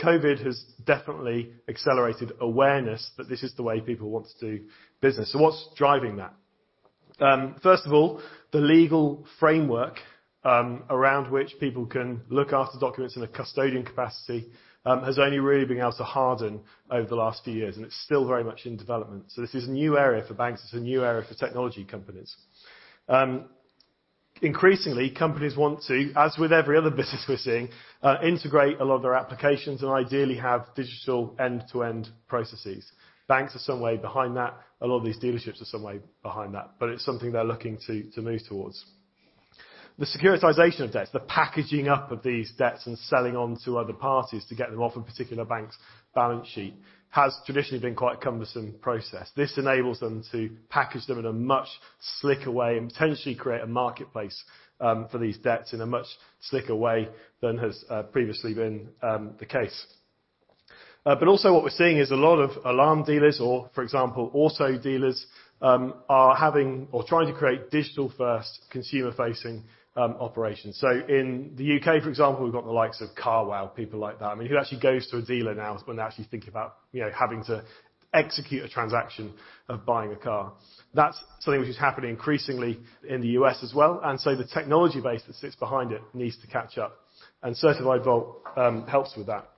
COVID has definitely accelerated awareness that this is the way people want to do business. What's driving that? First of all, the legal framework around which people can look after documents in a custodian capacity has only really been able to harden over the last few years, and it's still very much in development. This is a new area for banks, it's a new area for technology companies. Increasingly, companies want to, as with every other business we're seeing, integrate a lot of their applications and ideally have digital end-to-end processes. Banks are some way behind that, a lot of these dealerships are some way behind that, but it's something they're looking to move towards. The securitization of debts, the packaging up of these debts and selling on to other parties to get them off a particular bank's balance sheet, has traditionally been quite a cumbersome process. This enables them to package them in a much slicker way and potentially create a marketplace for these debts in a much slicker way than has previously been the case. Also what we're seeing is a lot of alarm dealers or, for example, auto dealers, are having or trying to create digital-first consumer-facing operations. In the U.K., for example, we've got the likes of Carwow, people like that. I mean, who actually goes to a dealer now when they actually think about, you know, having to execute a transaction of buying a car? That's something which is happening increasingly in the U.S. as well, and the technology base that sits behind it needs to catch up, and Certified Vault helps with that.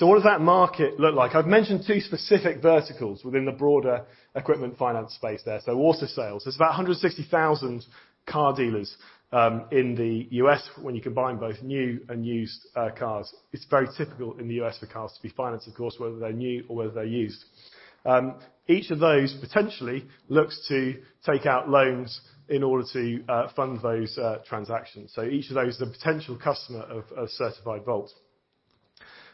What does that market look like? I've mentioned two specific verticals within the broader equipment finance space there. Auto sales. There's about 160,000 car dealers in the U.S. when you combine both new and used cars. It's very typical in the U.S. for cars to be financed, of course, whether they're new or whether they're used. Each of those potentially looks to take out loans in order to fund those transactions. Each of those is a potential customer of Certified Vault.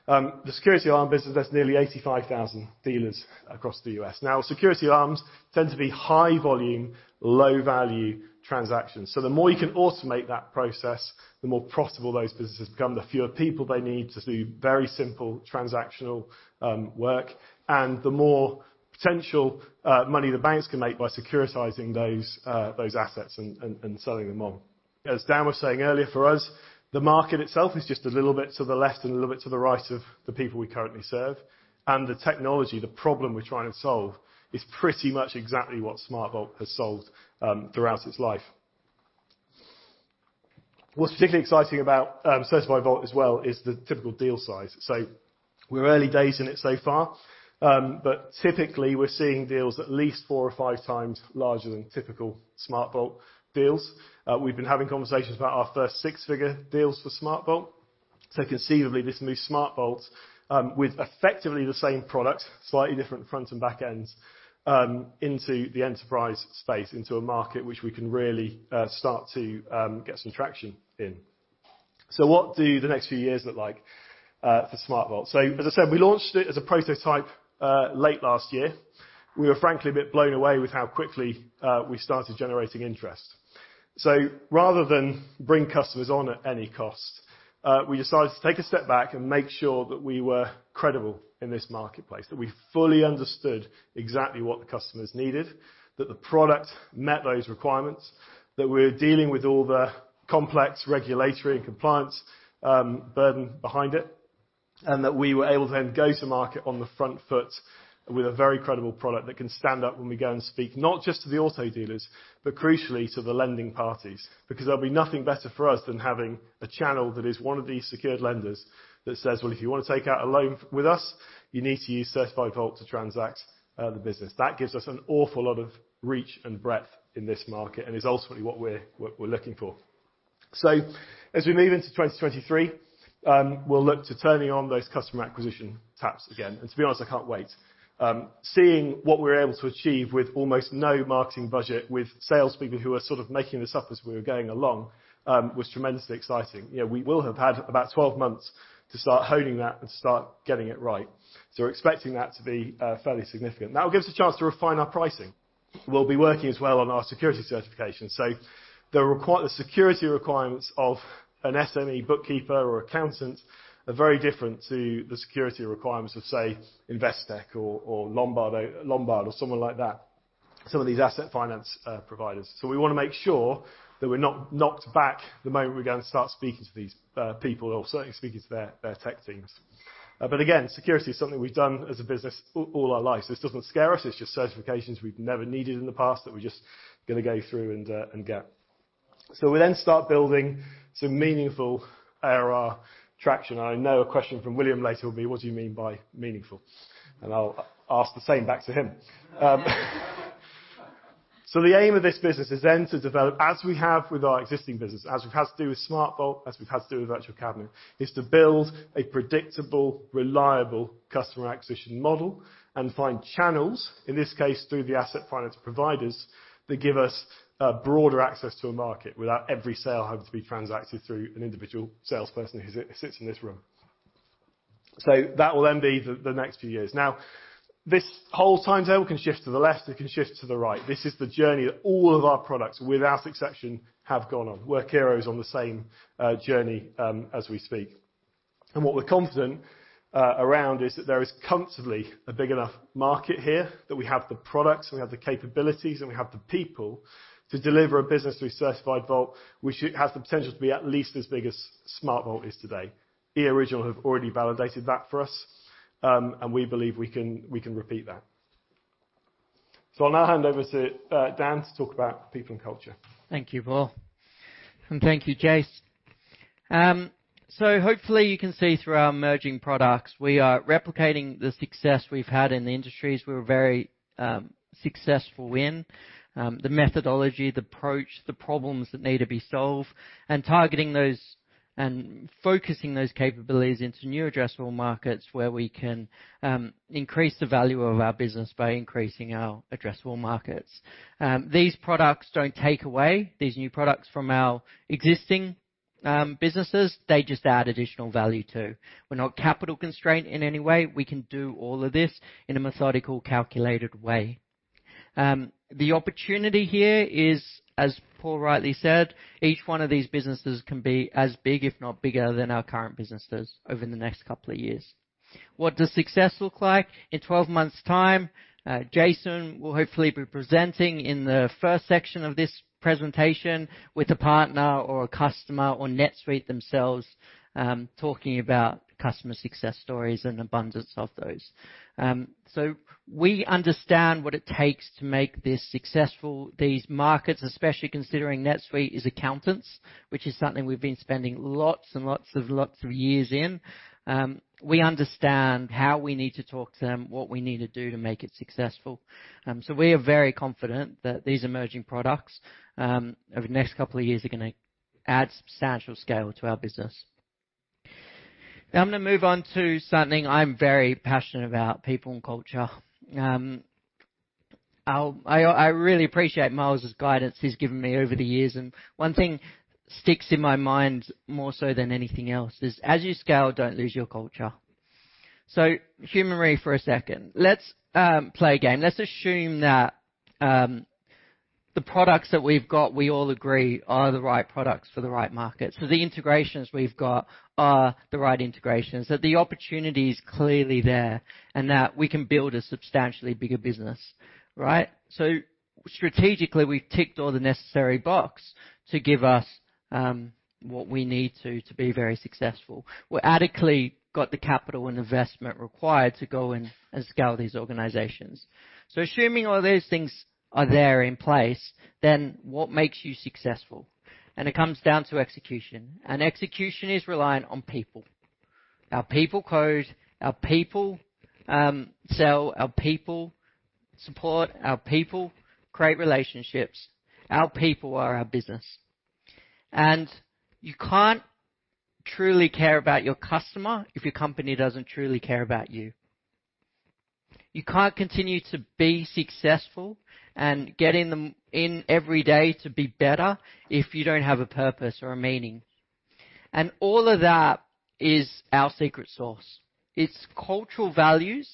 The security alarm business, there's nearly 85,000 dealers across the U.S. Now, security alarms tend to be high volume, low value transactions. The more you can automate that process, the more profitable those businesses become, the fewer people they need to do very simple transactional work, and the more potential money the banks can make by securitizing those assets and selling them on. As Dan was saying earlier, for us, the market itself is just a little bit to the left and a little bit to the right of the people we currently serve. The technology, the problem we're trying to solve is pretty much exactly what SmartVault has solved throughout its life. What's particularly exciting about Certified Vault as well is the typical deal size. We're early days in it so far, but typically we're seeing deals at least four or five times larger than typical SmartVault deals. We've been having conversations about our first six-figure deals for SmartVault. Conceivably this moves SmartVault, with effectively the same product, slightly different front and back ends, into the enterprise space, into a market which we can really start to get some traction in. What do the next few years look like for SmartVault? As I said, we launched it as a prototype late last year. We were frankly a bit blown away with how quickly we started generating interest. Rather than bring customers on at any cost, we decided to take a step back and make sure that we were credible in this marketplace. That we fully understood exactly what the customers needed, that the product met those requirements, that we're dealing with all the complex regulatory and compliance burden behind it, and that we were able to then go to market on the front foot with a very credible product that can stand up when we go and speak, not just to the auto dealers, but crucially to the lending parties. Because there'll be nothing better for us than having a channel that is one of these secured lenders that says, "Well, if you wanna take out a loan with us, you need to use Certified Vault to transact the business." That gives us an awful lot of reach and breadth in this market and is ultimately what we're looking for. As we move into 2023, we'll look to turning on those customer acquisition taps again. To be honest, I can't wait. Seeing what we're able to achieve with almost no marketing budget, with salespeople who are sort of making this up as we were going along, was tremendously exciting. You know, we will have had about 12 months to start honing that and start getting it right. We're expecting that to be fairly significant. That will give us a chance to refine our pricing. We'll be working as well on our security certification. The security requirements of an SME bookkeeper or accountant are very different to the security requirements of, say, Investec or Lombard or someone like that. Some of these asset finance providers. We want to make sure that we're not knocked back the moment we're going to start speaking to these people or certainly speaking to their tech teams. Again, security is something we've done as a business all our life. This doesn't scare us. It's just certifications we've never needed in the past that we're just gonna go through and get. We then start building some meaningful ARR traction. I know a question from William later will be, "What do you mean by meaningful?" I'll ask the same back to him. The aim of this business is then to develop as we have with our existing business, as we've had to do with SmartVault, as we've had to do with Virtual Cabinet, is to build a predictable, reliable customer acquisition model and find channels, in this case, through the asset finance providers, that give us a broader access to a market without every sale having to be transacted through an individual salesperson who sits in this room. That will then be the next few years. Now, this whole timetable can shift to the left, it can shift to the right. This is the journey that all of our products, without exception, have gone on. Workiro is on the same journey as we speak. What we're confident around is that there is comfortably a big enough market here, that we have the products and we have the capabilities and we have the people to deliver a business through Certified Vault, which has the potential to be at least as big as SmartVault is today. eOriginal have already validated that for us, and we believe we can repeat that. I'll now hand over to Dan to talk about people and culture. Thank you, Paul. Thank you, Jase. Hopefully you can see through our emerging products, we are replicating the success we've had in the industries we're very successful in. The methodology, the approach, the problems that need to be solved, and targeting those and focusing those capabilities into new addressable markets where we can increase the value of our business by increasing our addressable markets. These products don't take away these new products from our existing businesses. They just add additional value too. We're not capital constrained in any way. We can do all of this in a methodical, calculated way. The opportunity here is, as Paul rightly said, each one of these businesses can be as big, if not bigger than our current businesses over the next couple of years. What does success look like? In 12 months' time, Jason will hopefully be presenting in the first section of this presentation with a partner or a customer or NetSuite themselves, talking about customer success stories and abundance of those. We understand what it takes to make this successful, these markets, especially considering NetSuite is accountants, which is something we've been spending lots of years in. We understand how we need to talk to them, what we need to do to make it successful. We are very confident that these emerging products over the next couple of years are gonna add substantial scale to our business. Now I'm gonna move on to something I'm very passionate about, people and culture. I really appreciate Miles's guidance he's given me over the years, and one thing sticks in my mind more so than anything else is, as you scale, don't lose your culture. Humor me for a second. Let's play a game. Let's assume that the products that we've got, we all agree, are the right products for the right market. The integrations we've got are the right integrations, that the opportunity is clearly there, and that we can build a substantially bigger business, right? Strategically, we've ticked all the necessary boxes to give us what we need to be very successful. We've adequately got the capital and investment required to go and scale these organizations. Assuming all those things are in place, what makes you successful? It comes down to execution. Execution is reliant on people. Our people code, our people sell, our people support, our people create relationships. Our people are our business. You can't truly care about your customer if your company doesn't truly care about you. You can't continue to be successful and getting them in every day to be better if you don't have a purpose or a meaning. All of that is our secret sauce. It's cultural values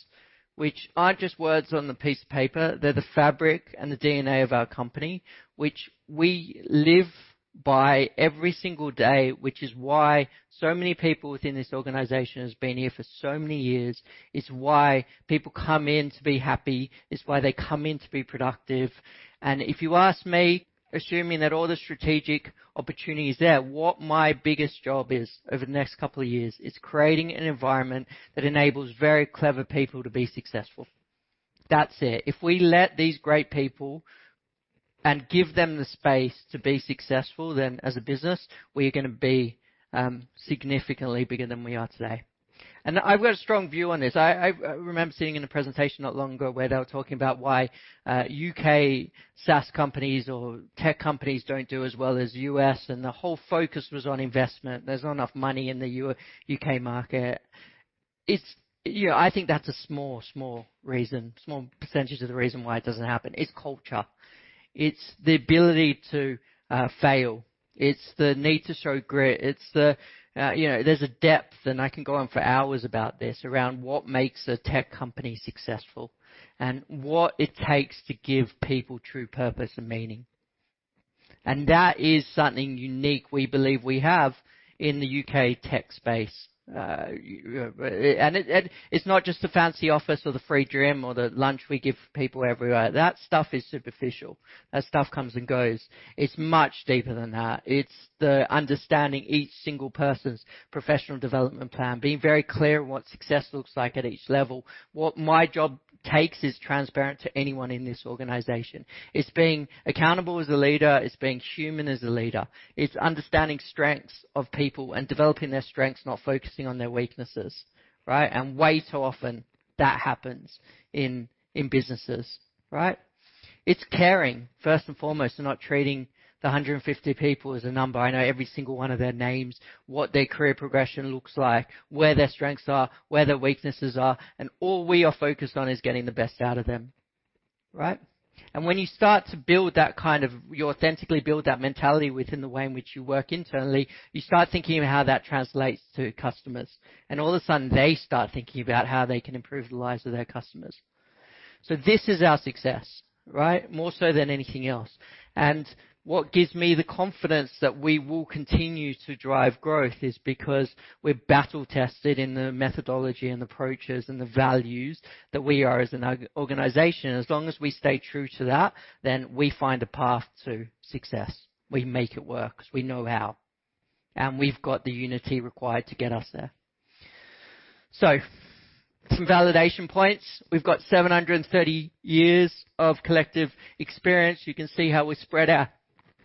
which aren't just words on the piece of paper. They're the fabric and the DNA of our company, which we live by every single day, which is why so many people within this organization has been here for so many years. It's why people come in to be happy. It's why they come in to be productive. If you ask me, assuming that all the strategic opportunity is there, what my biggest job is over the next couple of years is creating an environment that enables very clever people to be successful. That's it. If we let these great people and give them the space to be successful, then as a business, we're gonna be significantly bigger than we are today. I've got a strong view on this. I remember seeing in a presentation not long ago where they were talking about why U.K. SaaS companies or tech companies don't do as well as U.S., and the whole focus was on investment. There's not enough money in the U.K. market. You know, I think that's a small reason, small percentage of the reason why it doesn't happen. It's culture. It's the ability to fail. It's the need to show grit. It's the, you know, there's a depth, and I can go on for hours about this, around what makes a tech company successful and what it takes to give people true purpose and meaning. That is something unique we believe we have in the UK tech space. It's not just the fancy office or the free drink or the lunch we give people. That stuff is superficial. That stuff comes and goes. It's much deeper than that. It's the understanding each single person's professional development plan, being very clear on what success looks like at each level. What my job takes is transparent to anyone in this organization. It's being accountable as a leader. It's being human as a leader. It's understanding strengths of people and developing their strengths, not focusing on their weaknesses, right? Way too often that happens in businesses, right? It's caring, first and foremost, and not treating the 150 people as a number. I know every single one of their names, what their career progression looks like, where their strengths are, where their weaknesses are, and all we are focused on is getting the best out of them, right? When you start to build that kind of. You authentically build that mentality within the way in which you work internally, you start thinking of how that translates to customers. All of a sudden they start thinking about how they can improve the lives of their customers. This is our success, right? More so than anything else. What gives me the confidence that we will continue to drive growth is because we're battle-tested in the methodology and approaches and the values that we are as an organization. As long as we stay true to that, we find a path to success. We make it work 'cause we know how, and we've got the unity required to get us there. Some validation points. We've got 730 years of collective experience. You can see how we're spread out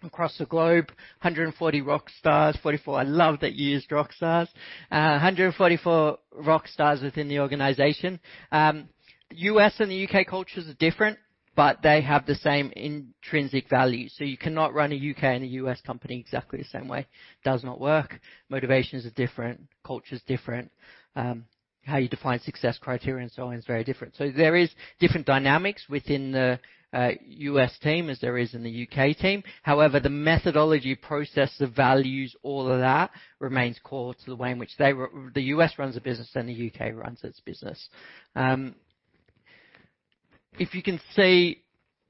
across the globe. I love that you used rock stars. 144 rock stars within the organization. U.S. and the U.K. cultures are different, but they have the same intrinsic value. You cannot run a U.K. and a U.S. company exactly the same way. Does not work. Motivations are different, culture's different. How you define success criteria and so on is very different. There is different dynamics within the U.S. team as there is in the U.K. team. However, the methodology, process, the values, all of that remains core to the way in which the U.S. runs a business and the U.K. runs its business. If you can see,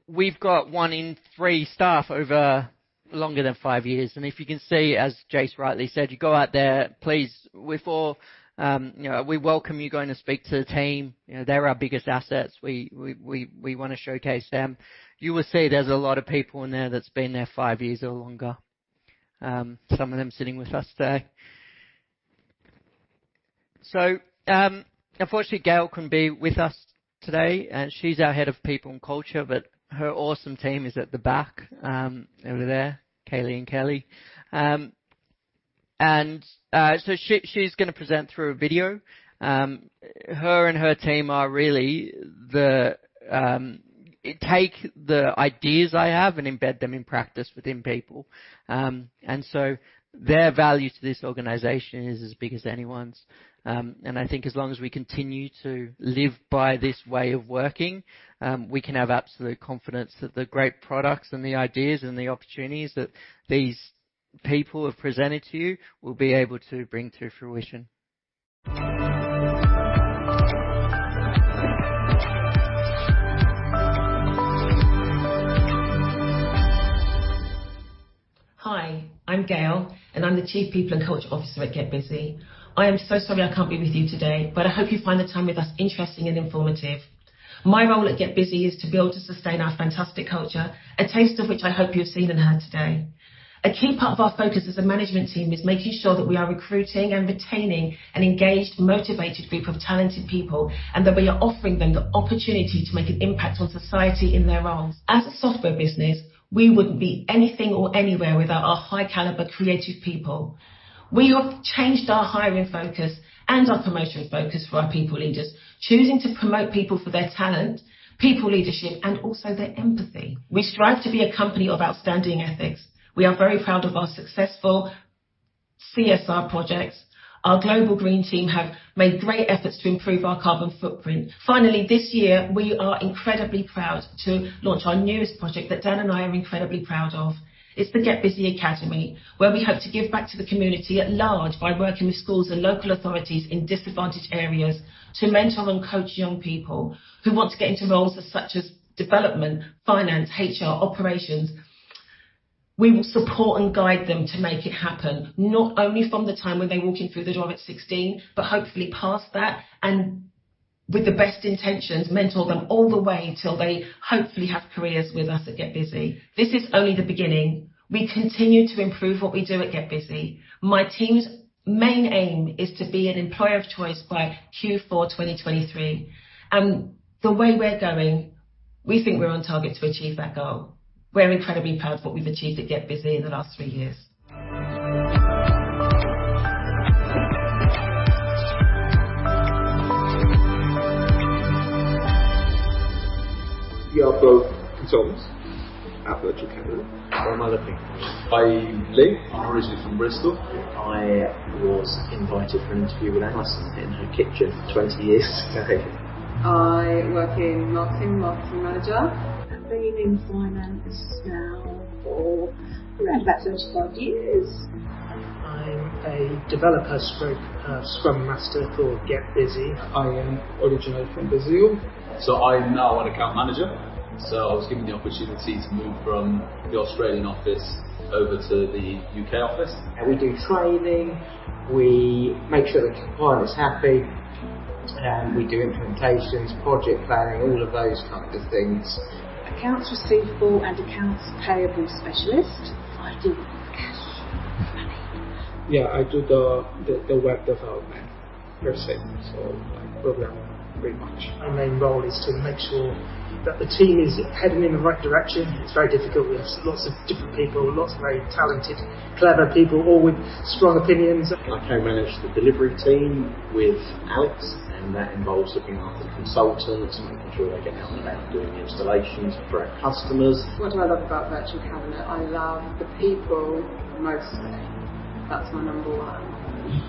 we've got one in three staff over longer than five years. If you can see, as Jase rightly said, you go out there, please, we've all, you know, we welcome you going to speak to the team. You know, they're our biggest assets. We wanna showcase them. You will see there's a lot of people in there that's been there five years or longer. Some of them sitting with us today. Unfortunately, Gail couldn't be with us today. She's our Head of People and Culture, but her awesome team is at the back, over there, Kaylee and Kelly. She's gonna present through a video. Her and her team are really It take the ideas I have and embed them in practice within people. Their value to this organization is as big as anyone's. I think as long as we continue to live by this way of working, we can have absolute confidence that the great products and the ideas and the opportunities that these people have presented to you will be able to bring to fruition. Hi, I'm Gail, and I'm the Chief People and Culture Officer at GetBusy. I am so sorry I can't be with you today, but I hope you find the time with us interesting and informative. My role at GetBusy is to be able to sustain our fantastic culture, a taste of which I hope you have seen and heard today. A key part of our focus as a management team is making sure that we are recruiting and retaining an engaged, motivated group of talented people, and that we are offering them the opportunity to make an impact on society in their roles. As a software business, we wouldn't be anything or anywhere without our high caliber creative people. We have changed our hiring focus and our promotion focus for our people leaders, choosing to promote people for their talent, people leadership, and also their empathy. We strive to be a company of outstanding ethics. We are very proud of our successful CSR projects. Our global green team have made great efforts to improve our carbon footprint. Finally, this year, we are incredibly proud to launch our newest project that Dan and I are incredibly proud of. It's the GetBusy Academy, where we hope to give back to the community at large by working with schools and local authorities in disadvantaged areas to mentor and coach young people who want to get into roles such as development, finance, HR, operations. We will support and guide them to make it happen, not only from the time when they walk in through the door at 16, but hopefully past that and with the best intentions, mentor them all the way till they hopefully have careers with us at GetBusy. This is only the beginning. We continue to improve what we do at GetBusy. My team's main aim is to be an employer of choice by Q4 2023. The way we're going, we think we're on target to achieve that goal. We're incredibly proud of what we've achieved at GetBusy in the last three years. We are both consultants at Virtual Cabinet. What am I looking for? I live originally from Bristol. I was invited for an interview with Alison in her kitchen 20 years ago. I work in marketing manager. I've been in finance now for around about 35 years. I'm a developer/Scrum master for GetBusy. I am originally from Brazil. I'm now an account manager, so I was given the opportunity to move from the Australian office over to the U.K. office. We do training, we make sure the client's happy, and we do implementations, project planning, all of those types of things. Accounts receivable and accounts payable specialist. I deal with cash. Money. Yeah, I do the web development per se, so I program pretty much. My main role is to make sure that the team is heading in the right direction. It's very difficult. We have lots of different people, lots of very talented, clever people, all with strong opinions. I co-manage the delivery team with Alex, and that involves looking after consultants and making sure they get out and about doing installations for our customers. What do I love about Virtual Cabinet? I love the people mostly. That's my number one.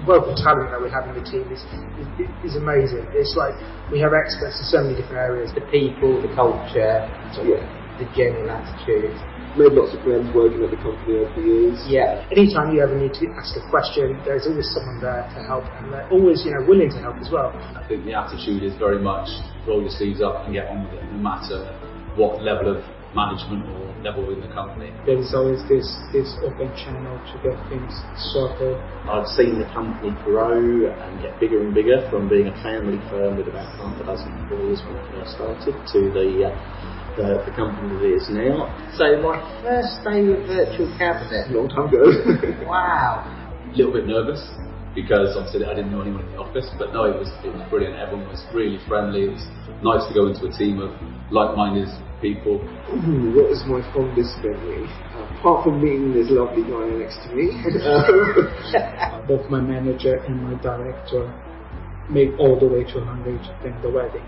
Well, the talent that we have in the team is amazing. It's like we have experts in so many different areas. The people, the culture. Yeah. The general attitude. Made lots of friends working at the company over the years. Yeah. Anytime you ever need to ask a question, there's always someone there to help, and they're always, you know, willing to help as well. I think the attitude is very much roll your sleeves up and get on with it, no matter what level of management or level in the company. There is always this open channel to get things sorted. I've seen the company grow and get bigger and bigger from being a family firm with about 100,000 employees when it first started to the company that it is now. My first day with Virtual Cabinet, a long time ago. Wow! A little bit nervous because obviously I didn't know anyone in the office. No, it was brilliant. Everyone was really friendly. It was nice to go into a team of like-minded people. Ooh, what is my fondest memory? Apart from meeting this lovely guy next to me. Both my manager and my director made all the way to Hungary during the wedding,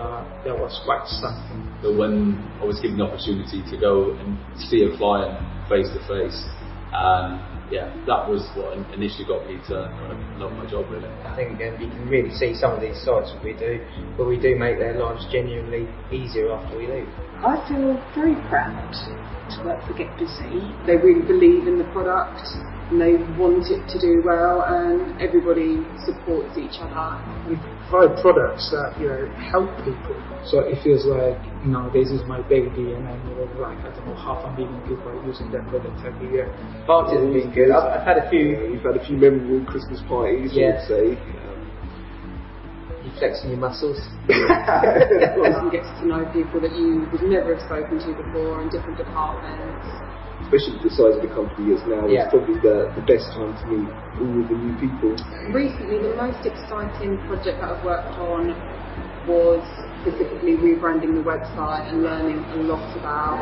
and that was quite something. When I was given the opportunity to go and see a client face to face, yeah, that was what initially got me to kind of love my job, really. I think, again, you can really see some of these sites that we do, but we do make their lives genuinely easier after we leave. I feel very proud to work for GetBusy. They really believe in the product, and they want it to do well, and everybody supports each other. We provide products that, you know, help people. It feels like, you know, this is my baby, and I'm more of like, I don't know, half-embarrassed just by using that product every year. Parties have been good. I've had a few. You know, we've had a few memorable Christmas parties. Yeah. I would say. You're flexing your muscles. Of course, you get to know people that you would never have spoken to before in different departments. Especially the size of the company is now. Yeah. Is probably the best time to meet all of the new people. Recently, the most exciting project that I've worked on was specifically rebranding the website and learning a lot about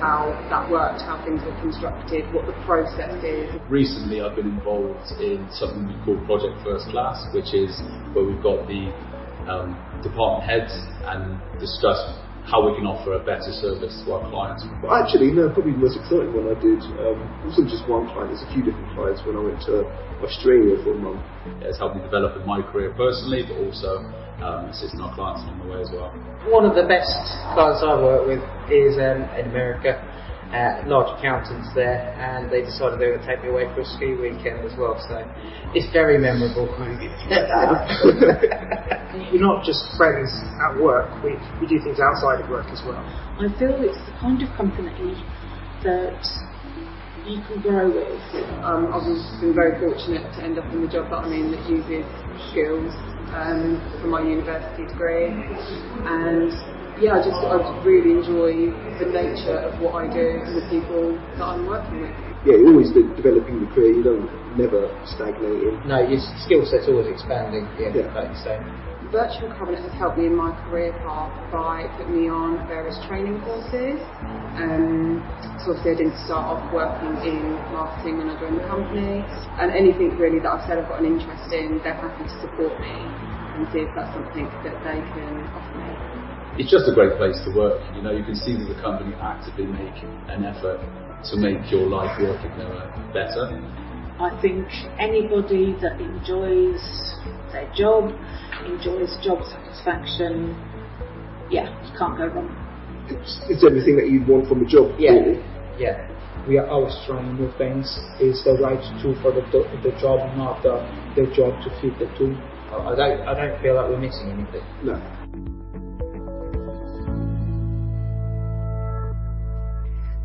how that worked, how things were constructed, what the process is. Recently, I've been involved in something we call Project First Class, which is where we've got the department heads and discuss how we can offer a better service to our clients. Actually, no, probably the most exciting one I did wasn't just one client, it was a few different clients when I went to Australia for a month. It's helped me develop in my career personally, but also, assisting our clients along the way as well. One of the best clients I've worked with is in America, large accountants there, and they decided they would take me away for a ski weekend as well. It's very memorable clients. We're not just friends at work. We do things outside of work as well. I feel it's the kind of company that you can grow with. Obviously been very fortunate to end up in the job that I'm in that uses skills from my university degree. Yeah, I just, I really enjoy the nature of what I do and the people that I'm working with. Yeah, you're always developing your career. Never stagnating. No, your skill set's always expanding. Yeah. Yeah, 100%. Virtual Cabinet has helped me in my career path by putting me on various training courses. I say I didn't start off working in marketing when I joined the company. Anything really that I've said I've got an interest in, they're happy to support me and see if that's something that they can offer me. It's just a great place to work. You know, you can see that the company are actively making an effort to make your life working there better. I think anybody that enjoys their job, enjoys job satisfaction, yeah, can't go wrong. It's everything that you want from a job. Yeah. -really. Yeah. We are always trying new things. It's the right tool for the job, not the job to fit the tool. I don't feel like we're missing anything.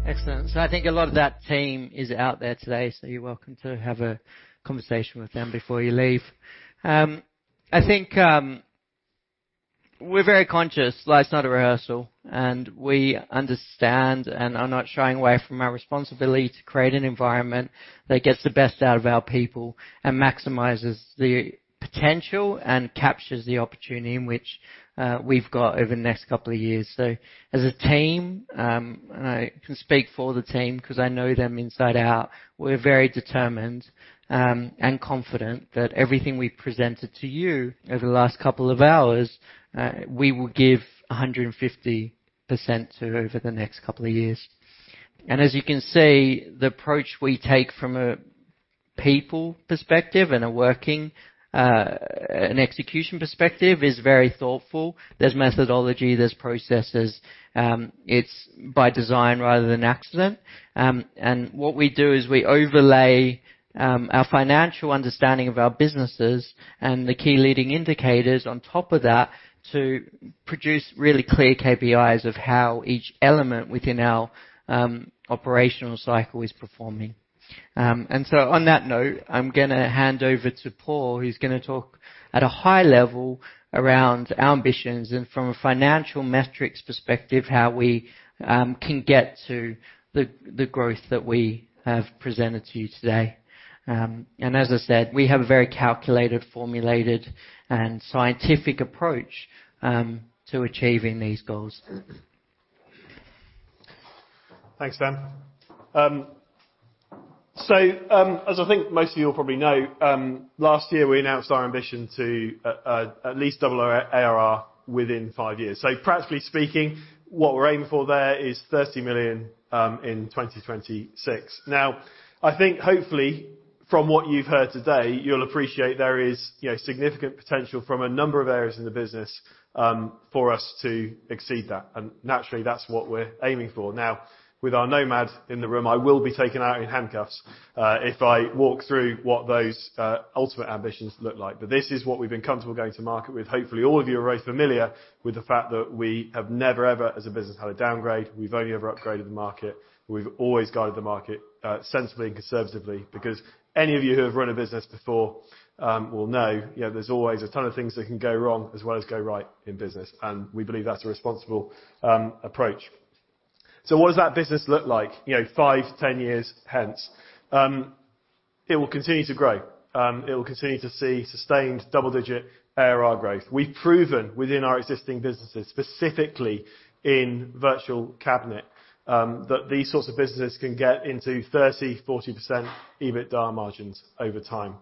No. Excellent. I think a lot of that team is out there today, so you're welcome to have a conversation with them before you leave. I think we're very conscious life's not a rehearsal, and we understand and are not shying away from our responsibility to create an environment that gets the best out of our people and maximizes the potential and captures the opportunity in which we've got over the next couple of years. As a team, and I can speak for the team 'cause I know them inside out, we're very determined and confident that everything we've presented to you over the last couple of hours, we will give 150% to over the next couple of years. As you can see, the approach we take from a people perspective and a working, an execution perspective is very thoughtful. There's methodology, there's processes, it's by design rather than accident. What we do is we overlay our financial understanding of our businesses and the key leading indicators on top of that to produce really clear KPIs of how each element within our operational cycle is performing. On that note, I'm gonna hand over to Paul, who's gonna talk at a high level around ambitions and from a financial metrics perspective, how we can get to the growth that we have presented to you today. As I said, we have a very calculated, formulated and scientific approach to achieving these goals. Thanks, Dan. As I think most of you all probably know, last year we announced our ambition to at least double our ARR within five years. Practically speaking, what we're aiming for there is 30 million in 2026. I think hopefully from what you've heard today, you'll appreciate there is, you know, significant potential from a number of areas in the business, for us to exceed that. Naturally, that's what we're aiming for. With our NOMAD in the room, I will be taken out in handcuffs if I walk through what those ultimate ambitions look like. This is what we've been comfortable going to market with. Hopefully, all of you are very familiar with the fact that we have never, ever as a business had a downgrade. We've only ever upgraded the market. We've always guided the market sensibly and conservatively because any of you who have run a business before will know, you know, there's always a ton of things that can go wrong as well as go right in business, and we believe that's a responsible approach. What does that business look like, you know, 5-10 years hence? It will continue to grow. It will continue to see sustained double-digit ARR growth. We've proven within our existing businesses, specifically in Virtual Cabinet, that these sorts of businesses can get into 30%-40% EBITDA margins over time.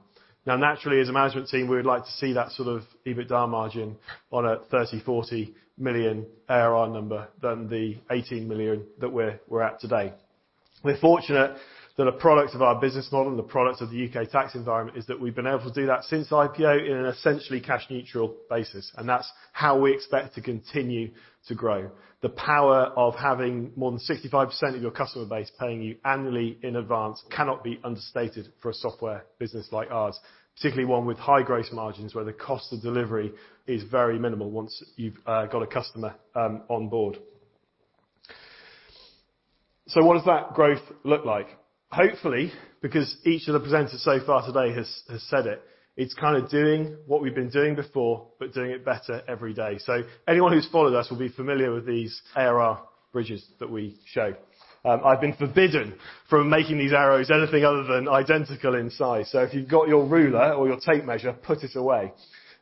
Now, naturally, as a management team, we would like to see that sort of EBITDA margin on a 30-40 million ARR number than the 18 million that we're at today. We're fortunate that a product of our business model and the products of the U.K. tax environment is that we've been able to do that since IPO in an essentially cash neutral basis, and that's how we expect to continue to grow. The power of having more than 65% of your customer base paying you annually in advance cannot be understated for a software business like ours, particularly one with high gross margins where the cost of delivery is very minimal once you've got a customer on board. What does that growth look like? Hopefully, because each of the presenters so far today has said it's kind of doing what we've been doing before but doing it better every day. Anyone who's followed us will be familiar with these ARR bridges that we show. I've been forbidden from making these arrows anything other than identical in size. If you've got your ruler or your tape measure, put it away.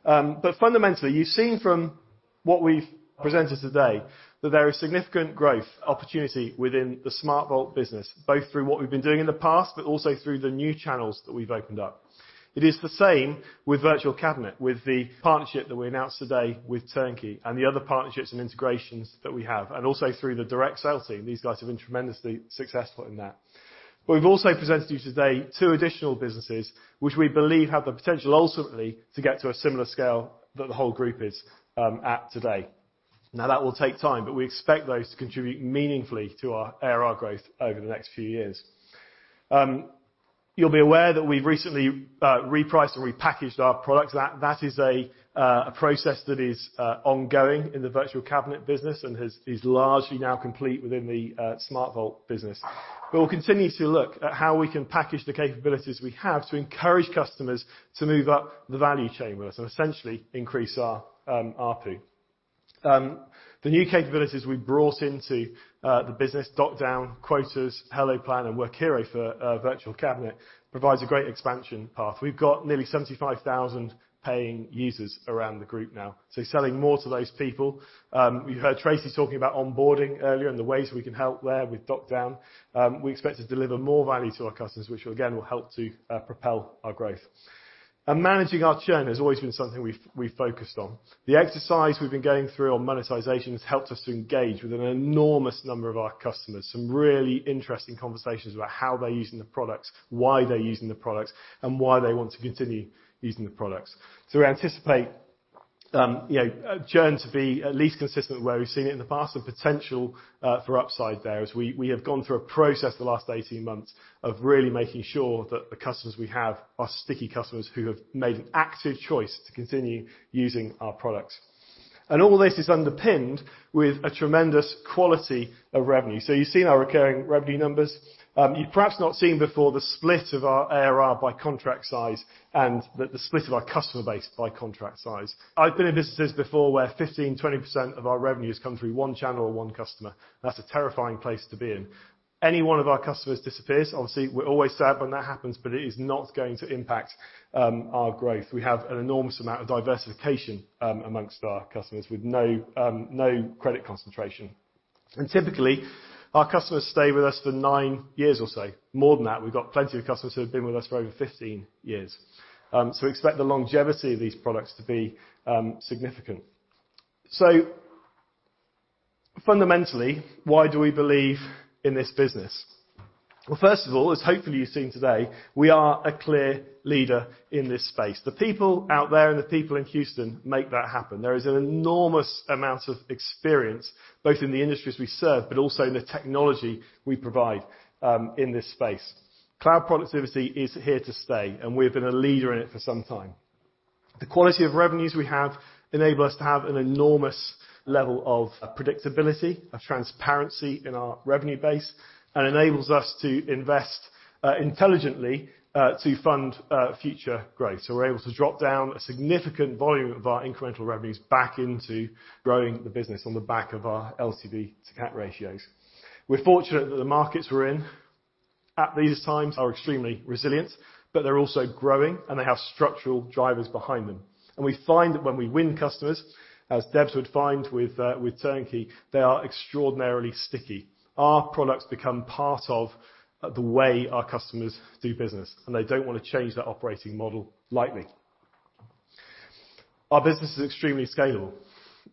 Fundamentally, you've seen from what we've presented today that there is significant growth opportunity within the SmartVault business, both through what we've been doing in the past but also through the new channels that we've opened up. It is the same with Virtual Cabinet, with the partnership that we announced today with Turnkey and the other partnerships and integrations that we have, and also through the direct sales team. These guys have been tremendously successful in that. We've also presented to you today two additional businesses, which we believe have the potential ultimately to get to a similar scale that the whole group is at today. That will take time, but we expect those to contribute meaningfully to our ARR growth over the next few years. You'll be aware that we've recently repriced or repackaged our products. That is a process that is ongoing in the Virtual Cabinet business and is largely now complete within the SmartVault business. We'll continue to look at how we can package the capabilities we have to encourage customers to move up the value chain with us and essentially increase our ARPU. The new capabilities we brought into the business, DocDown, Quoters, HelloPlan, and Workiro for Virtual Cabinet, provides a great expansion path. We've got nearly 75,000 paying users around the group now. Selling more to those people. You heard Tracy talking about onboarding earlier and the ways we can help there with DocDown. We expect to deliver more value to our customers, which again, will help to propel our growth. Managing our churn has always been something we've focused on. The exercise we've been going through on monetization has helped us to engage with an enormous number of our customers. Some really interesting conversations about how they're using the products, why they're using the products, and why they want to continue using the products. We anticipate, you know, churn to be at least consistent where we've seen it in the past. The potential for upside there as we have gone through a process the last 18 months of really making sure that the customers we have are sticky customers who have made an active choice to continue using our products. All this is underpinned with a tremendous quality of revenue. You've seen our recurring revenue numbers. You've perhaps not seen before the split of our ARR by contract size and the split of our customer base by contract size. I've been in businesses before where 15, 20% of our revenues come through one channel or one customer. That's a terrifying place to be in. Any one of our customers disappears, obviously, we're always sad when that happens, but it is not going to impact our growth. We have an enormous amount of diversification amongst our customers with no credit concentration. Typically, our customers stay with us for 9 years or so. More than that, we've got plenty of customers who have been with us for over 15 years. We expect the longevity of these products to be significant. Fundamentally, why do we believe in this business? Well, first of all, as hopefully you've seen today, we are a clear leader in this space. The people out there and the people in Houston make that happen. There is an enormous amount of experience, both in the industries we serve, but also in the technology we provide, in this space. Cloud productivity is here to stay, and we've been a leader in it for some time. The quality of revenues we have enable us to have an enormous level of predictability, of transparency in our revenue base, and enables us to invest, intelligently, to fund, future growth. We're able to drop down a significant volume of our incremental revenues back into growing the business on the back of our LTV to CAC ratios. We're fortunate that the markets we're in at these times are extremely resilient, but they're also growing, and they have structural drivers behind them. We find that when we win customers, as Debs would find with Turnkey, they are extraordinarily sticky. Our products become part of the way our customers do business, and they don't wanna change that operating model lightly. Our business is extremely scalable.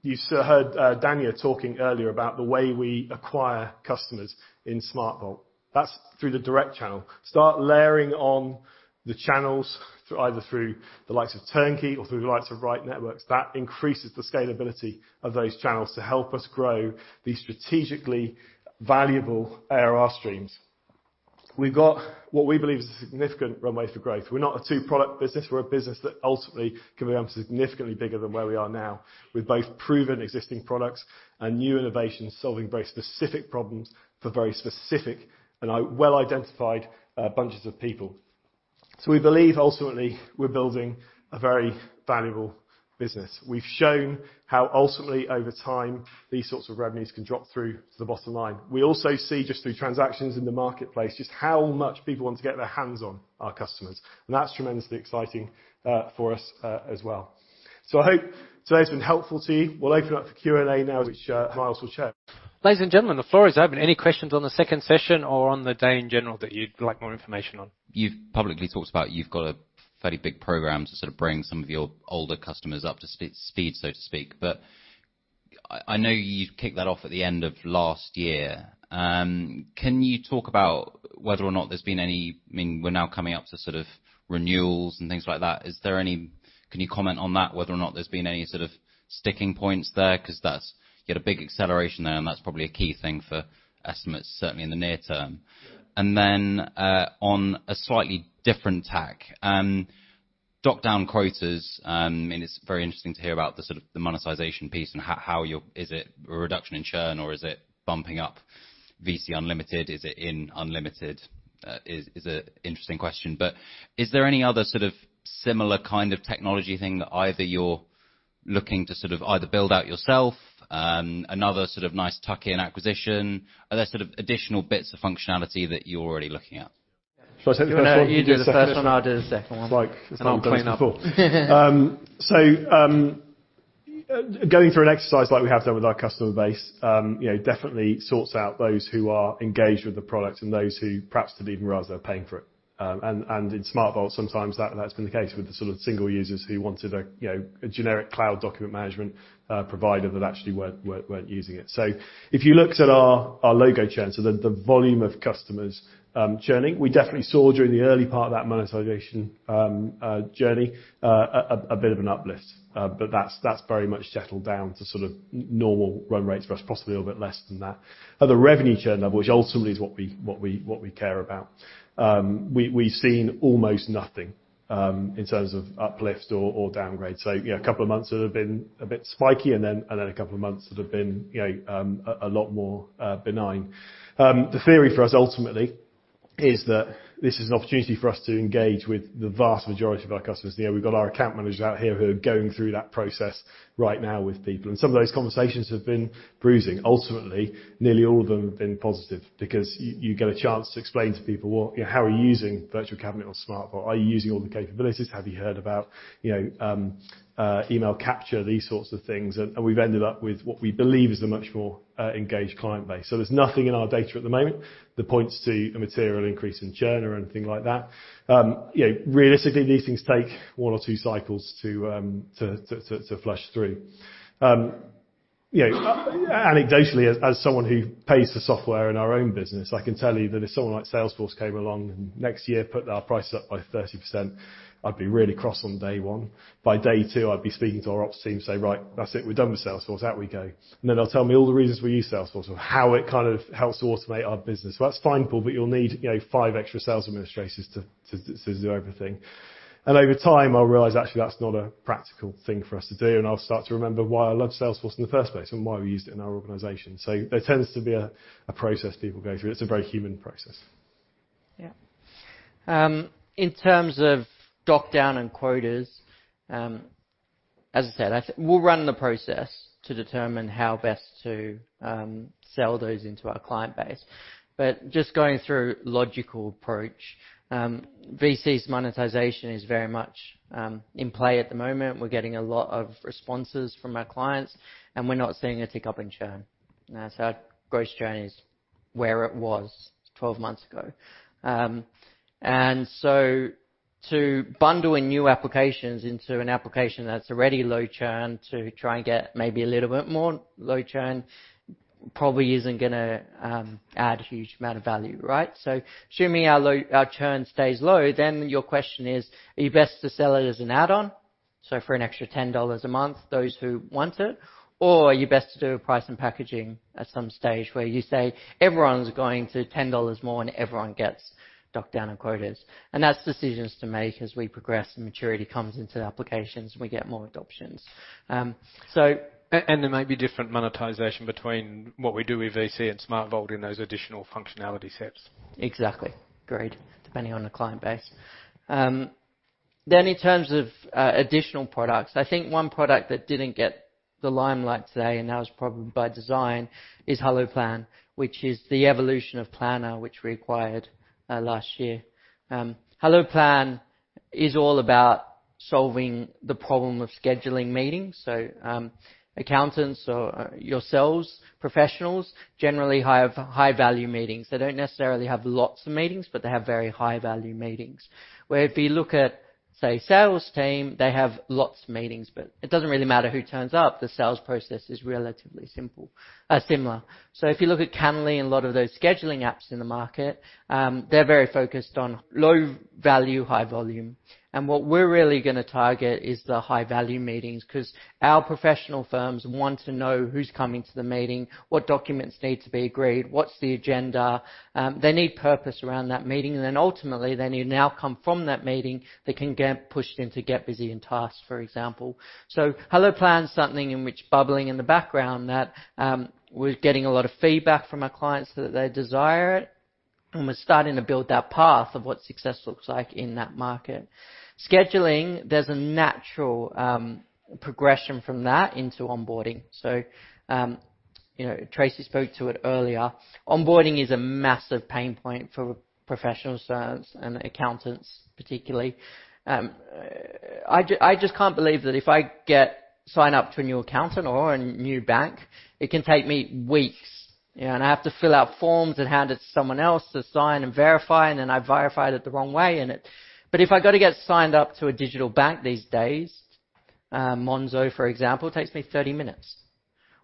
You heard Dania talking earlier about the way we acquire customers in SmartVault. That's through the direct channel. Start layering on the channels either through the likes of Turnkey or through the likes of Right Networks. That increases the scalability of those channels to help us grow these strategically valuable ARR streams. We've got what we believe is a significant runway for growth. We're not a two-product business. We're a business that ultimately can become significantly bigger than where we are now. We've both proven existing products and new innovations solving very specific problems for very specific and well identified bunches of people. We believe ultimately we're building a very valuable business. We've shown how ultimately over time, these sorts of revenues can drop through to the bottom line. We also see just through transactions in the marketplace, just how much people want to get their hands on our customers, and that's tremendously exciting for us as well. I hope today's been helpful to you. We'll open up the Q&A now, which Miles will chair. Ladies and gentlemen, the floor is open. Any questions on the second session or on the day in general that you'd like more information on? You've publicly talked about you've got a fairly big program to sort of bring some of your older customers up to speed, so to speak. I know you kicked that off at the end of last year. Can you talk about whether or not there's been any. I mean, we're now coming up to sort of renewals and things like that. Can you comment on that, whether or not there's been any sort of sticking points there? 'Cause that's. You had a big acceleration there, and that's probably a key thing for estimates, certainly in the near term. On a slightly different tack, DocDown Quoters, and it's very interesting to hear about the sort of monetization piece and how you. Is it a reduction in churn or is it bumping up VC unlimited? Is it in unlimited? It is an interesting question. Is there any other sort of similar kind of technology thing that either you're looking to sort of build out yourself, another sort of nice tuck-in acquisition? Are there sort of additional bits of functionality that you're already looking at? Shall I take the first one? You do the first one, I'll do the second one. It's like- I'll clean up. Going through an exercise like we have done with our customer base, you know, definitely sorts out those who are engaged with the product and those who perhaps didn't even realize they're paying for it. In SmartVault, sometimes that's been the case with the sort of single users who wanted a, you know, a generic cloud document management provider, but actually weren't using it. If you looked at our logo churn, so the volume of customers churning, we definitely saw during the early part of that monetization journey a bit of an uplift. That's very much settled down to sort of normal run rates for us, possibly a little bit less than that. At the revenue churn level, which ultimately is what we care about, we've seen almost nothing in terms of uplift or downgrade. You know, a couple of months that have been a bit spiky and then a couple of months that have been a lot more benign. The theory for us ultimately is that this is an opportunity for us to engage with the vast majority of our customers. You know, we've got our account managers out here who are going through that process right now with people, and some of those conversations have been bruising. Ultimately, nearly all of them have been positive because you get a chance to explain to people what "How are you using Virtual Cabinet or SmartVault? Are you using all the capabilities? Have you heard about, you know, email capture?" These sorts of things. We've ended up with what we believe is a much more engaged client base. There's nothing in our data at the moment that points to a material increase in churn or anything like that. You know, realistically, these things take one or two cycles to flush through. You know, anecdotally, as someone who pays for software in our own business, I can tell you that if someone like Salesforce came along and next year put our price up by 30%, I'd be really cross on day one. By day two, I'd be speaking to our ops team, say, "Right. That's it. We're done with Salesforce. Out we go." Then they'll tell me all the reasons we use Salesforce or how it kind of helps automate our business. "Well, that's fine, Paul, but you'll need, you know, five extra sales administrators to do everything." Over time, I'll realize, actually, that's not a practical thing for us to do, and I'll start to remember why I loved Salesforce in the first place and why we used it in our organization. There tends to be a process people go through. It's a very human process. Yeah. In terms of DocDown and Quoters, as I said, we'll run the process to determine how best to sell those into our client base. Just going through logical approach, VC's monetization is very much in play at the moment. We're getting a lot of responses from our clients, and we're not seeing an uptick in churn. Our gross churn is where it was 12 months ago. To bundling new applications into an application that's already low churn to try and get maybe a little bit more low churn probably isn't gonna add a huge amount of value, right? Assuming our churn stays low, your question is, are you best to sell it as an add-on, so for an extra $10 a month, those who want it, or are you best to do a pricing and packaging at some stage where you say everyone's going to $10 more and everyone gets DocDown and Quoters? That's decisions to make as we progress and maturity comes into the applications and we get more adoptions. There may be different monetization between what we do with VC and SmartVault in those additional functionality sets. Exactly. Agreed. Depending on the client base. In terms of additional products, I think one product that didn't get the limelight today, and that was probably by design, is HelloPlan, which is the evolution of Planner, which we acquired last year. HelloPlan is all about solving the problem of scheduling meetings. Accountants or yourselves, professionals, generally have high value meetings. They don't necessarily have lots of meetings, but they have very high value meetings. Where if you look at, say, sales team, they have lots of meetings, but it doesn't really matter who turns up. The sales process is relatively simple, similar. If you look at Calendly and a lot of those scheduling apps in the market, they're very focused on low value, high volume. What we're really gonna target is the high value meetings 'cause our professional firms want to know who's coming to the meeting, what documents need to be agreed, what's the agenda. They need purpose around that meeting. Then ultimately, they need an outcome from that meeting that can get pushed into GetBusy and Tasks, for example. HelloPlan is something in which bubbling in the background that, we're getting a lot of feedback from our clients that they desire it, and we're starting to build that path of what success looks like in that market. Scheduling, there's a natural progression from that into onboarding. You know, Tracy spoke to it earlier. Onboarding is a massive pain point for professional services and accountants particularly. I just can't believe that if I get signed up to a new accountant or a new bank, it can take me weeks, you know. I have to fill out forms and hand it to someone else to sign and verify, and then I verified it the wrong way and it. If I go to get signed up to a digital bank these days, Monzo, for example, takes me 30 minutes.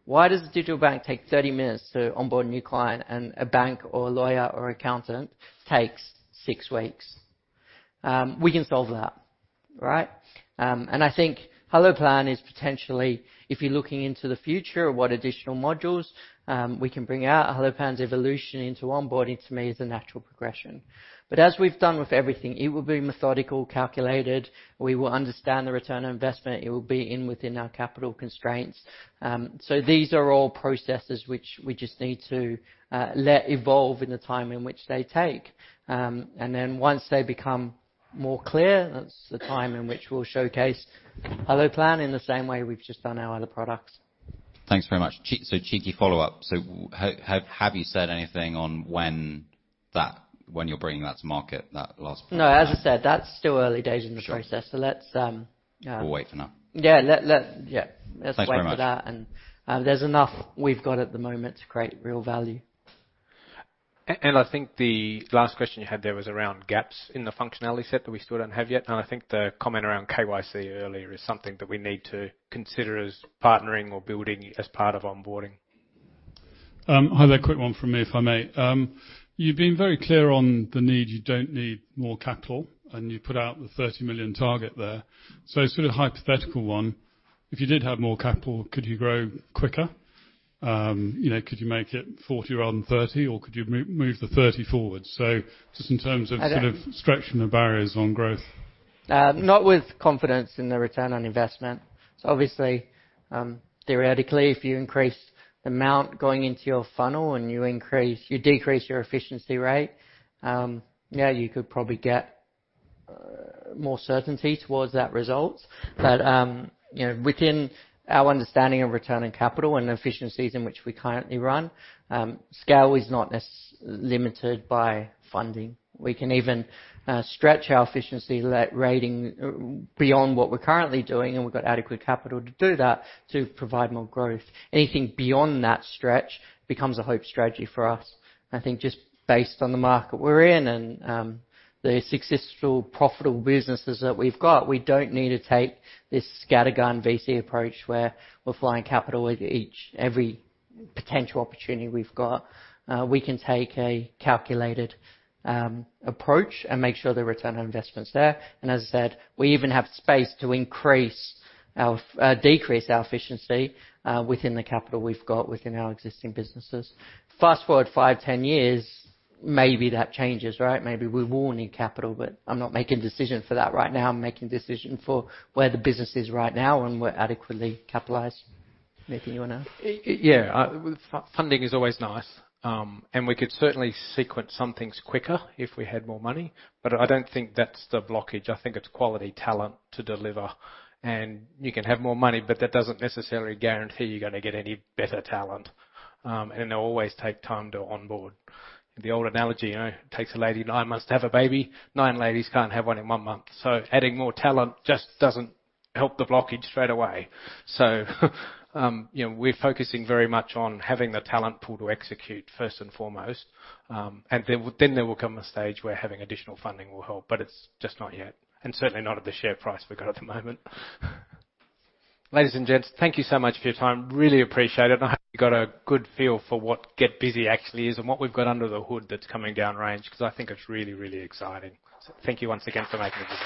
Why does the digital bank take 30 minutes to onboard a new client and a bank or lawyer or accountant takes 6 weeks? We can solve that, right? I think HelloPlan is potentially, if you're looking into the future of what additional modules, we can bring out, HelloPlan's evolution into onboarding to me is a natural progression. As we've done with everything, it will be methodical, calculated. We will understand the return on investment. It will be within our capital constraints. These are all processes which we just need to let evolve in the time in which they take. Once they become more clear, that's the time in which we'll showcase HelloPlan in the same way we've just done our other products. Thanks very much. Cheeky follow-up. Have you said anything on when you're bringing that to market, that last part? No. As I said, that's still early days in the process. Sure. So let's, um, uh- We'll wait to know. Yeah. Yeah. Thanks very much. Let's wait for that, and there's enough we've got at the moment to create real value. I think the last question you had there was around gaps in the functionality set that we still don't have yet, and I think the comment around KYC earlier is something that we need to consider as partnering or building as part of onboarding. I have a quick one from me if I may. You've been very clear on the need, you don't need more capital, and you put out the 30 million target there. Sort of hypothetical one, if you did have more capital, could you grow quicker? You know, could you make it 40 million rather than 30 million, or could you move the 30 million forward? Just in terms of. I don't- Sort of stretching the barriers on growth. Not with confidence in the return on investment. Obviously, theoretically, if you increase the amount going into your funnel and you decrease your efficiency rate, you could probably get more certainty towards that result. You know, within our understanding of returning capital and the efficiencies in which we currently run, scale is not limited by funding. We can even stretch our efficiency rate beyond what we're currently doing, and we've got adequate capital to do that to provide more growth. Anything beyond that stretch becomes a hope strategy for us. I think just based on the market we're in and the successful profitable businesses that we've got, we don't need to take this scattergun VC approach where we're flinging capital with every potential opportunity we've got. We can take a calculated approach and make sure the return on investment's there. As I said, we even have space to decrease our efficiency within the capital we've got within our existing businesses. Fast-forward 5, 10 years, maybe that changes, right? Maybe we will need capital, but I'm not making a decision for that right now. I'm making a decision for where the business is right now, and we're adequately capitalized. Miles, anything you wanna Yeah. Funding is always nice. We could certainly sequence some things quicker if we had more money, but I don't think that's the blockage. I think it's quality talent to deliver. You can have more money, but that doesn't necessarily guarantee you're gonna get any better talent. They'll always take time to onboard. The old analogy, you know, it takes a lady nine months to have a baby. Nine ladies can't have one in one month. Adding more talent just doesn't help the blockage straight away. You know, we're focusing very much on having the talent pool to execute first and foremost. Then there will come a stage where having additional funding will help, but it's just not yet, and certainly not at the share price we've got at the moment. Ladies and gents, thank you so much for your time. Really appreciate it, and I hope you got a good feel for what GetBusy actually is and what we've got under the hood that's coming down range, 'cause I think it's really, really exciting. Thank you once again for making it.